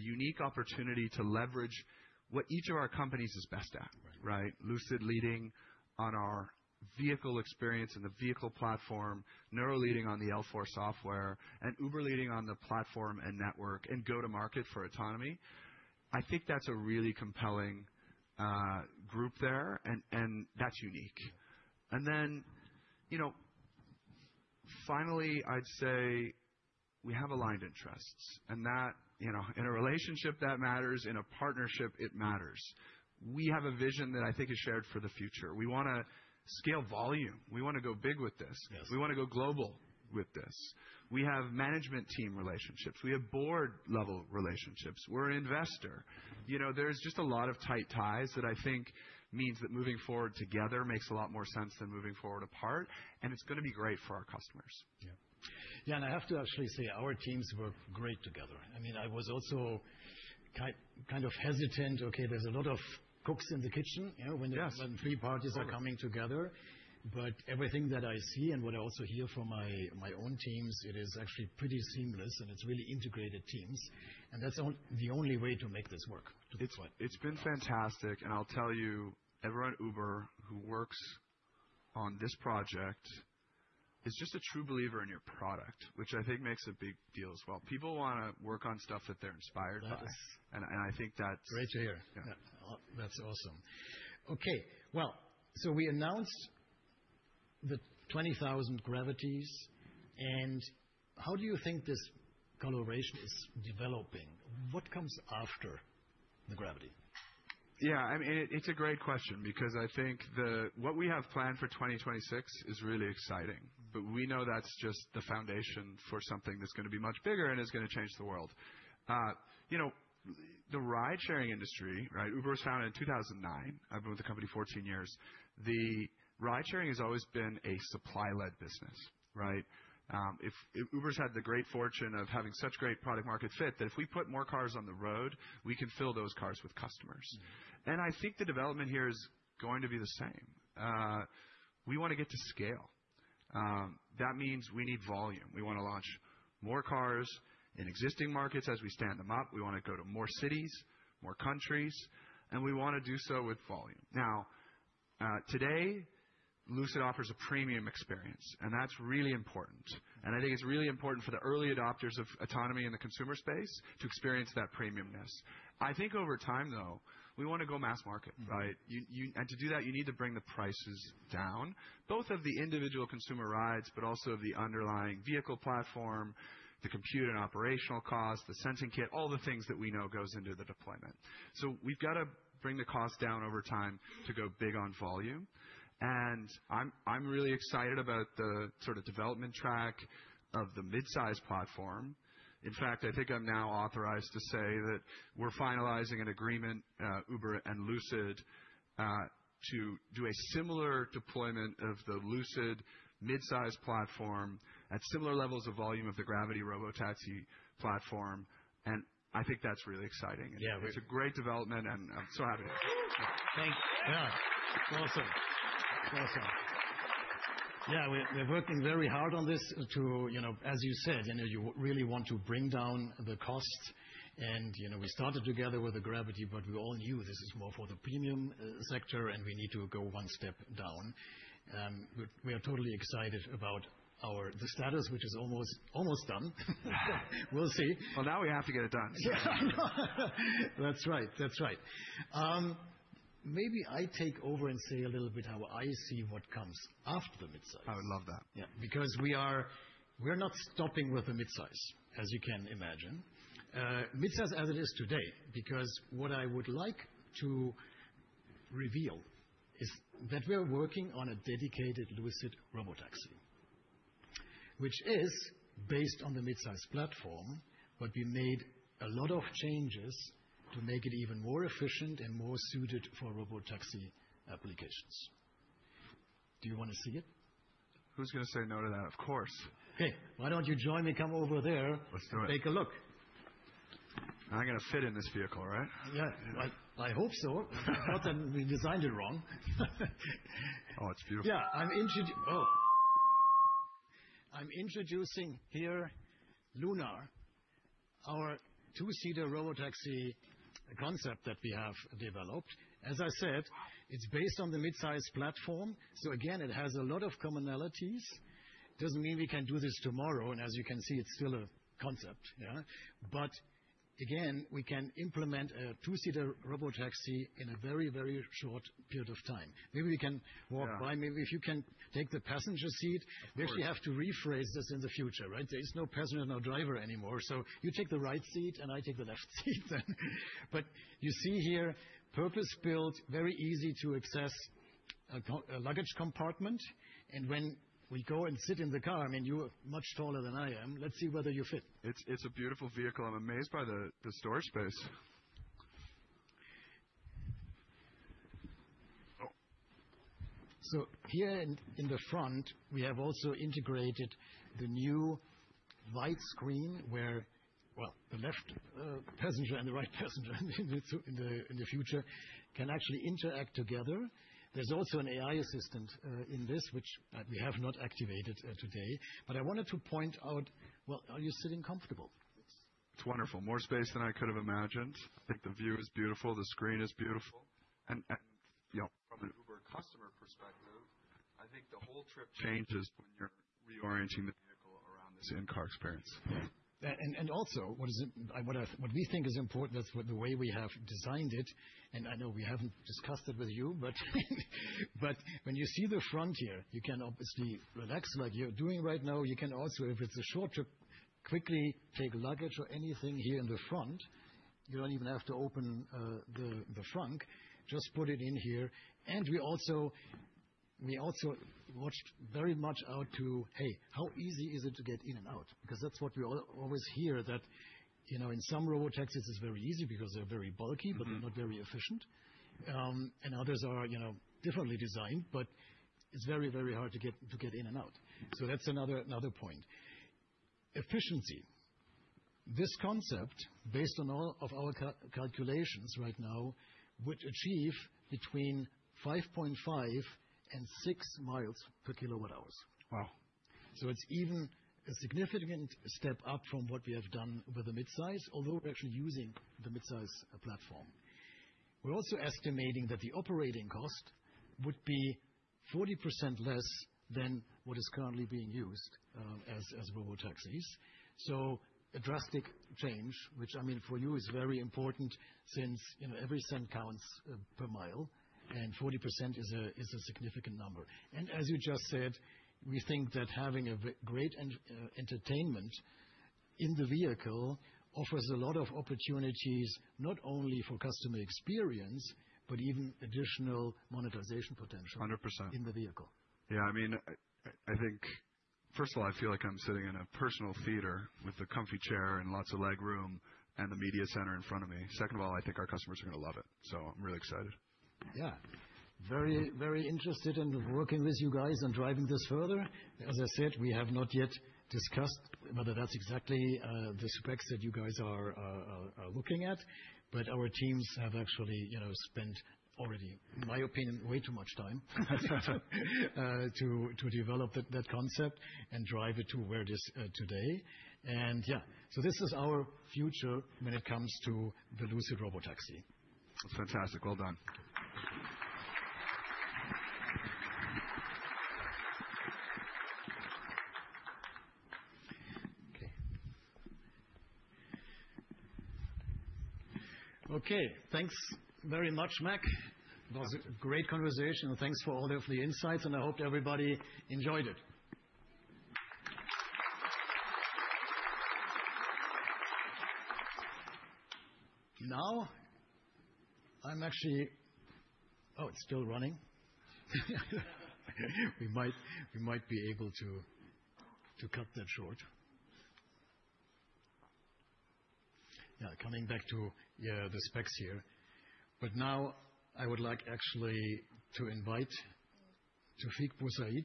unique opportunity to leverage what each of our companies is best at, right? Right. Lucid leading on our vehicle experience and the vehicle platform, Nuro leading on the L4 software, and Uber leading on the platform and network and go-to-market for autonomy. I think that's a really compelling group there and that's unique. You know, finally, I'd say we have aligned interests and that, you know, in a relationship that matters, in a partnership it matters. We have a vision that I think is shared for the future. We wanna scale volume. We wanna go big with this. Yes. We wanna go global with this. We have management team relationships. We have board-level relationships. We're an investor. You know, there's just a lot of tight ties that I think means that moving forward together makes a lot more sense than moving forward apart, and it's gonna be great for our customers. Yeah, I have to actually say our teams work great together. I mean, I was also kind of hesitant. Okay, there's a lot of cooks in the kitchen, you know. Yes. When three parties are coming together. Everything that I see and what I also hear from my own teams, it is actually pretty seamless, and it's really integrated teams. That's the only way to make this work to this point. It's been fantastic, and I'll tell you, everyone at Uber who works on this project is just a true believer in your product, which I think makes a big deal as well. People wanna work on stuff that they're inspired by. Yes. I think that's. Great to hear. Yeah. That's awesome. Okay, well, we announced the 20,000 Gravities, and how do you think this collaboration is developing? What comes after the Gravity? Yeah, I mean, it's a great question because I think what we have planned for 2026 is really exciting. We know that's just the foundation for something that's gonna be much bigger and is gonna change the world. You know, the ridesharing industry, right? Uber was founded in 2009. I've been with the company 14 years. The ridesharing has always been a supply-led business, right? Uber's had the great fortune of having such great product market fit that if we put more cars on the road, we can fill those cars with customers. Mm-hmm. I think the development here is going to be the same. We wanna get to scale. That means we need volume. We wanna launch more cars in existing markets as we stand them up. We wanna go to more cities, more countries, and we wanna do so with volume. Now, today, Lucid offers a premium experience, and that's really important. I think it's really important for the early adopters of autonomy in the consumer space to experience that premium-ness. I think over time, though, we wanna go mass market, right? To do that, you need to bring the prices down, both of the individual consumer rides, but also the underlying vehicle platform, the compute and operational cost, the sensing kit, all the things that we know goes into the deployment. We've gotta bring the cost down over time to go big on volume, and I'm really excited about the sort of development track of the mid-size platform. In fact, I think I'm now authorized to say that we're finalizing an agreement, Uber and Lucid, to do a similar deployment of the Lucid mid-size platform at similar levels of volume of the Gravity Robotaxi platform, and I think that's really exciting. Yeah. It's a great development, and I'm so happy. Thank you. Yeah. Awesome. Yeah, we're working very hard on this to, you know, as you said, you know, you really want to bring down the cost. You know, we started together with the Gravity, but we all knew this is more for the premium sector, and we need to go one step down. We are totally excited about the status, which is almost done. We'll see. Well, now we have to get it done. That's right. Maybe I take over and say a little bit how I see what comes after the mid-size. I would love that. Yeah. Because we are, we're not stopping with the mid-size, as you can imagine. Mid-size as it is today, because what I would like to reveal is that we are working on a dedicated Lucid robotaxi, which is based on the mid-size platform, but we made a lot of changes to make it even more efficient and more suited for robotaxi applications. Do you wanna see it? Who's gonna say no to that? Of course. Okay. Why don't you join me, come over there. Let's do it. Take a look. I'm gonna fit in this vehicle, right? Yeah. I hope so. If not, then we designed it wrong. Oh, it's beautiful. I'm introducing here Lunar, our two-seater robotaxi concept that we have developed. As I said, it's based on the Midsize platform, so again, it has a lot of commonalities. Doesn't mean we can do this tomorrow, and as you can see, it's still a concept. Yeah? We can implement a two-seater robotaxi in a very, very short period of time. Maybe we can walk by. Yeah. Maybe if you can take the passenger seat. Of course. We actually have to rephrase this in the future, right? There is no passenger, no driver anymore. You take the right seat, and I take the left seat then. You see here, purpose-built, very easy to access a luggage compartment. When we go and sit in the car, I mean, you're much taller than I am. Let's see whether you fit. It's a beautiful vehicle. I'm amazed by the storage space. Oh. Here in the front, we have also integrated the new wide screen where, well, the left passenger and the right passenger in the future can actually interact together. There's also an AI assistant in this which we have not activated today. I wanted to point out. Well, are you sitting comfortable? It's wonderful. More space than I could have imagined. I think the view is beautiful. The screen is beautiful. You know, from an Uber customer perspective, I think the whole trip changes when you're reorienting the vehicle around this in-car experience. Yeah. Also, what we think is important with the way we have designed it, and I know we haven't discussed it with you, but when you see the front here, you can obviously relax like you're doing right now. You can also, if it's a short trip, quickly take luggage or anything here in the front. You don't even have to open the trunk. Just put it in here. We also watched very much out for how easy it is to get in and out. Because that's what we always hear, that, you know, in some robotaxis, it's very easy because they're very bulky. Mm-hmm. They're not very efficient. Others are, you know, differently designed, but it's very hard to get in and out. That's another point. Efficiency. This concept, based on all of our calculations right now, would achieve between 5.5 mi and 6 mi per kWh. Wow. It's even a significant step up from what we have done with the mid-size, although we're actually using the mid-size platform. We're also estimating that the operating cost would be 40% less than what is currently being used as robotaxis. A drastic change, which I mean, for you is very important since, you know, every cent counts per mile, and 40% is a significant number. As you just said, we think that having great entertainment in the vehicle offers a lot of opportunities, not only for customer experience, but even additional monetization potential. 100%. in the vehicle. Yeah. I mean, I think, first of all, I feel like I'm sitting in a personal theater with a comfy chair and lots of leg room and a media center in front of me. Second of all, I think our customers are gonna love it, so I'm really excited. Yeah. Very, very interested in working with you guys and driving this further. As I said, we have not yet discussed whether that's exactly the specs that you guys are looking at, but our teams have actually, you know, spent already. In my opinion, way too much time to develop that concept and drive it to where it is today. Yeah, this is our future when it comes to the Lucid robotaxi. Fantastic. Well done. Okay. Thanks very much, Marc Winterhoff. It was a great conversation and thanks for all of the insights, and I hope everybody enjoyed it. Now, I'm actually. Oh, it's still running. We might be able to cut that short. Yeah, coming back to the specs here. Now I would like actually to invite Taoufiq Boussaid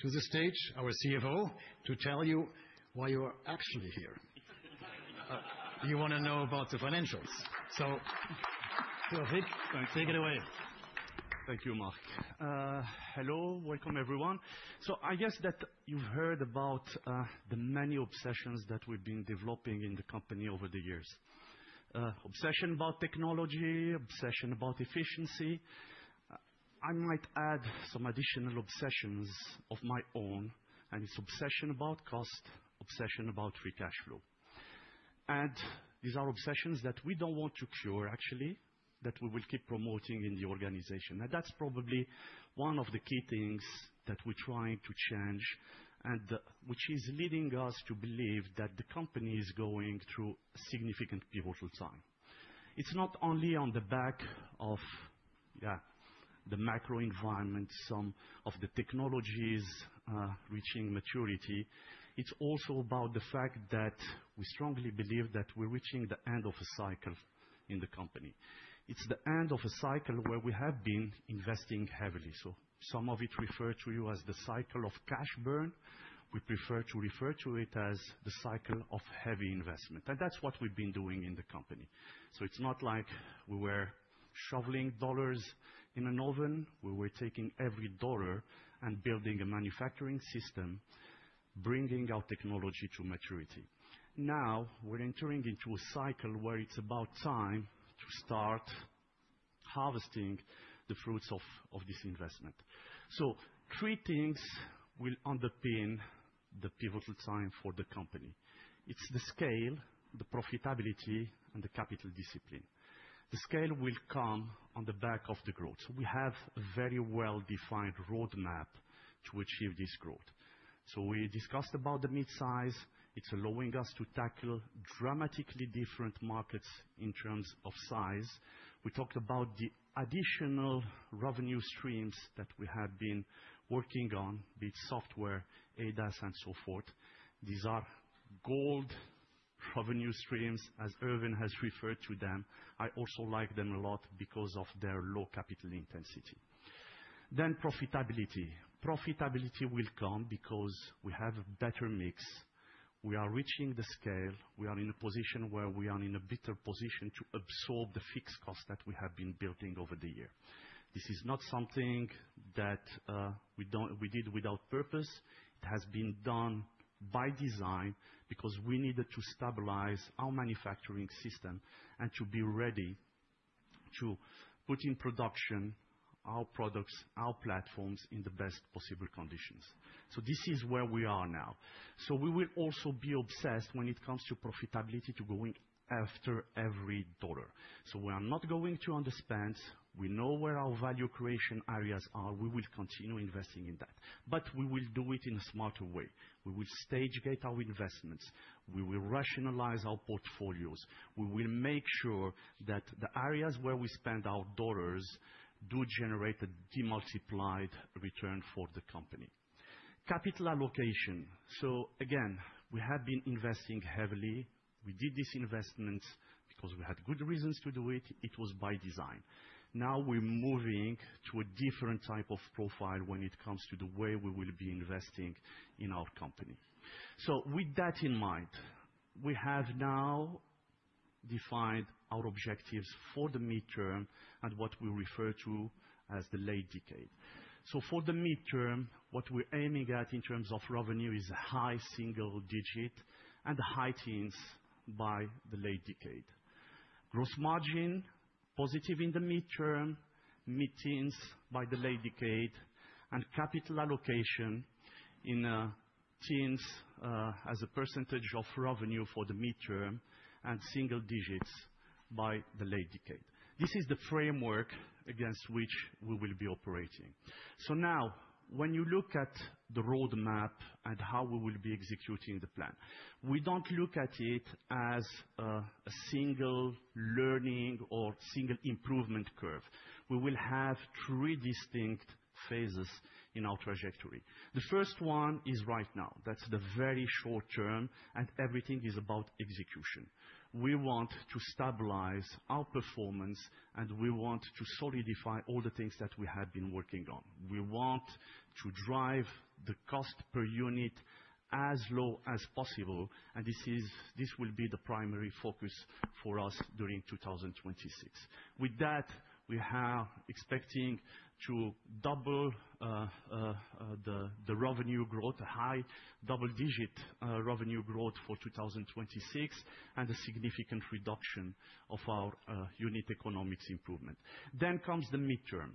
to the stage, our CFO, to tell you why you are actually here. You wanna know about the financials. Taoufiq Boussaid, take it away. Thank you, Marc. Hello, welcome everyone. I guess that you've heard about the many obsessions that we've been developing in the company over the years. Obsession about technology, obsession about efficiency. I might add some additional obsessions of my own, and it's obsession about cost, obsession about free cash flow. These are obsessions that we don't want to cure, actually, that we will keep promoting in the organization. Now, that's probably one of the key things that we're trying to change, which is leading us to believe that the company is going through significant pivotal time. It's not only on the back of the macro environment, some of the technologies reaching maturity, it's also about the fact that we strongly believe that we're reaching the end of a cycle in the company. It's the end of a cycle where we have been investing heavily. Some refer to it as the cycle of cash burn. We prefer to refer to it as the cycle of heavy investment, and that's what we've been doing in the company. It's not like we were shoveling dollars in an oven. We were taking every dollar and building a manufacturing system, bringing our technology to maturity. Now we're entering into a cycle where it's about time to start harvesting the fruits of this investment. Three things will underpin the pivotal time for the company. It's the scale, the profitability, and the capital discipline. The scale will come on the back of the growth. We have a very well-defined roadmap to achieve this growth. We discussed about the mid-size. It's allowing us to tackle dramatically different markets in terms of size. We talked about the additional revenue streams that we have been working on, be it software, ADAS, and so forth. These are gold revenue streams as Erwin has referred to them. I also like them a lot because of their low capital intensity. Profitability. Profitability will come because we have better mix. We are reaching the scale. We are in a position where we are in a better position to absorb the fixed cost that we have been building over the year. This is not something that we did without purpose. It has been done by design because we needed to stabilize our manufacturing system and to be ready to put in production our products, our platforms in the best possible conditions. This is where we are now. We will also be obsessed when it comes to profitability to going after every dollar. We are not going to under-spend. We know where our value creation areas are. We will continue investing in that, but we will do it in a smarter way. We will stage gate our investments. We will rationalize our portfolios. We will make sure that the areas where we spend our dollars do generate a multiplied return for the company. Capital allocation. Again, we have been investing heavily. We did these investments because we had good reasons to do it. It was by design. Now we're moving to a different type of profile when it comes to the way we will be investing in our company. With that in mind, we have now defined our objectives for the midterm and what we refer to as the late decade. For the midterm, what we're aiming at in terms of revenue is high single-digit and high-teens% by the late decade. Gross margin, positive in the midterm, mid-teens% by the late decade, and capital allocation in teens% as a percentage of revenue for the midterm and single-digits% by the late decade. This is the framework against which we will be operating. Now, when you look at the road map and how we will be executing the plan, we don't look at it as a single learning or single improvement curve. We will have three distinct phases in our trajectory. The first one is right now. That's the very short term, and everything is about execution. We want to stabilize our performance, and we want to solidify all the things that we have been working on. We want to drive the cost per unit as low as possible, and this will be the primary focus for us during 2026. With that, we are expecting to double the revenue growth, a high double-digit revenue growth for 2026, and a significant reduction of our unit economics improvement. Comes the midterm.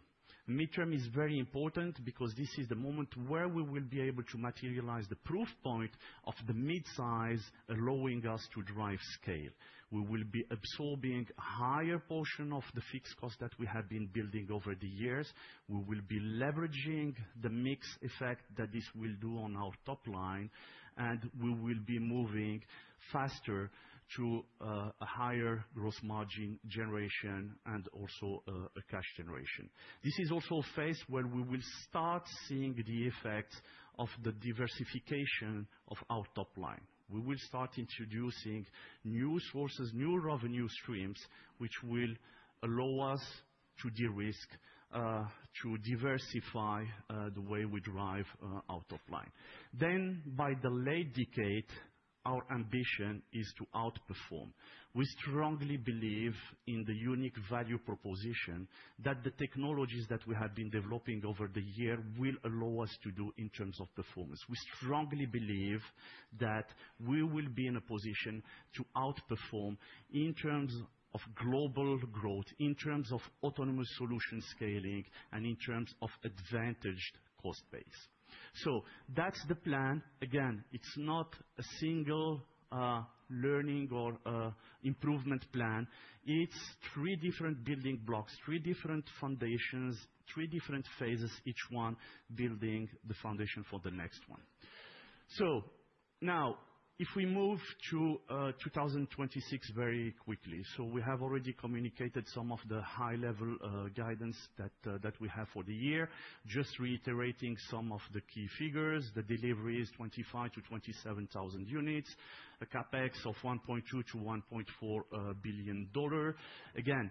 The midterm is very important because this is the moment where we will be able to materialize the proof point of the midsize, allowing us to drive scale. We will be absorbing higher portion of the fixed cost that we have been building over the years. We will be leveraging the mix effect that this will do on our top line, and we will be moving faster to a higher gross margin generation and also a cash generation. This is also a phase where we will start seeing the effects of the diversification of our top line. We will start introducing new sources, new revenue streams, which will allow us to de-risk, to diversify, the way we drive out of line. By the late decade, our ambition is to outperform. We strongly believe in the unique value proposition that the technologies that we have been developing over the year will allow us to do in terms of performance. We strongly believe that we will be in a position to outperform in terms of global growth, in terms of autonomous solution scaling, and in terms of advantaged cost base. That's the plan. Again, it's not a single, learning or improvement plan. It's three different building blocks, three different foundations, three different phases, each one building the foundation for the next one. Now if we move to 2026 very quickly. We have already communicated some of the high-level guidance that we have for the year. Just reiterating some of the key figures. The delivery is 25,000-27,000 units, a CapEx of $1.2-$1.4 billion. Again,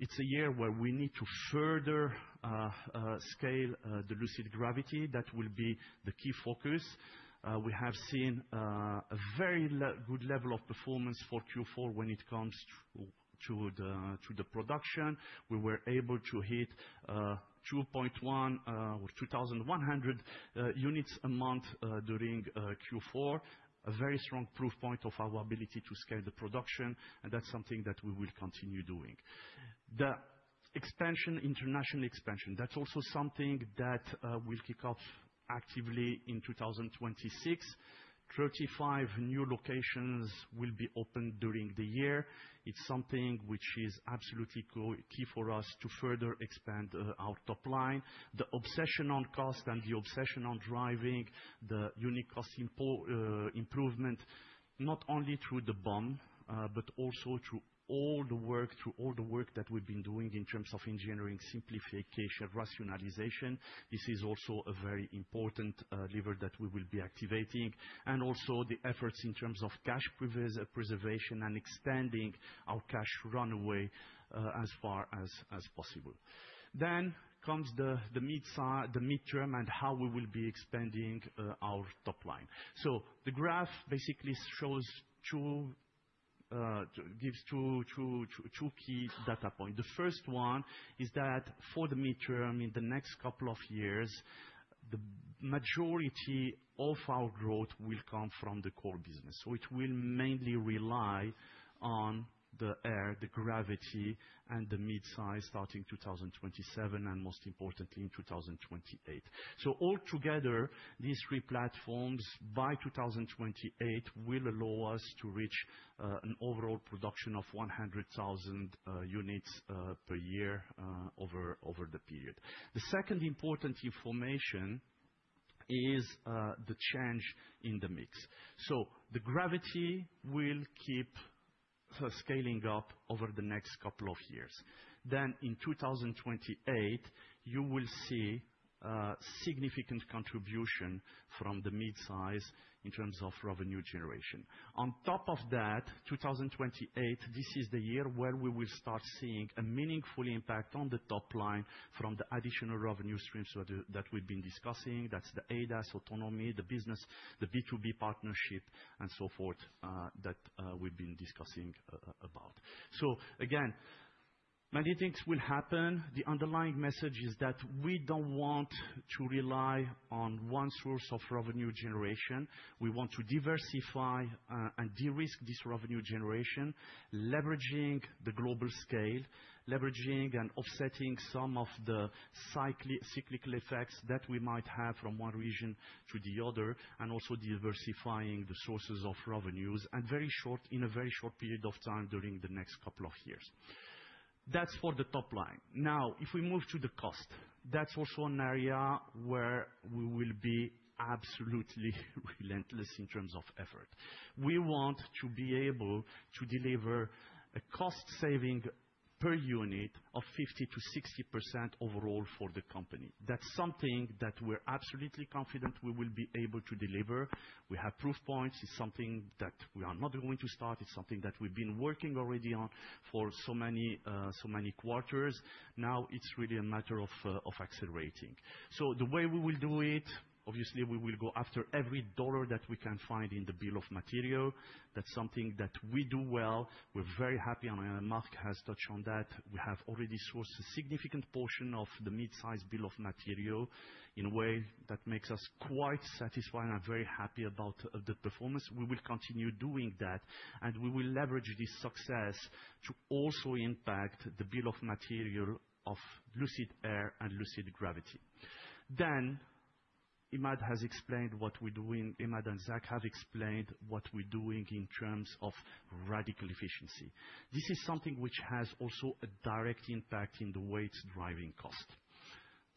it's a year where we need to further scale the Lucid Gravity. That will be the key focus. We have seen a very good level of performance for Q4 when it comes to the production. We were able to hit 2.1 or 2,100 units a month during Q4. A very strong proof point of our ability to scale the production, and that's something that we will continue doing. The expansion, international expansion, that's also something that will kick off actively in 2026. 35 new locations will be opened during the year. It's something which is absolutely key for us to further expand our top line. The obsession on cost and the obsession on driving the unit cost improvement, not only through the BOM, but also through all the work that we've been doing in terms of engineering, simplification, rationalization. This is also a very important lever that we will be activating. Also the efforts in terms of cash preservation and extending our cash runway as far as possible. Comes the midterm and how we will be expanding our top line. The graph basically gives two key data point. The first one is that for the midterm, in the next couple of years, the majority of our growth will come from the core business, which will mainly rely on the Air, the Gravity, and the midsize starting 2027 and most importantly, in 2028. Altogether, these three platforms by 2028 will allow us to reach an overall production of 100,000 units per year over the period. The second important information is the change in the mix. The Gravity will keep scaling up over the next couple of years. In 2028, you will see significant contribution from the midsize in terms of revenue generation. On top of that, 2028, this is the year where we will start seeing a meaningful impact on the top line from the additional revenue streams that we've been discussing. That's the ADAS autonomy, the business, the B2B partnership and so forth, that we've been discussing about. Again, many things will happen. The underlying message is that we don't want to rely on one source of revenue generation. We want to diversify and de-risk this revenue generation, leveraging the global scale, leveraging and offsetting some of the cyclical effects that we might have from one region to the other, and also diversifying the sources of revenues in a very short period of time during the next couple of years. That's for the top line. Now, if we move to the cost, that's also an area where we will be absolutely relentless in terms of effort. We want to be able to deliver a cost saving per unit of 50%-60% overall for the company. That's something that we're absolutely confident we will be able to deliver. We have proof points. It's something that we are not going to start. It's something that we've been working already on for so many quarters. Now it's really a matter of accelerating. The way we will do it, obviously, we will go after every dollar that we can find in the bill of material. That's something that we do well. We're very happy, and Marc has touched on that. We have already sourced a significant portion of the mid-size bill of material in a way that makes us quite satisfied and very happy about the performance. We will continue doing that, and we will leverage this success to also impact the bill of material of Lucid Air and Lucid Gravity. Emad has explained what we're doing. Emad and Zach have explained what we're doing in terms of radical efficiency. This is something which has also a direct impact in the way it's driving cost.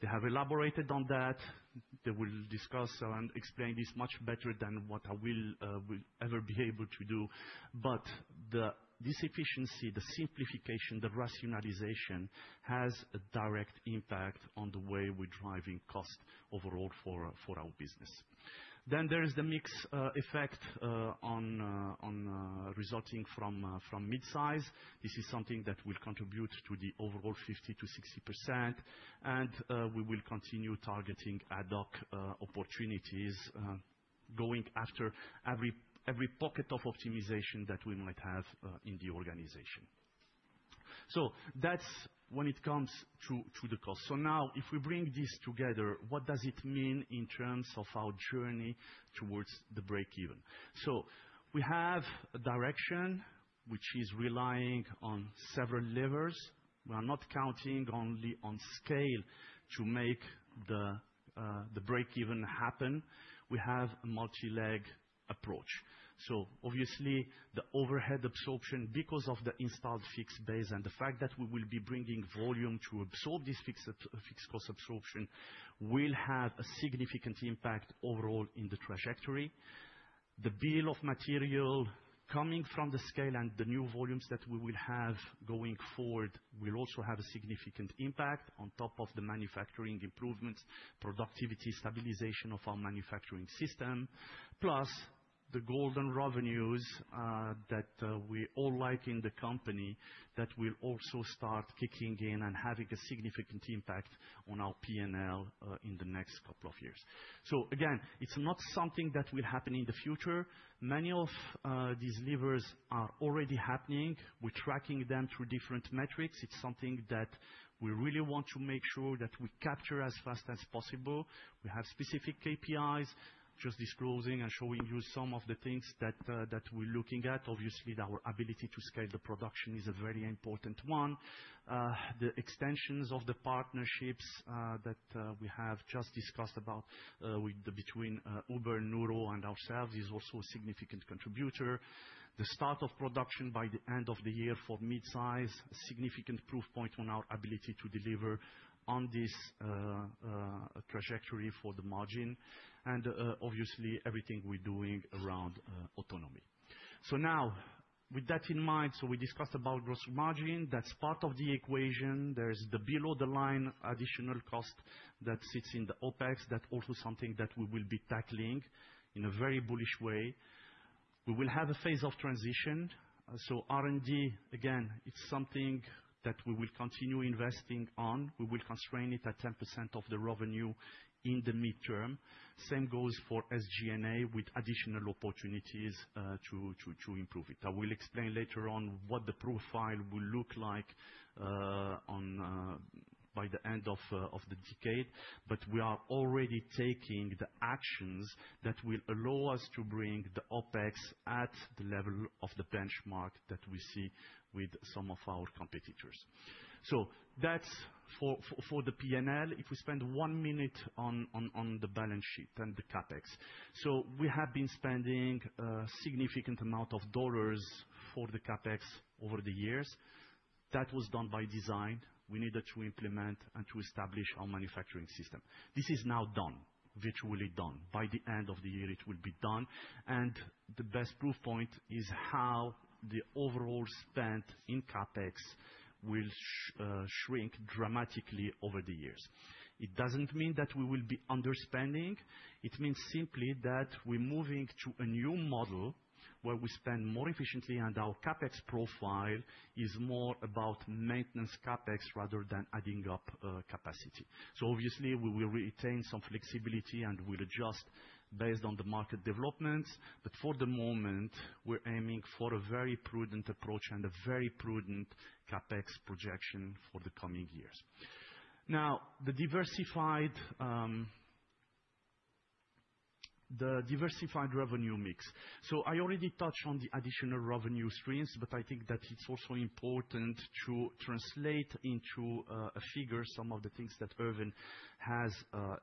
They have elaborated on that. They will discuss and explain this much better than what I will ever be able to do. This efficiency, the simplification, the rationalization, has a direct impact on the way we're driving cost overall for our business. There is the mix effect on resulting from mid-size. This is something that will contribute to the overall 50%-60%, and we will continue targeting ad hoc opportunities, going after every pocket of optimization that we might have in the organization. That's when it comes to the cost. Now if we bring this together, what does it mean in terms of our journey towards the break-even? We have a direction which is relying on several levers. We are not counting only on scale to make the break-even happen. We have a multi-leg approach. Obviously the overhead absorption, because of the installed fixed base and the fact that we will be bringing volume to absorb this fixed cost absorption, will have a significant impact overall in the trajectory. The bill of material coming from the scale and the new volumes that we will have going forward will also have a significant impact on top of the manufacturing improvements, productivity, stabilization of our manufacturing system, plus the golden revenues, that we all like in the company that will also start kicking in and having a significant impact on our P&L in the next couple of years. Again, it's not something that will happen in the future. Many of these levers are already happening. We're tracking them through different metrics. It's something that we really want to make sure that we capture as fast as possible. We have specific KPIs, just disclosing and showing you some of the things that we're looking at. Obviously, our ability to scale the production is a very important one. The extensions of the partnerships that we have just discussed about between Uber and Nuro and ourselves is also a significant contributor. The start of production by the end of the year for mid-size, significant proof point on our ability to deliver on this trajectory for the margin, and obviously everything we're doing around autonomy. Now with that in mind, we discussed about gross margin. That's part of the equation. There's the below the line additional cost that sits in the OpEx. That's also something that we will be tackling in a very bullish way. We will have a phase of transition. R&D, again, it's something that we will continue investing on. We will constrain it at 10% of the revenue in the midterm. Same goes for SG&A with additional opportunities to improve it. I will explain later on what the profile will look like by the end of the decade. We are already taking the actions that will allow us to bring the OpEx at the level of the benchmark that we see with some of our competitors. That's for the P&L. If we spend one minute on the balance sheet and the CapEx. We have been spending a significant amount of dollars for the CapEx over the years. That was done by design. We needed to implement and to establish our manufacturing system. This is now done, virtually done. By the end of the year, it will be done, and the best proof point is how the overall spend in CapEx will shrink dramatically over the years. It doesn't mean that we will be underspending. It means simply that we're moving to a new model where we spend more efficiently and our CapEx profile is more about maintenance CapEx rather than adding up capacity. Obviously we will retain some flexibility and we'll adjust based on the market developments. For the moment, we're aiming for a very prudent approach and a very prudent CapEx projection for the coming years. Now, the diversified revenue mix. I already touched on the additional revenue streams, but I think that it's also important to translate into a figure some of the things that Erwin has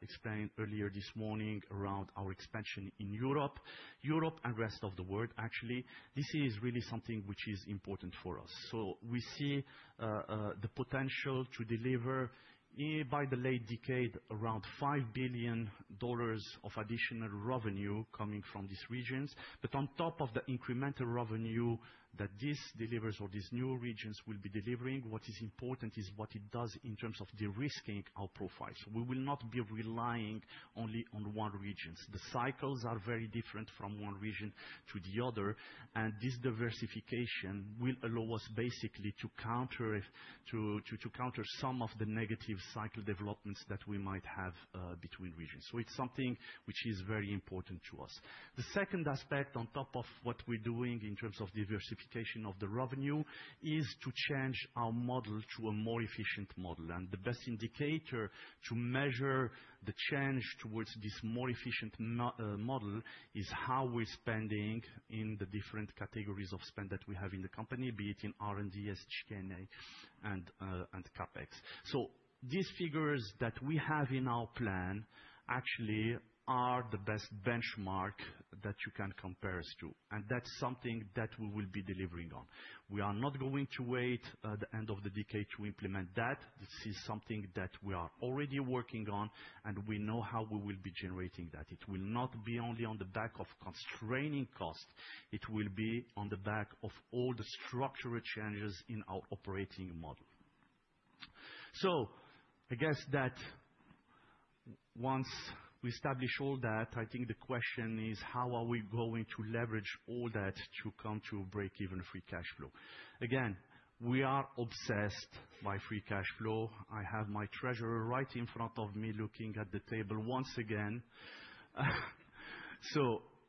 explained earlier this morning around our expansion in Europe. Europe and rest of the world, actually, this is really something which is important for us. We see the potential to deliver by the late decade around $5 billion of additional revenue coming from these regions. On top of the incremental revenue that this delivers or these new regions will be delivering, what is important is what it does in terms of de-risking our profiles. We will not be relying only on one region. The cycles are very different from one region to the other, and this diversification will allow us basically to counter some of the negative cycle developments that we might have between regions. It's something which is very important to us. The second aspect on top of what we're doing in terms of diversification of the revenue is to change our model to a more efficient model. The best indicator to measure the change towards this more efficient model is how we're spending in the different categories of spend that we have in the company, be it in R&D, SG&A and CapEx. These figures that we have in our plan actually are the best benchmark that you can compare us to, and that's something that we will be delivering on. We are not going to wait the end of the decade to implement that. This is something that we are already working on, and we know how we will be generating that. It will not be only on the back of constraining costs. It will be on the back of all the structural changes in our operating model. I guess that once we establish all that, I think the question is, how are we going to leverage all that to come to a break-even free cash flow? Again, we are obsessed by free cash flow. I have my treasurer right in front of me looking at the table once again.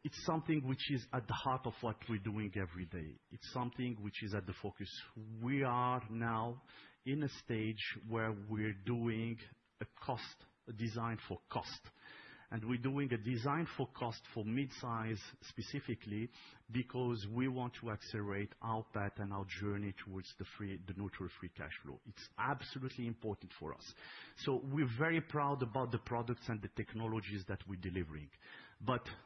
It's something which is at the heart of what we're doing every day. It's something which is at the focus. We are now in a stage where we're doing a cost, design for cost. We're doing a design for cost for midsize specifically because we want to accelerate our path and our journey towards the neutral free cash flow. It's absolutely important for us. We're very proud about the products and the technologies that we're delivering.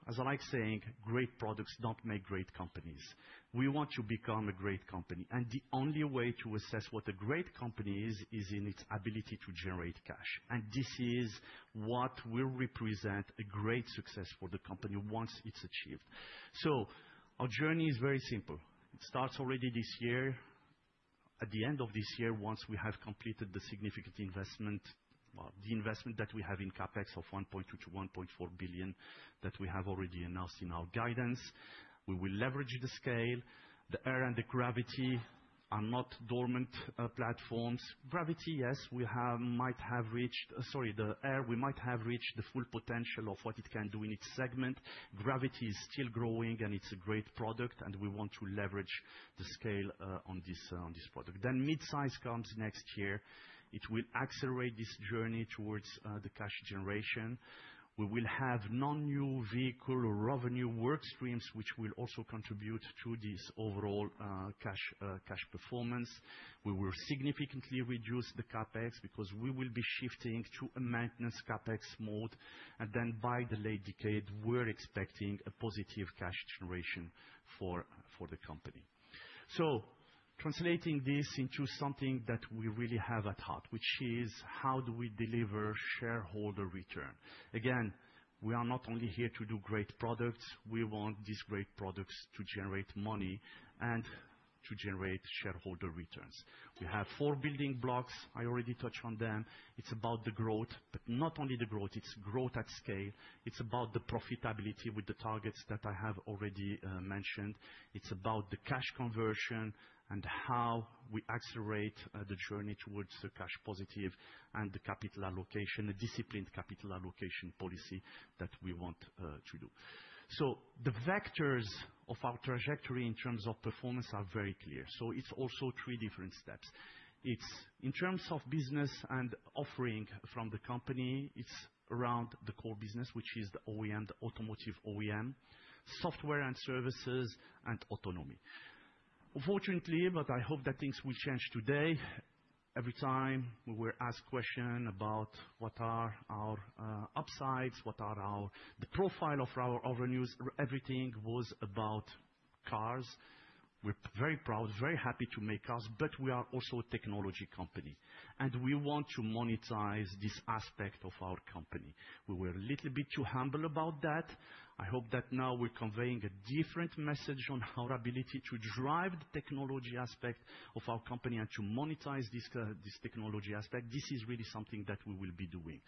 As I like saying, great products don't make great companies. We want to become a great company, and the only way to assess what a great company is in its ability to generate cash. This is what will represent a great success for the company once it's achieved. Our journey is very simple. It starts already this year. At the end of this year, once we have completed the significant investment, the investment that we have in CapEx of $1.2-$1.4 billion that we have already announced in our guidance. We will leverage the scale. The Air and the Gravity are not dormant platforms. Gravity, yes, we might have reached. Sorry, the Air, we might have reached the full potential of what it can do in its segment. Gravity is still growing, and it's a great product, and we want to leverage the scale on this product. Midsize comes next year. It will accelerate this journey towards the cash generation. We will have non-new vehicle revenue work streams, which will also contribute to this overall cash performance. We will significantly reduce the CapEx because we will be shifting to a maintenance CapEx mode. By the late decade, we're expecting a positive cash generation for the company. Translating this into something that we really have at heart, which is: how do we deliver shareholder return? Again, we are not only here to do great products, we want these great products to generate money and to generate shareholder returns. We have four building blocks. I already touched on them. It's about the growth, but not only the growth, it's growth at scale. It's about the profitability with the targets that I have already mentioned. It's about the cash conversion and how we accelerate the journey towards the cash positive and the capital allocation, a disciplined capital allocation policy that we want to do. The vectors of our trajectory in terms of performance are very clear. It's also three different steps. In terms of business and offering from the company, it's around the core business, which is the OEM, the automotive OEM, software and services, and autonomy. Unfortunately, I hope that things will change today, every time we were asked question about what are our upsides, the profile of our revenues, everything was about cars. We're very proud, very happy to make cars, but we are also a technology company, and we want to monetize this aspect of our company. We were a little bit too humble about that. I hope that now we're conveying a different message on our ability to drive the technology aspect of our company and to monetize this technology aspect. This is really something that we will be doing.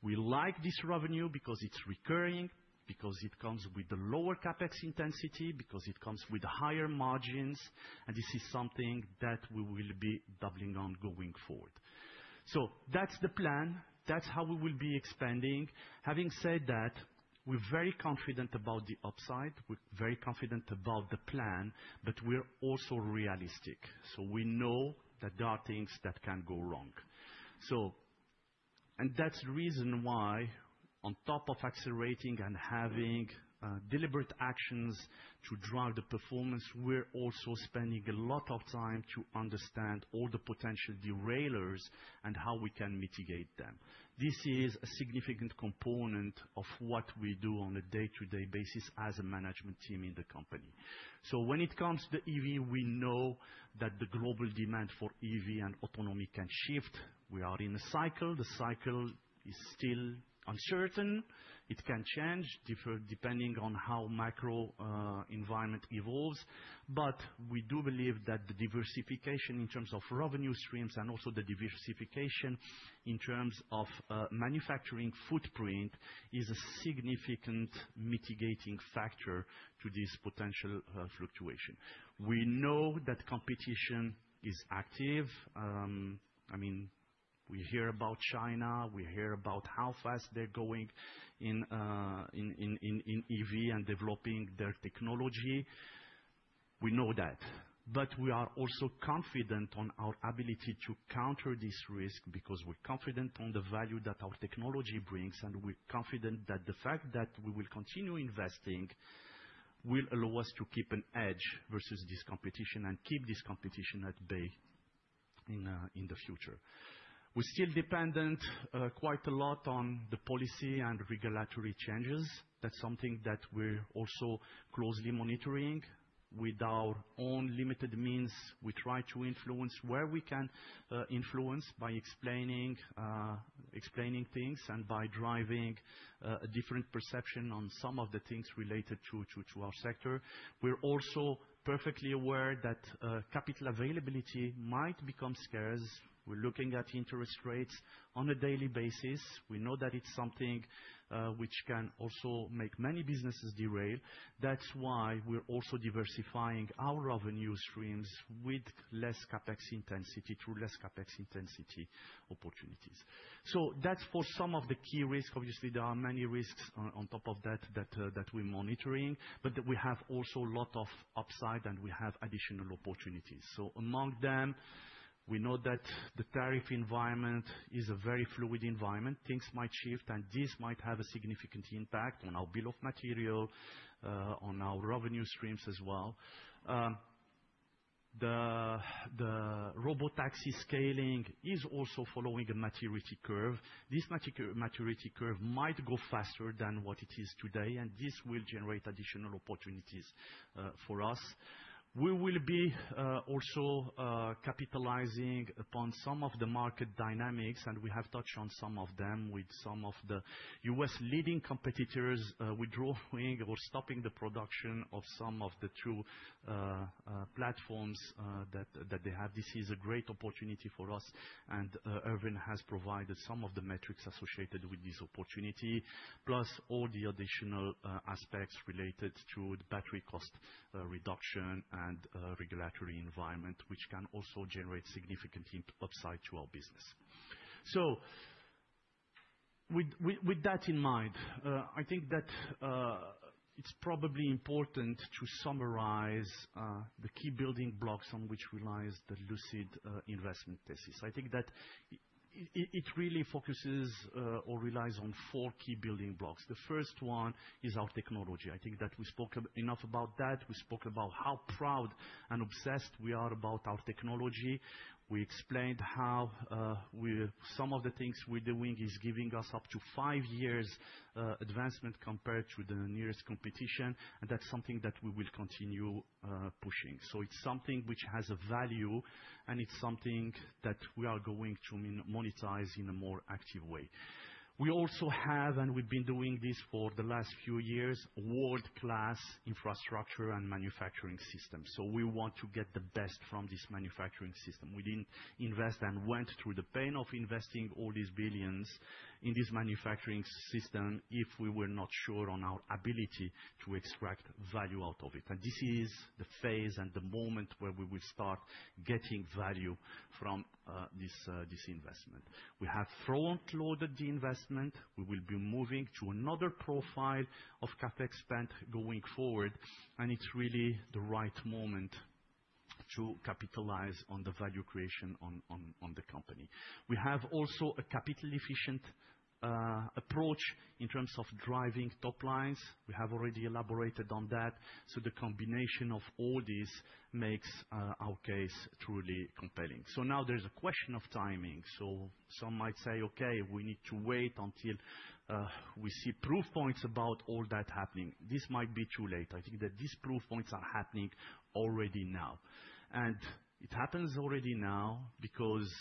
We like this revenue because it's recurring, because it comes with a lower CapEx intensity, because it comes with higher margins, and this is something that we will be doubling on going forward. That's the plan. That's how we will be expanding. Having said that, we're very confident about the upside, we're very confident about the plan, but we're also realistic. We know that there are things that can go wrong. That's the reason why on top of accelerating and having deliberate actions to drive the performance, we're also spending a lot of time to understand all the potential derailers and how we can mitigate them. This is a significant component of what we do on a day-to-day basis as a management team in the company. When it comes to EV, we know that the global demand for EV and autonomy can shift. We are in a cycle. The cycle is still uncertain. It can change depending on how macro environment evolves. We do believe that the diversification in terms of revenue streams and also the diversification in terms of manufacturing footprint is a significant mitigating factor to this potential fluctuation. We know that competition is active. I mean, we hear about China. We hear about how fast they're going in EV and developing their technology. We know that. We are also confident on our ability to counter this risk because we're confident on the value that our technology brings, and we're confident that the fact that we will continue investing will allow us to keep an edge versus this competition and keep this competition at bay in the future. We're still dependent quite a lot on the policy and regulatory changes. That's something that we're also closely monitoring. With our own limited means, we try to influence where we can influence by explaining things and by driving a different perception on some of the things related to our sector. We're also perfectly aware that capital availability might become scarce. We're looking at interest rates on a daily basis. We know that it's something which can also make many businesses derail. That's why we're also diversifying our revenue streams with less CapEx intensity through less CapEx intensity opportunities. That's for some of the key risks. Obviously, there are many risks on top of that that we're monitoring, but we have also a lot of upside, and we have additional opportunities. Among them, we know that the tariff environment is a very fluid environment. Things might shift, and this might have a significant impact on our bill of material on our revenue streams as well. The robotaxi scaling is also following a maturity curve. This maturity curve might go faster than what it is today, and this will generate additional opportunities for us. We will be also capitalizing upon some of the market dynamics, and we have touched on some of them with some of the U.S. leading competitors withdrawing or stopping the production of some of their two platforms that they have. This is a great opportunity for us, and Erwin has provided some of the metrics associated with this opportunity, plus all the additional aspects related to the battery cost reduction and regulatory environment, which can also generate significant upside to our business. With that in mind, I think that it's probably important to summarize the key building blocks on which relies the Lucid investment thesis. I think that it really focuses or relies on four key building blocks. The first one is our technology. I think that we spoke enough about that. We spoke about how proud and obsessed we are about our technology. We explained how some of the things we're doing is giving us up to five years advancement compared to the nearest competition, and that's something that we will continue pushing. It's something which has a value, and it's something that we are going to monetize in a more active way. We also have, and we've been doing this for the last few years, world-class infrastructure and manufacturing system. We want to get the best from this manufacturing system. We didn't invest and went through the pain of investing all these $ billions in this manufacturing system if we were not sure on our ability to extract value out of it. This is the phase and the moment where we will start getting value from this investment. We have front-loaded the investment. We will be moving to another profile of CapEx spend going forward, and it's really the right moment to capitalize on the value creation on the company. We have also a capital-efficient approach in terms of driving top lines. We have already elaborated on that. The combination of all this makes our case truly compelling. Now there's a question of timing. Some might say, "Okay, we need to wait until we see proof points about all that happening." This might be too late. I think that these proof points are happening already now. It happens already now because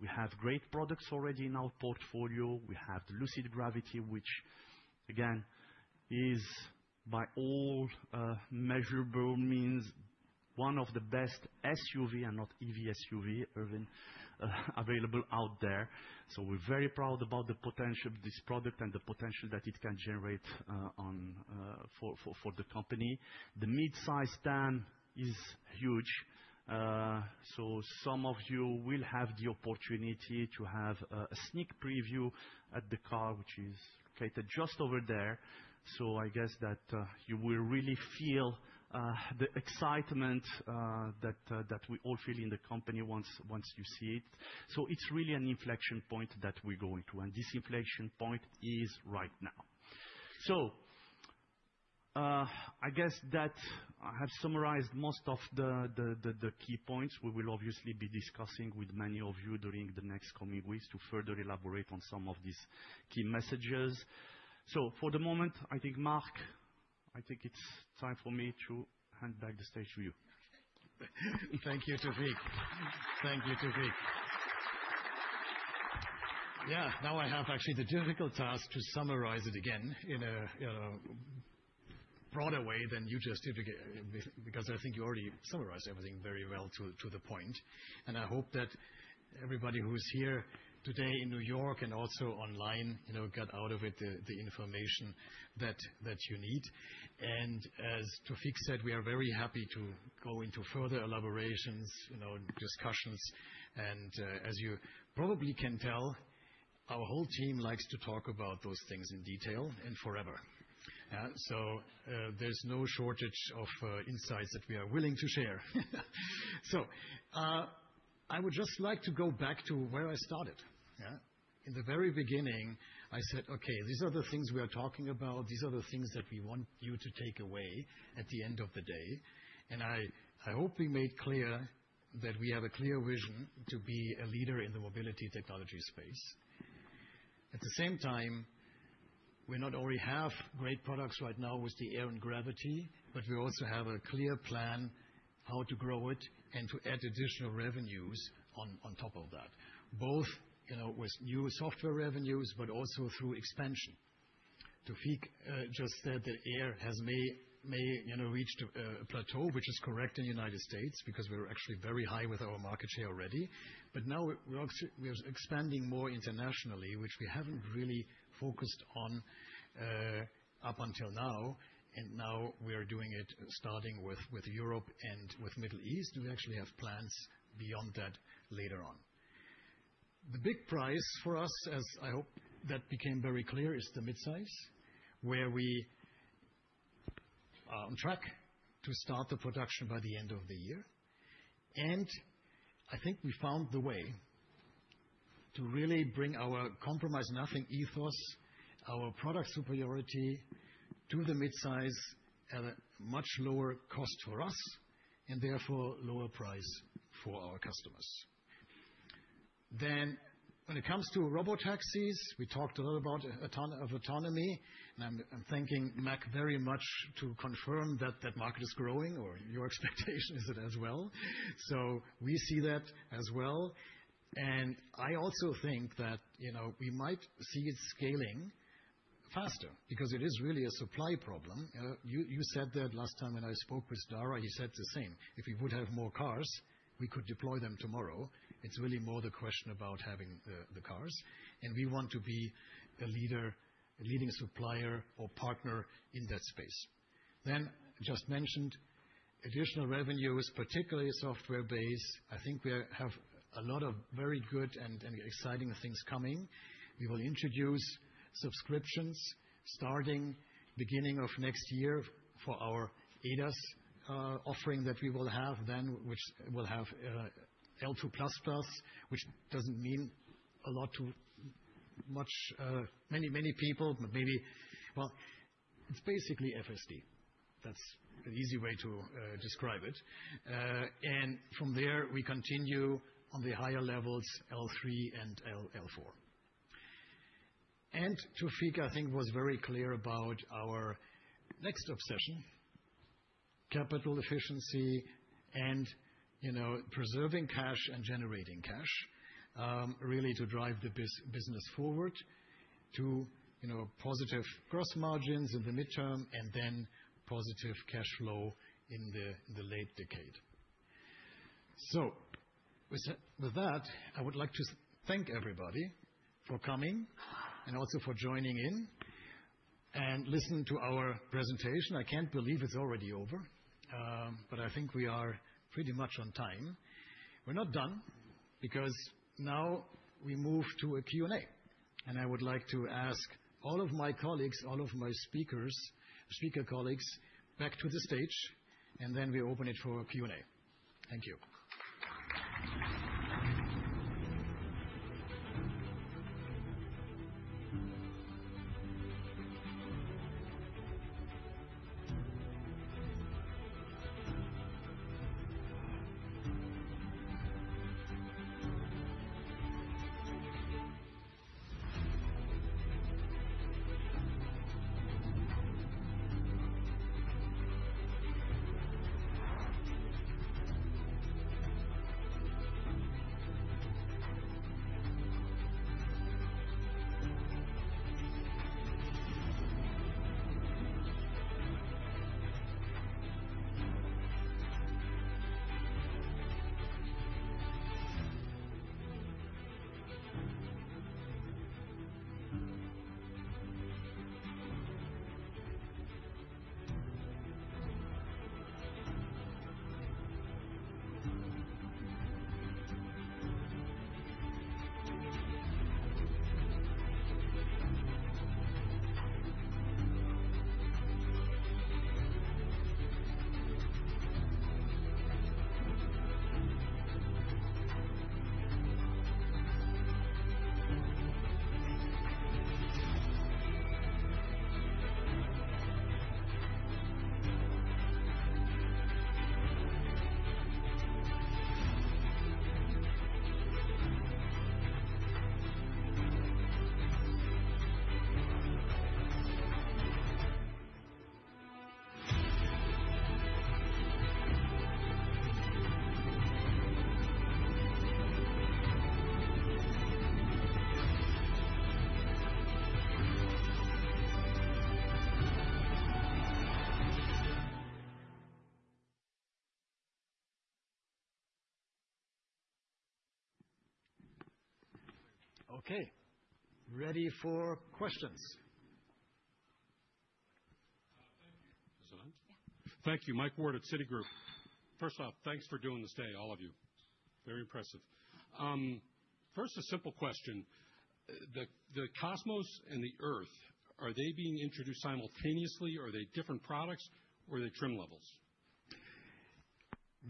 we have great products already in our portfolio. We have the Lucid Gravity, which again is by all measurable means one of the best SUVs, and not EV SUV, Erwin, available out there. We're very proud about the potential of this product and the potential that it can generate and for the company. The midsize TAM is huge. Some of you will have the opportunity to have a sneak preview at the car, which is located just over there. I guess that you will really feel the excitement that we all feel in the company once you see it. It's really an inflection point that we're going to, and this inflection point is right now. I guess that I have summarized most of the key points. We will obviously be discussing with many of you during the next coming weeks to further elaborate on some of these key messages. For the moment, I think, Marc, it's time for me to hand back the stage to you. Thank you, Taoufiq. Yeah. Now I have actually the difficult task to summarize it again in a broader way than you just did, because I think you already summarized everything very well to the point. I hope that everybody who is here today in New York and also online, you know, got out of it the information that you need. As Taoufiq said, we are very happy to go into further elaborations, you know, discussions. As you probably can tell, our whole team likes to talk about those things in detail and forever. There's no shortage of insights that we are willing to share. I would just like to go back to where I started. Yeah. In the very beginning, I said, "Okay, these are the things we are talking about. These are the things that we want you to take away at the end of the day. I hope we made clear that we have a clear vision to be a leader in the mobility technology space. At the same time, we not only have great products right now with the Air and Gravity, but we also have a clear plan how to grow it and to add additional revenues on top of that, both, you know, with new software revenues but also through expansion. Taoufiq just said that Air has, you know, reached a plateau, which is correct in the United States, because we're actually very high with our market share already. Now we're expanding more internationally, which we haven't really focused on up until now. Now we are doing it starting with Europe and with Middle East. We actually have plans beyond that later on. The big prize for us, as I hope that became very clear, is the midsize, where we are on track to start the production by the end of the year. I think we found the way to really bring our compromise nothing ethos, our product superiority to the midsize at a much lower cost for us and therefore lower price for our customers. When it comes to robotaxis, we talked a lot about autonomy. I'm thanking Marc very much for confirming that market is growing or your expectation is it as well. We see that as well. I also think that, you know, we might see it scaling faster because it is really a supply problem. You said that last time when I spoke with Dara, he said the same. If we would have more cars, we could deploy them tomorrow. It's really more the question about having the cars, and we want to be a leader, a leading supplier or partner in that space. Then just mentioned additional revenues, particularly software-based. I think we have a lot of very good and exciting things coming. We will introduce subscriptions starting beginning of next year for our ADAS offering that we will have then, which will have L2++, which doesn't mean a lot to many people, but maybe. Well, it's basically FSD. That's an easy way to describe it. From there we continue on the higher levels, L3 and L4. Taoufiq, I think, was very clear about our next obsession, capital efficiency and, you know, preserving cash and generating cash, really to drive the business forward to, you know, positive gross margins in the midterm and then positive cash flow in the late decade. With that, I would like to thank everybody for coming and also for joining in and listening to our presentation. I can't believe it's already over, but I think we are pretty much on time. We're not done because now we move to a Q&A, and I would like to ask all of my colleagues, all of my speaker colleagues back to the stage, and then we open it for Q&A. Thank you. Okay, ready for questions. Thank you. Is it on? Yeah. Thank you. Michael Ward at Citi. First off, thanks for doing this day, all of you. Very impressive. First, a simple question. The Cosmos and the Earth, are they being introduced simultaneously or are they different products or are they trim levels?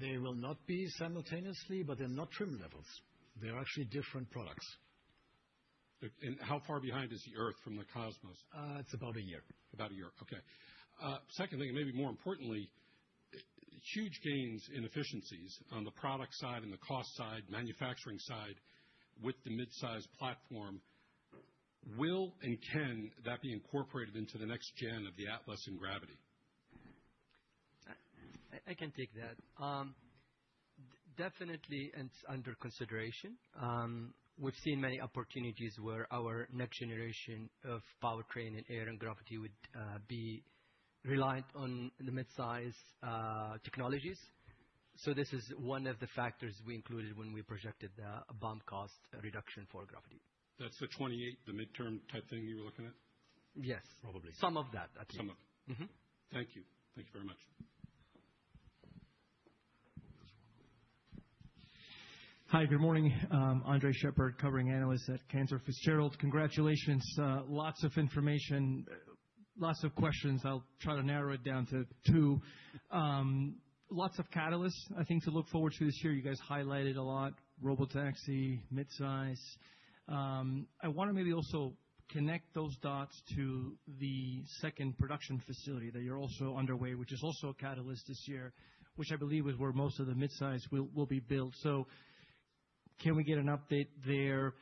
They will not be simultaneously, but they're not trim levels. They're actually different products. How far behind is the Earth from the Cosmos? It's about a year. About a year. Okay. Second thing, and maybe more importantly, huge gains in efficiencies on the product side and the cost side, manufacturing side with the midsize platform, will and can that be incorporated into the next gen of the Atlas and Gravity? I can take that. Definitely, it's under consideration. We've seen many opportunities where our next generation of powertrain and Air and Gravity would be reliant on the midsize technologies. This is one of the factors we included when we projected the BOM cost reduction for Gravity. That's the 28, the midterm type thing you were looking at? Yes. Probably. Some of that, I think. Some of it. Mm-hmm. Thank you. Thank you very much. Hi. Good morning. Andres Sheppard, covering analyst at Cantor Fitzgerald. Congratulations. Lots of information, lots of questions. I'll try to narrow it down to two. Lots of catalysts, I think, to look forward to this year. You guys highlighted a lot, robotaxi, midsize. I wanna maybe also connect those dots to the second production facility that you're also underway, which is also a catalyst this year, which I believe is where most of the midsize will be built. Can we get an update there?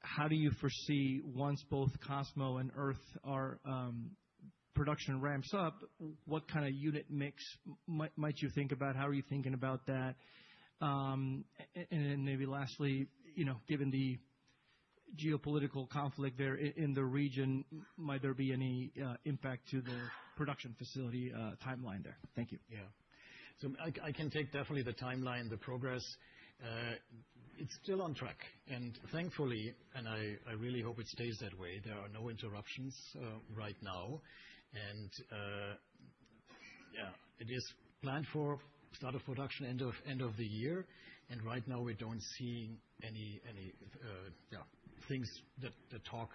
How do you foresee once both Cosmos and Earth are production ramps up, what kind of unit mix might you think about? How are you thinking about that? Then maybe lastly, you know, given the geopolitical conflict there in the region, might there be any impact to the production facility timeline there? Thank you. I can take definitely the timeline, the progress. It's still on track. Thankfully, I really hope it stays that way, there are no interruptions right now. It is planned for start of production end of the year. Right now we don't see any things that talk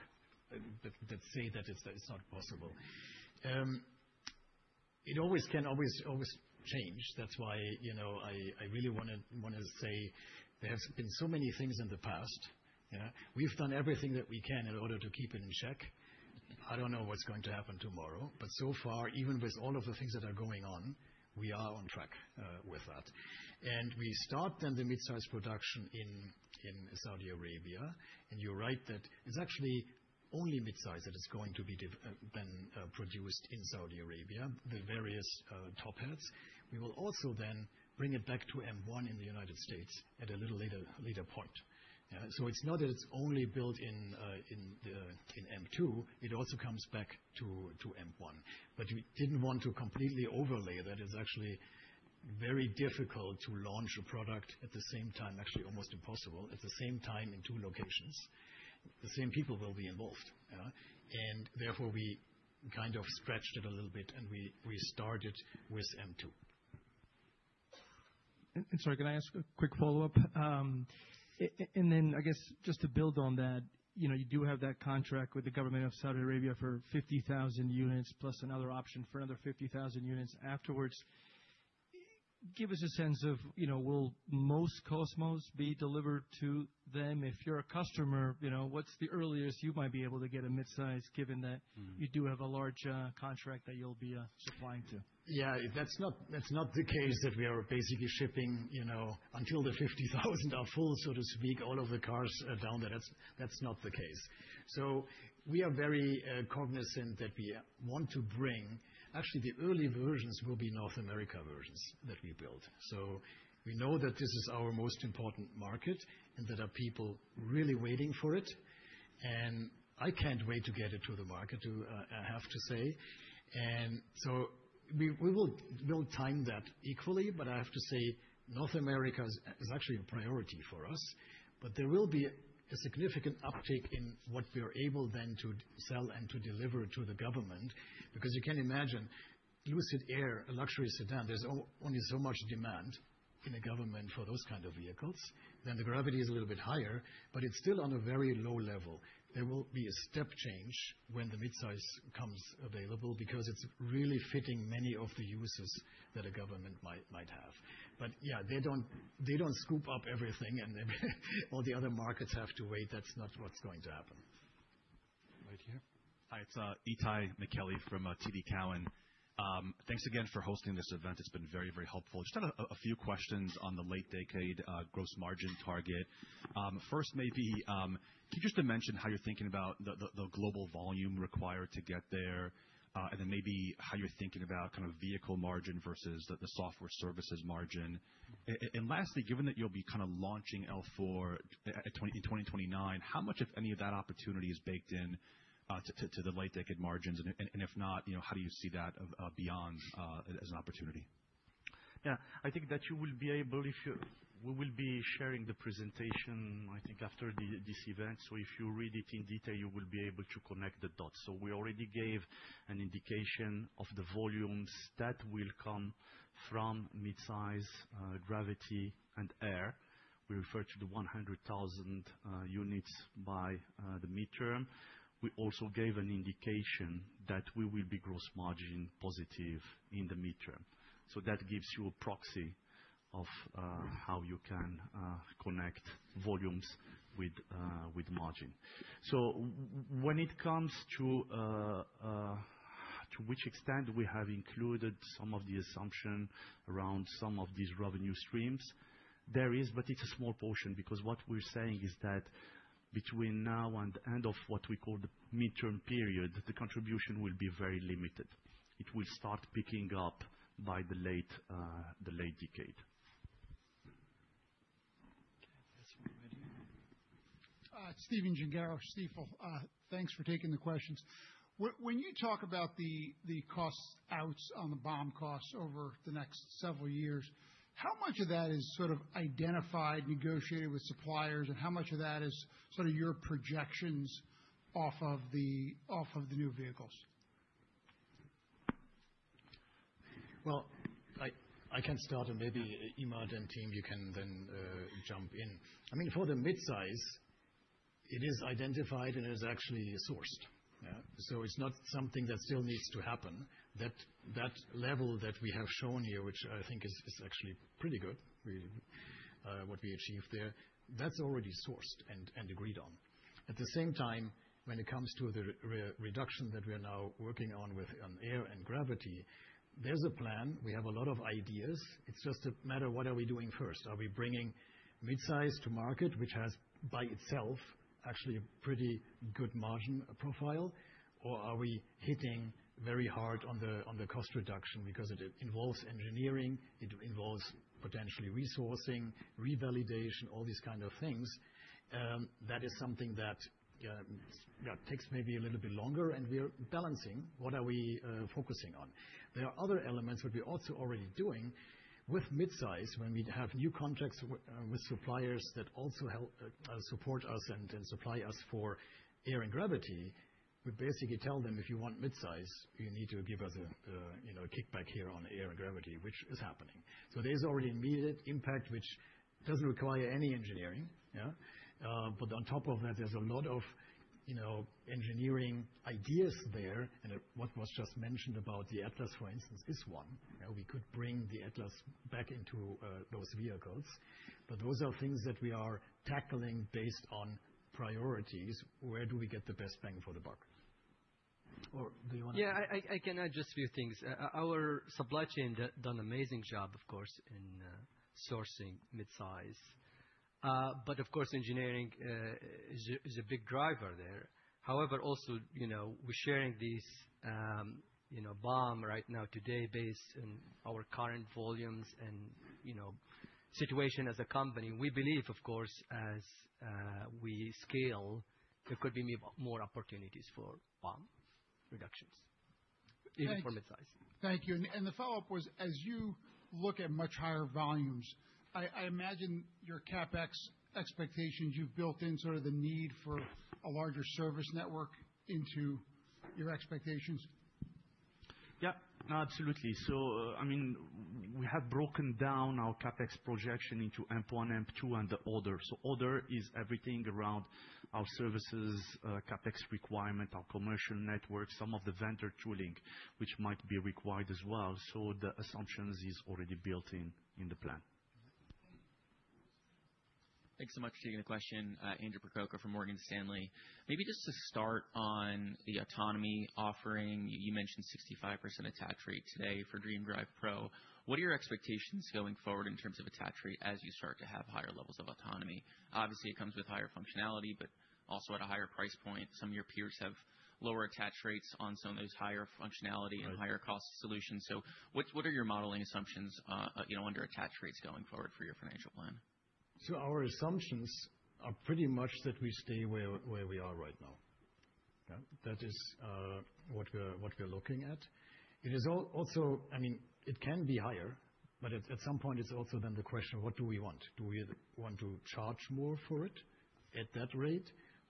that say that it's not possible. It always can change. That's why, you know, I really wanna say there has been so many things in the past. We've done everything that we can in order to keep it in check. I don't know what's going to happen tomorrow. So far, even with all of the things that are going on, we are on track with that. We start then the midsize production in Saudi Arabia. You're right that it's actually only midsize that is going to be produced in Saudi Arabia, the various top ends. We will also then bring it back to M1 in the United States at a little later point. It's not that it's only built in M2, it also comes back to M1. We didn't want to completely overlay. That is actually very difficult to launch a product at the same time, actually almost impossible, at the same time in two locations. The same people will be involved, yeah. Therefore, we kind of scratched it a little bit, and we started with M2. Sorry, can I ask a quick follow-up? Then I guess just to build on that, you know, you do have that contract with the government of Saudi Arabia for 50,000 units plus another option for another 50,000 units afterwards. Give us a sense of, you know, will most Cosmos be delivered to them? If you're a customer, you know, what's the earliest you might be able to get a midsize given that you do have a large contract that you'll be supplying to? Yeah. That's not the case that we are basically shipping, you know, until the 50,000 are full, so to speak, all of the cars down there. That's not the case. We are very cognizant. Actually, the early versions will be North America versions that we build. We know that this is our most important market and that people are really waiting for it. I can't wait to get it to the market, I have to say. We will time that equally, but I have to say North America is actually a priority for us. There will be a significant uptick in what we are able then to sell and to deliver to the government. Because you can imagine Lucid Air, a luxury sedan, there's only so much demand in a government for those kind of vehicles. The Gravity is a little bit higher, but it's still on a very low level. There will be a step change when the midsize comes available because it's really fitting many of the uses that a government might have. Yeah, they don't scoop up everything, and then all the other markets have to wait. That's not what's going to happen. Hi, it's Itay Michaeli from TD Cowen. Thanks again for hosting this event. It's been very, very helpful. Just had a few questions on the late decade gross margin target. First, maybe, can you just mention how you're thinking about the global volume required to get there, and then maybe how you're thinking about kind of vehicle margin versus the software services margin? Lastly, given that you'll be kinda launching L4 in 2029, how much of any of that opportunity is baked in to the late decade margins? If not, you know, how do you see that beyond as an opportunity? Yeah. I think that We will be sharing the presentation, I think, after this event. If you read it in detail, you will be able to connect the dots. We already gave an indication of the volumes that will come from midsize, Gravity and Air. We refer to the 100,000 units by the midterm. We also gave an indication that we will be gross margin positive in the midterm. That gives you a proxy of how you can connect volumes with margin. When it comes to which extent we have included some of the assumption around some of these revenue streams, there is, but it's a small portion. Because what we're saying is that between now and the end of what we call the midterm period, the contribution will be very limited. It will start picking up by the late decade. Stephen Gengaro, Stifel. Thanks for taking the questions. When you talk about the cost outs on the BOM costs over the next several years, how much of that is sort of identified, negotiated with suppliers, and how much of that is sort of your projections off of the new vehicles? Well, I can start and maybe Emad and team, you can then jump in. I mean, for the midsize, it is identified and is actually sourced. Yeah. It's not something that still needs to happen. That level that we have shown here, which I think is actually pretty good, really, what we achieved there, that's already sourced and agreed on. At the same time, when it comes to the reduction that we are now working on Air and Gravity, there's a plan. We have a lot of ideas. It's just a matter of what are we doing first. Are we bringing midsize to market, which has by itself actually a pretty good margin profile, or are we hitting very hard on the cost reduction because it involves engineering, it involves potentially resourcing, revalidation, all these kind of things. That is something that takes maybe a little bit longer, and we are balancing what we are focusing on. There are other elements that we're also already doing with midsize, when we'd have new contracts with suppliers that also help support us and supply us for Air and Gravity. We basically tell them, "If you want midsize, you need to give us a you know a kickback here on Air and Gravity," which is happening. There's already immediate impact, which doesn't require any engineering. On top of that, there's a lot of you know engineering ideas there, and what was just mentioned about the Atlas, for instance, is one. You know, we could bring the Atlas back into those vehicles. Those are things that we are tackling based on priorities. Where do we get the best bang for the buck? Yeah. I can add just a few things. Our supply chain has done an amazing job, of course, in sourcing midsize. But of course, engineering is a big driver there. However, also, you know, we're sharing these, you know, BOM right now today based on our current volumes and, you know, situation as a company. We believe, of course, as we scale, there could be more opportunities for BOM reductions. Thanks even for midsize. Thank you. The follow-up was, as you look at much higher volumes, I imagine your CapEx expectations, you've built in sort of the need for a larger service network into your expectations. Yeah. No, absolutely. I mean, we have broken down our CapEx projection into AMP-1, AMP-2, and the other. Other is everything around our services, CapEx requirement, our commercial network, some of the vendor tooling which might be required as well. The assumptions is already built in the plan. Thanks so much for taking the question. Adam Jonas from Morgan Stanley. Maybe just to start on the autonomy offering, you mentioned 65% attach rate today for DreamDrive Pro. What are your expectations going forward in terms of attach rate as you start to have higher levels of autonomy? Obviously, it comes with higher functionality, but also at a higher price point. Some of your peers have lower attach rates on some of those higher functionality and higher cost solutions. What are your modeling assumptions, you know, under attach rates going forward for your financial plan? Our assumptions are pretty much that we stay where we are right now. Yeah. That is what we're looking at. It is I mean, it can be higher, but at some point it's also then the question, what do we want? Do we want to charge more for it at that rate,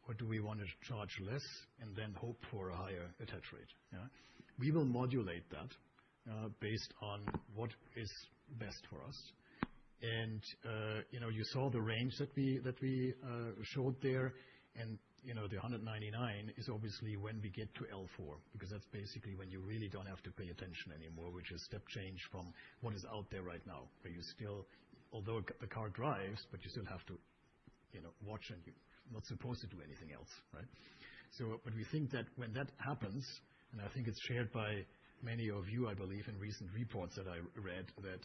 or do we want to charge less and then hope for a higher attach rate? Yeah. We will modulate that based on what is best for us. You know, you saw the range that we showed there. You know, the 199 is obviously when we get to L4, because that's basically when you really don't have to pay attention anymore, which is step change from what is out there right now. You know, watch and you're not supposed to do anything else, right? We think that when that happens, and I think it's shared by many of you, I believe, in recent reports that I read, that,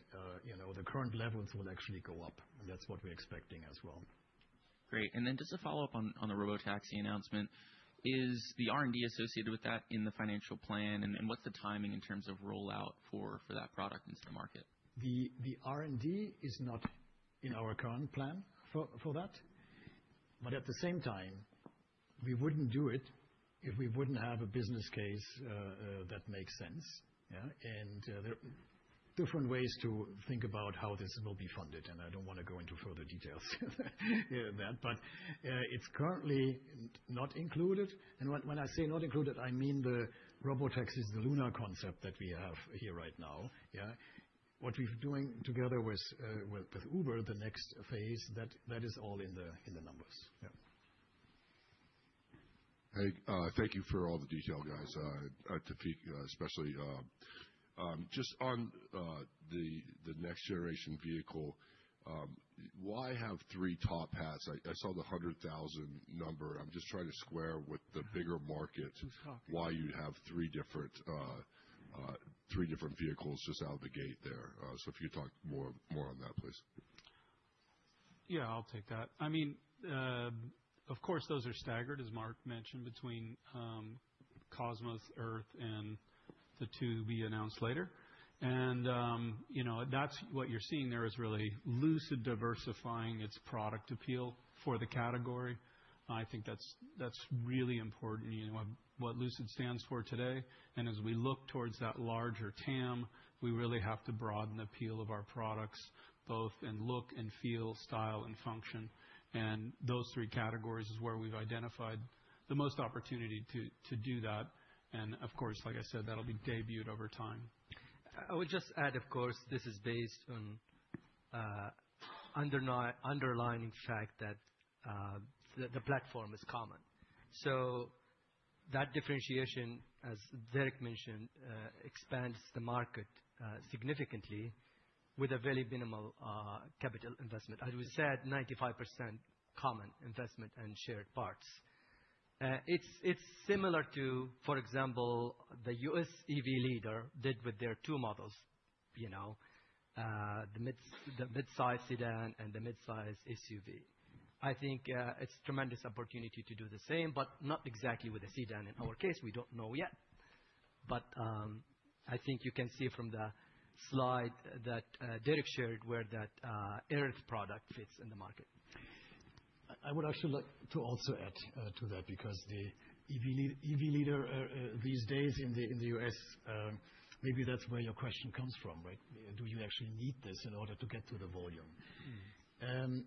you know, the current levels will actually go up. That's what we're expecting as well. Great. Just a follow-up on the robotaxi announcement. Is the R&D associated with that in the financial plan? What's the timing in terms of rollout for that product into the market? The R&D is not in our current plan for that. At the same time, we wouldn't do it if we wouldn't have a business case that makes sense. Yeah. There are different ways to think about how this will be funded, and I don't wanna go into further details here than that. It's currently not included. When I say not included, I mean the robotaxi is the Lunar concept that we have here right now, yeah. What we're doing together with Uber, the next phase, that is all in the numbers. Yeah. Hey, thank you for all the detail, guys. Taoufiq especially. Just on the next-generation vehicle, why have three top hats? I saw the 100,000 number. I'm just trying to square with the bigger market. Okay. Why you'd have three different vehicles just out of the gate there. If you'd talk more on that, please. Yeah, I'll take that. I mean, of course, those are staggered, as Mark mentioned, between Cosmos, Earth, and the two we announced later. You know, that's what you're seeing there is really Lucid diversifying its product appeal for the category. I think that's really important, you know, what Lucid stands for today. As we look towards that larger TAM, we really have to broaden the appeal of our products, both in look and feel, style and function. Those three categories is where we've identified the most opportunity to do that. Of course, like I said, that'll be debuted over time. I would just add, of course, this is based on underlying fact that the platform is common. That differentiation, as Derek mentioned, expands the market significantly with a very minimal capital investment. As we said, 95% common investment and shared parts. It's similar to, for example, the U.S. EV leader did with their two models, you know, the midsize sedan and the midsize SUV. I think it's tremendous opportunity to do the same, but not exactly with the sedan in our case, we don't know yet. I think you can see from the slide that Derek shared where that Air product fits in the market. I would actually like to also add to that because the EV leader these days in the U.S., maybe that's where your question comes from, right? Do you actually need this in order to get to the volume?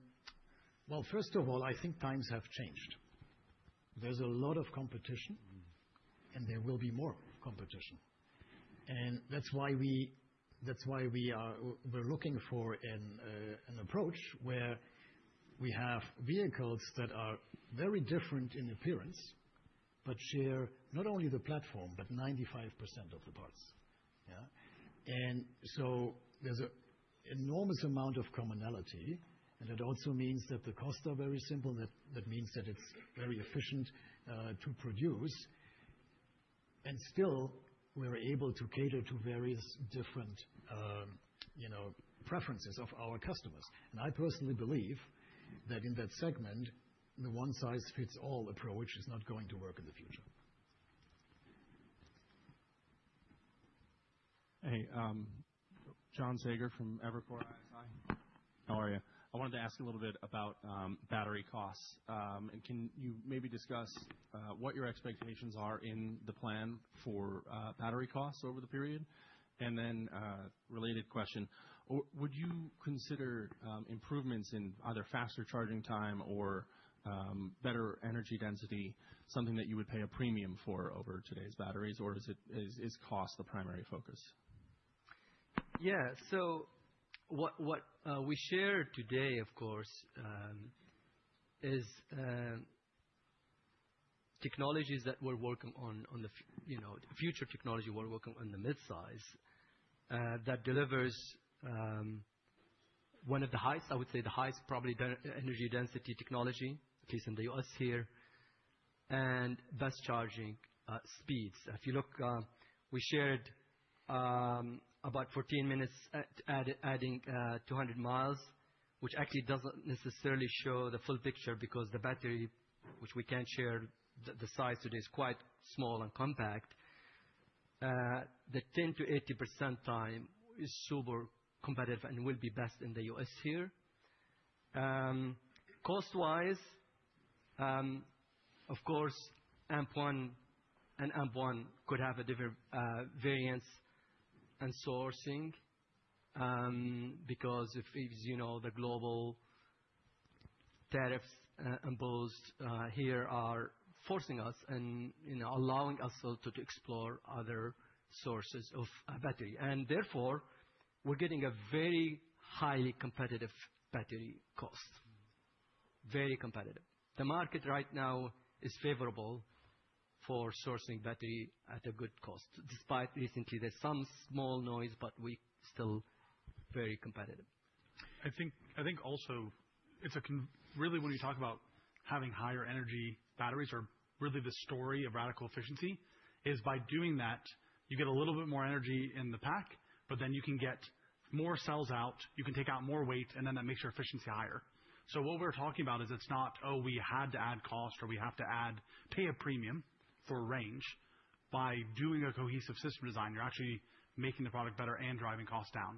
Well, first of all, I think times have changed. There's a lot of competition, and there will be more competition. That's why we're looking for an approach where we have vehicles that are very different in appearance, but share not only the platform, but 95% of the parts. Yeah. There's an enormous amount of commonality, and it also means that the costs are very simple. That means that it's very efficient to produce. Still, we're able to cater to various different, you know, preferences of our customers. I personally believe that in that segment, the one-size-fits-all approach is not going to work in the future. Hey, John Sager from Evercore ISI. How are you? I wanted to ask a little bit about battery costs. Can you maybe discuss what your expectations are in the plan for battery costs over the period? Related question, would you consider improvements in either faster charging time or better energy density something that you would pay a premium for over today's batteries, or does it? Is cost the primary focus? Yeah. What we shared today, of course, is technologies that we're working on, you know, future technology we're working on the midsize that delivers one of the highest, I would say the highest probably energy density technology, at least in the U.S. here, and best charging speeds. If you look, we shared about 14 minutes adding 200 mi, which actually doesn't necessarily show the full picture because the battery, which we can share the size, it is quite small and compact. The 10%-80% time is super competitive and will be best in the U.S. here. Cost-wise, of course, AMP-1 and AMP-2 could have a variance in sourcing, because if you know, the global tariffs imposed here are forcing us and, you know, allowing us also to explore other sources of battery. Therefore, we're getting a very highly competitive battery cost. Very competitive. The market right now is favorable for sourcing battery at a good cost. Despite recently there's some small noise, but we still very competitive. I think also. Really when you talk about having higher energy batteries or really the story of radical efficiency, is by doing that, you get a little bit more energy in the pack, but then you can get more cells out, you can take out more weight, and then that makes your efficiency higher. What we're talking about is it's not, oh, we had to add cost or we have to add, pay a premium for range. By doing a cohesive system design, you're actually making the product better and driving costs down.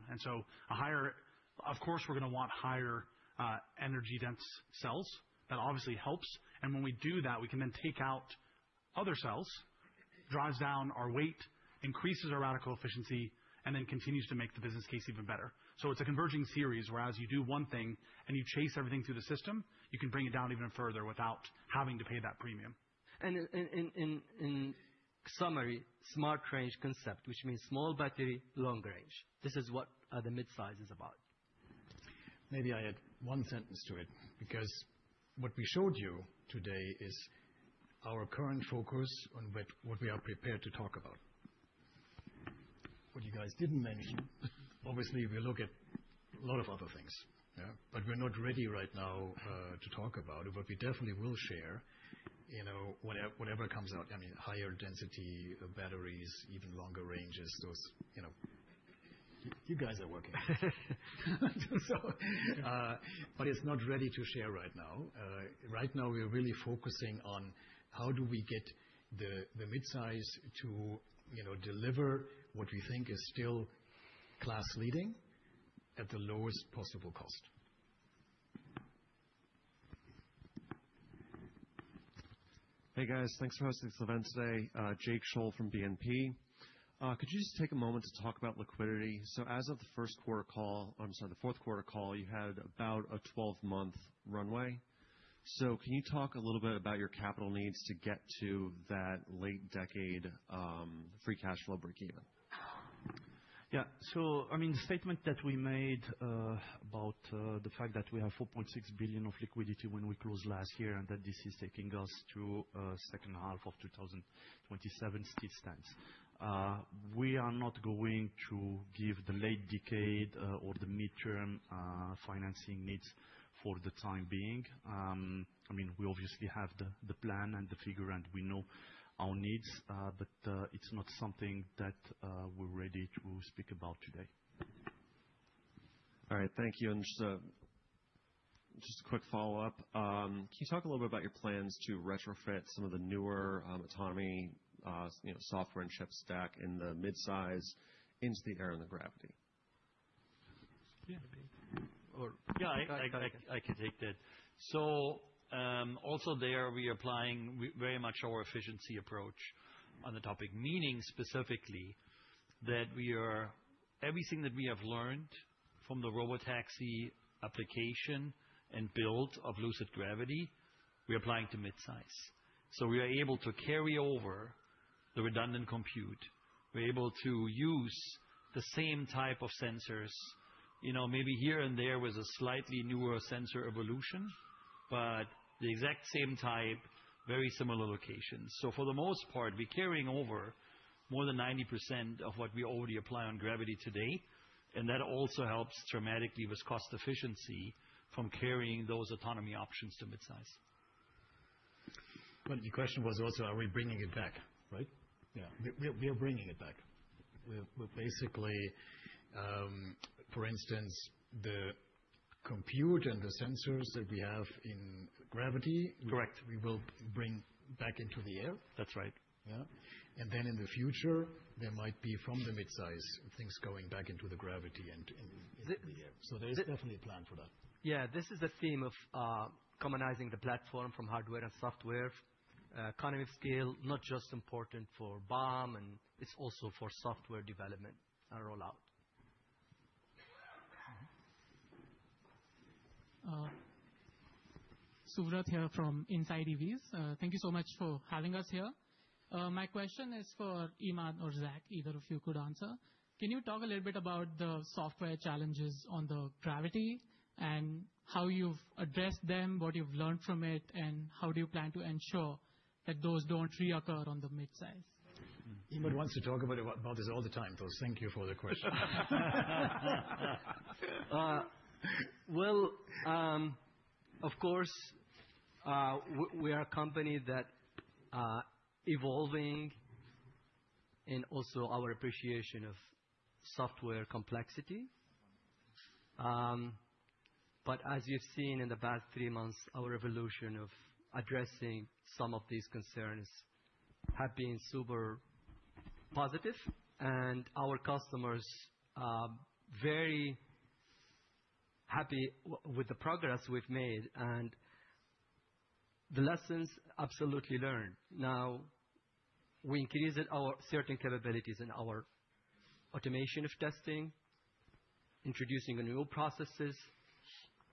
Of course, we're gonna want higher, energy-dense cells. That obviously helps. When we do that, we can then take out other cells, drives down our weight, increases our radical efficiency, and then continues to make the business case even better. It's a converging series, whereas you do one thing and you chase everything through the system, you can bring it down even further without having to pay that premium. In summary, smart range concept, which means small battery, long range. This is what the midsize is about. Maybe I add one sentence to it, because what we showed you today is our current focus on what we are prepared to talk about. What you guys didn't mention, obviously, we look at a lot of other things, yeah. But we're not ready right now to talk about it, but we definitely will share, you know, whatever comes out. I mean, higher density batteries, even longer ranges, those, you know. You guys are working on it. But it's not ready to share right now. Right now, we are really focusing on how do we get the midsize to, you know, deliver what we think is still class leading at the lowest possible cost. Hey, guys. Thanks for hosting this event today. Jake Scholl from BNP Paribas. Could you just take a moment to talk about liquidity? As of the Q4 call, you had about a 12 month runway. Can you talk a little bit about your capital needs to get to that late decade free cash flow breakeven? Yeah. I mean, the statement that we made about the fact that we have $4.6 billion of liquidity when we closed last year, and that this is taking us to second half of 2027 still stands. We are not going to give the long-term or the mid-term financing needs for the time being. I mean, we obviously have the plan and the figure, and we know our needs, but it's not something that we're ready to speak about today. All right. Thank you. Just a quick follow-up. Can you talk a little bit about your plans to retrofit some of the newer autonomy, you know, software and chip stack in the midsize into the air and the gravity? Yeah. Yeah, I can take that. Also there, we are applying very much our efficiency approach on the topic, meaning specifically that we are everything that we have learned from the robotaxi application and build of Lucid Gravity, we are applying to midsize. We are able to carry over the redundant compute. We're able to use the same type of sensors, you know, maybe here and there with a slightly newer sensor evolution, but the exact same type, very similar locations. For the most part, we're carrying over more than 90% of what we already apply on Gravity today, and that also helps dramatically with cost efficiency from carrying those autonomy options to midsize. The question was also, are we bringing it back, right? Yeah. We're bringing it back. We're basically, for instance, the compute and the sensors that we have in Gravity. Correct We will bring back into the Air. That's right. Yeah. Then in the future, there might be from the midsize things going back into the Gravity and into the Air. There is definitely a plan for that. Yeah. This is the theme of commonizing the platform from hardware and software. Economy of scale, not just important for BOM and it's also for software development and rollout. Suvrat here from InsideEVs. Thank you so much for having us here. My question is for Emad or Zach, either of you could answer. Can you talk a little bit about the software challenges on the Gravity and how you've addressed them, what you've learned from it, and how do you plan to ensure that those don't reoccur on the midsize? Emad wants to talk about it, about this all the time, though. Thank you for the question. Well, of course, we are a company that evolving and also our appreciation of software complexity. As you've seen in the past three months, our evolution of addressing some of these concerns have been super positive, and our customers are very happy with the progress we've made. The lessons absolutely learned. Now, we increased our certain capabilities in our automation of testing, introducing the new processes,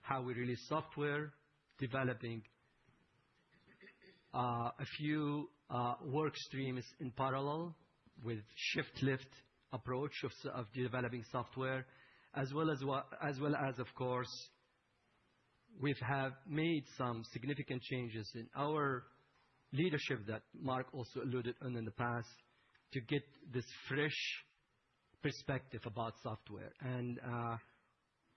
how we release software, developing a few work streams in parallel with shift-left approach of developing software, as well as, of course, we have made some significant changes in our leadership that Marc also alluded to in the past to get this fresh perspective about software.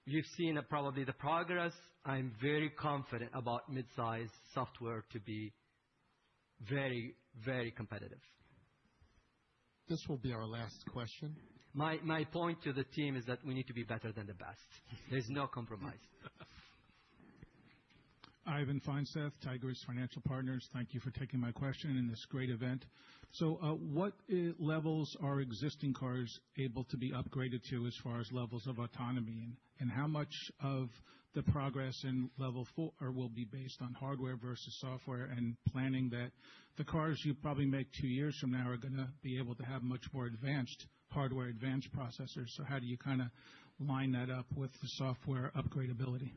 You've seen probably the progress. I'm very confident about midsize software to be very, very competitive. This will be our last question. My point to the team is that we need to be better than the best. There's no compromise. Ivan Feinseth, Tigress Financial Partners. Thank you for taking my question in this great event. What levels are existing cars able to be upgraded to as far as levels of autonomy? How much of the progress in level four will be based on hardware versus software and planning that the cars you probably make two years from now are gonna be able to have much more advanced hardware, advanced processors. How do you kinda line that up with the software upgradeability?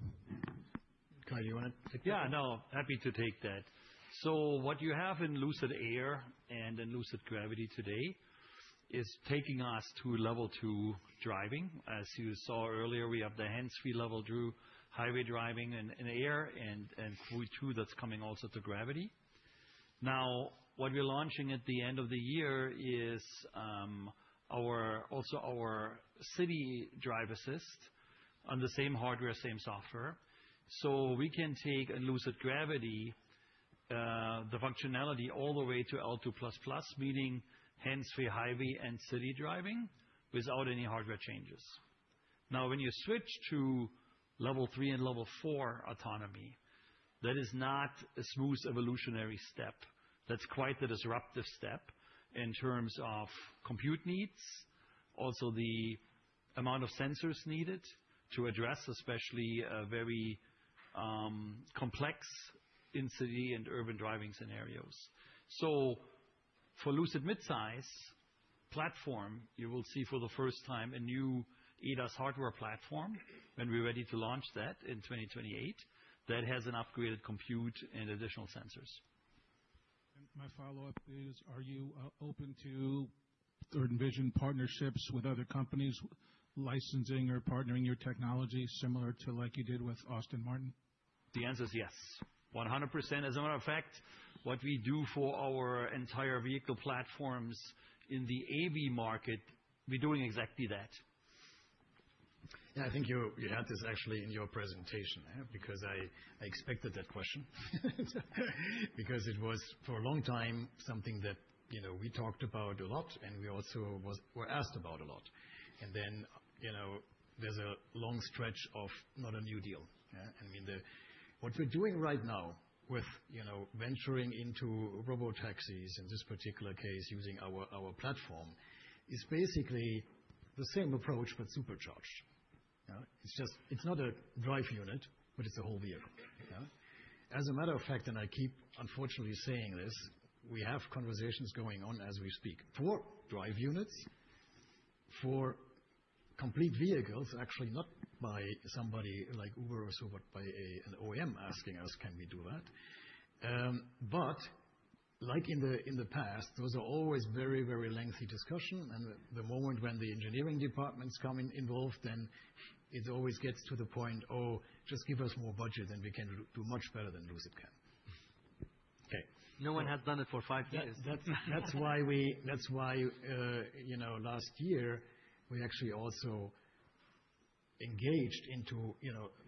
Kay, do you wanna take that? Yeah, no, happy to take that. What you have in Lucid Air and in Lucid Gravity today is taking us to level two driving. As you saw earlier, we have the hands-free level two highway driving in Air and fully too that's coming also to Gravity. Now, what we're launching at the end of the year is our also our city drive assist on the same hardware, same software. We can take a Lucid Gravity, the functionality all the way to L2++, meaning hands-free highway and city driving without any hardware changes. Now, when you switch to level three and level four autonomy, that is not a smooth evolutionary step. That's quite the disruptive step in terms of compute needs, also the amount of sensors needed to address especially a very complex in-city and urban driving scenarios. For Lucid midsize platform, you will see for the first time a new ADAS hardware platform, and we're ready to launch that in 2028. That has an upgraded compute and additional sensors. My follow-up is, are you open to third-party partnerships with other companies licensing or partnering your technology similar to like you did with Aston Martin? The answer is yes, 100%. As a matter of fact, what we do for our entire vehicle platforms in the AV market, we're doing exactly that. Yeah, I think you had this actually in your presentation, huh? Because I expected that question. Because it was, for a long time, something that, you know, we talked about a lot, and we also were asked about a lot. You know, there's a long stretch of not a new deal, yeah? I mean, what we're doing right now with, you know, venturing into robotaxis, in this particular case using our platform, is basically the same approach, but supercharged. You know? It's just, it's not a drive unit, but it's a whole vehicle, yeah? As a matter of fact, I keep unfortunately saying this, we have conversations going on as we speak for drive units, for complete vehicles, actually not by somebody like Uber or so, but by an OEM asking us can we do that? Like in the past, those are always very lengthy discussion. The moment when the engineering department gets involved, it always gets to the point, "Oh, just give us more budget and we can do much better than Lucid can." Okay. No one has done it for five years. That's why, you know, last year, we actually also engaged into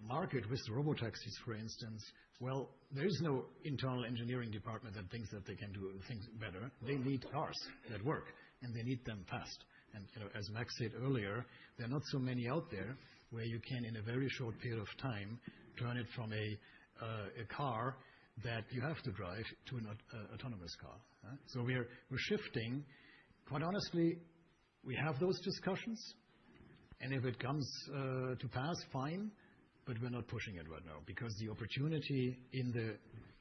market with robotaxis, for instance. Well, there is no internal engineering department that thinks that they can do things better. They need cars that work, and they need them fast. You know, as Marc said earlier, there are not so many out there where you can, in a very short period of time, turn it from a car that you have to drive to an autonomous car. Yeah? We're shifting. Quite honestly, we have those discussions, and if it comes to pass, fine, but we're not pushing it right now. Because the opportunity in the,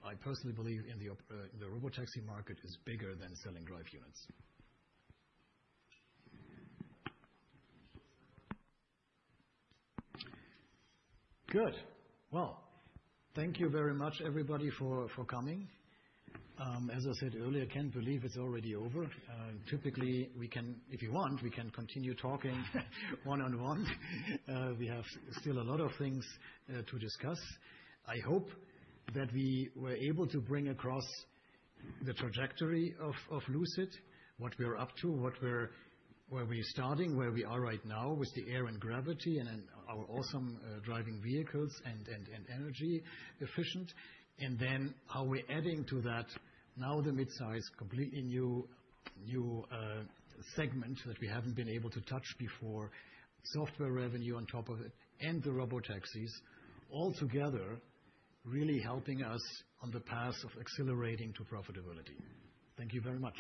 I personally believe, in the robotaxi market is bigger than selling drive units. Good. Well, thank you very much, everybody, for coming. As I said earlier, I can't believe it's already over. Typically, we can, if you want, we can continue talking one-on-one. We have still a lot of things to discuss. I hope that we were able to bring across the trajectory of Lucid, what we're up to, where we're starting, where we are right now with the Air and Gravity and then our awesome driving vehicles and energy efficient. Then how we're adding to that now the midsize, completely new segment that we haven't been able to touch before, software revenue on top of it, and the robotaxis all together really helping us on the path of accelerating to profitability. Thank you very much.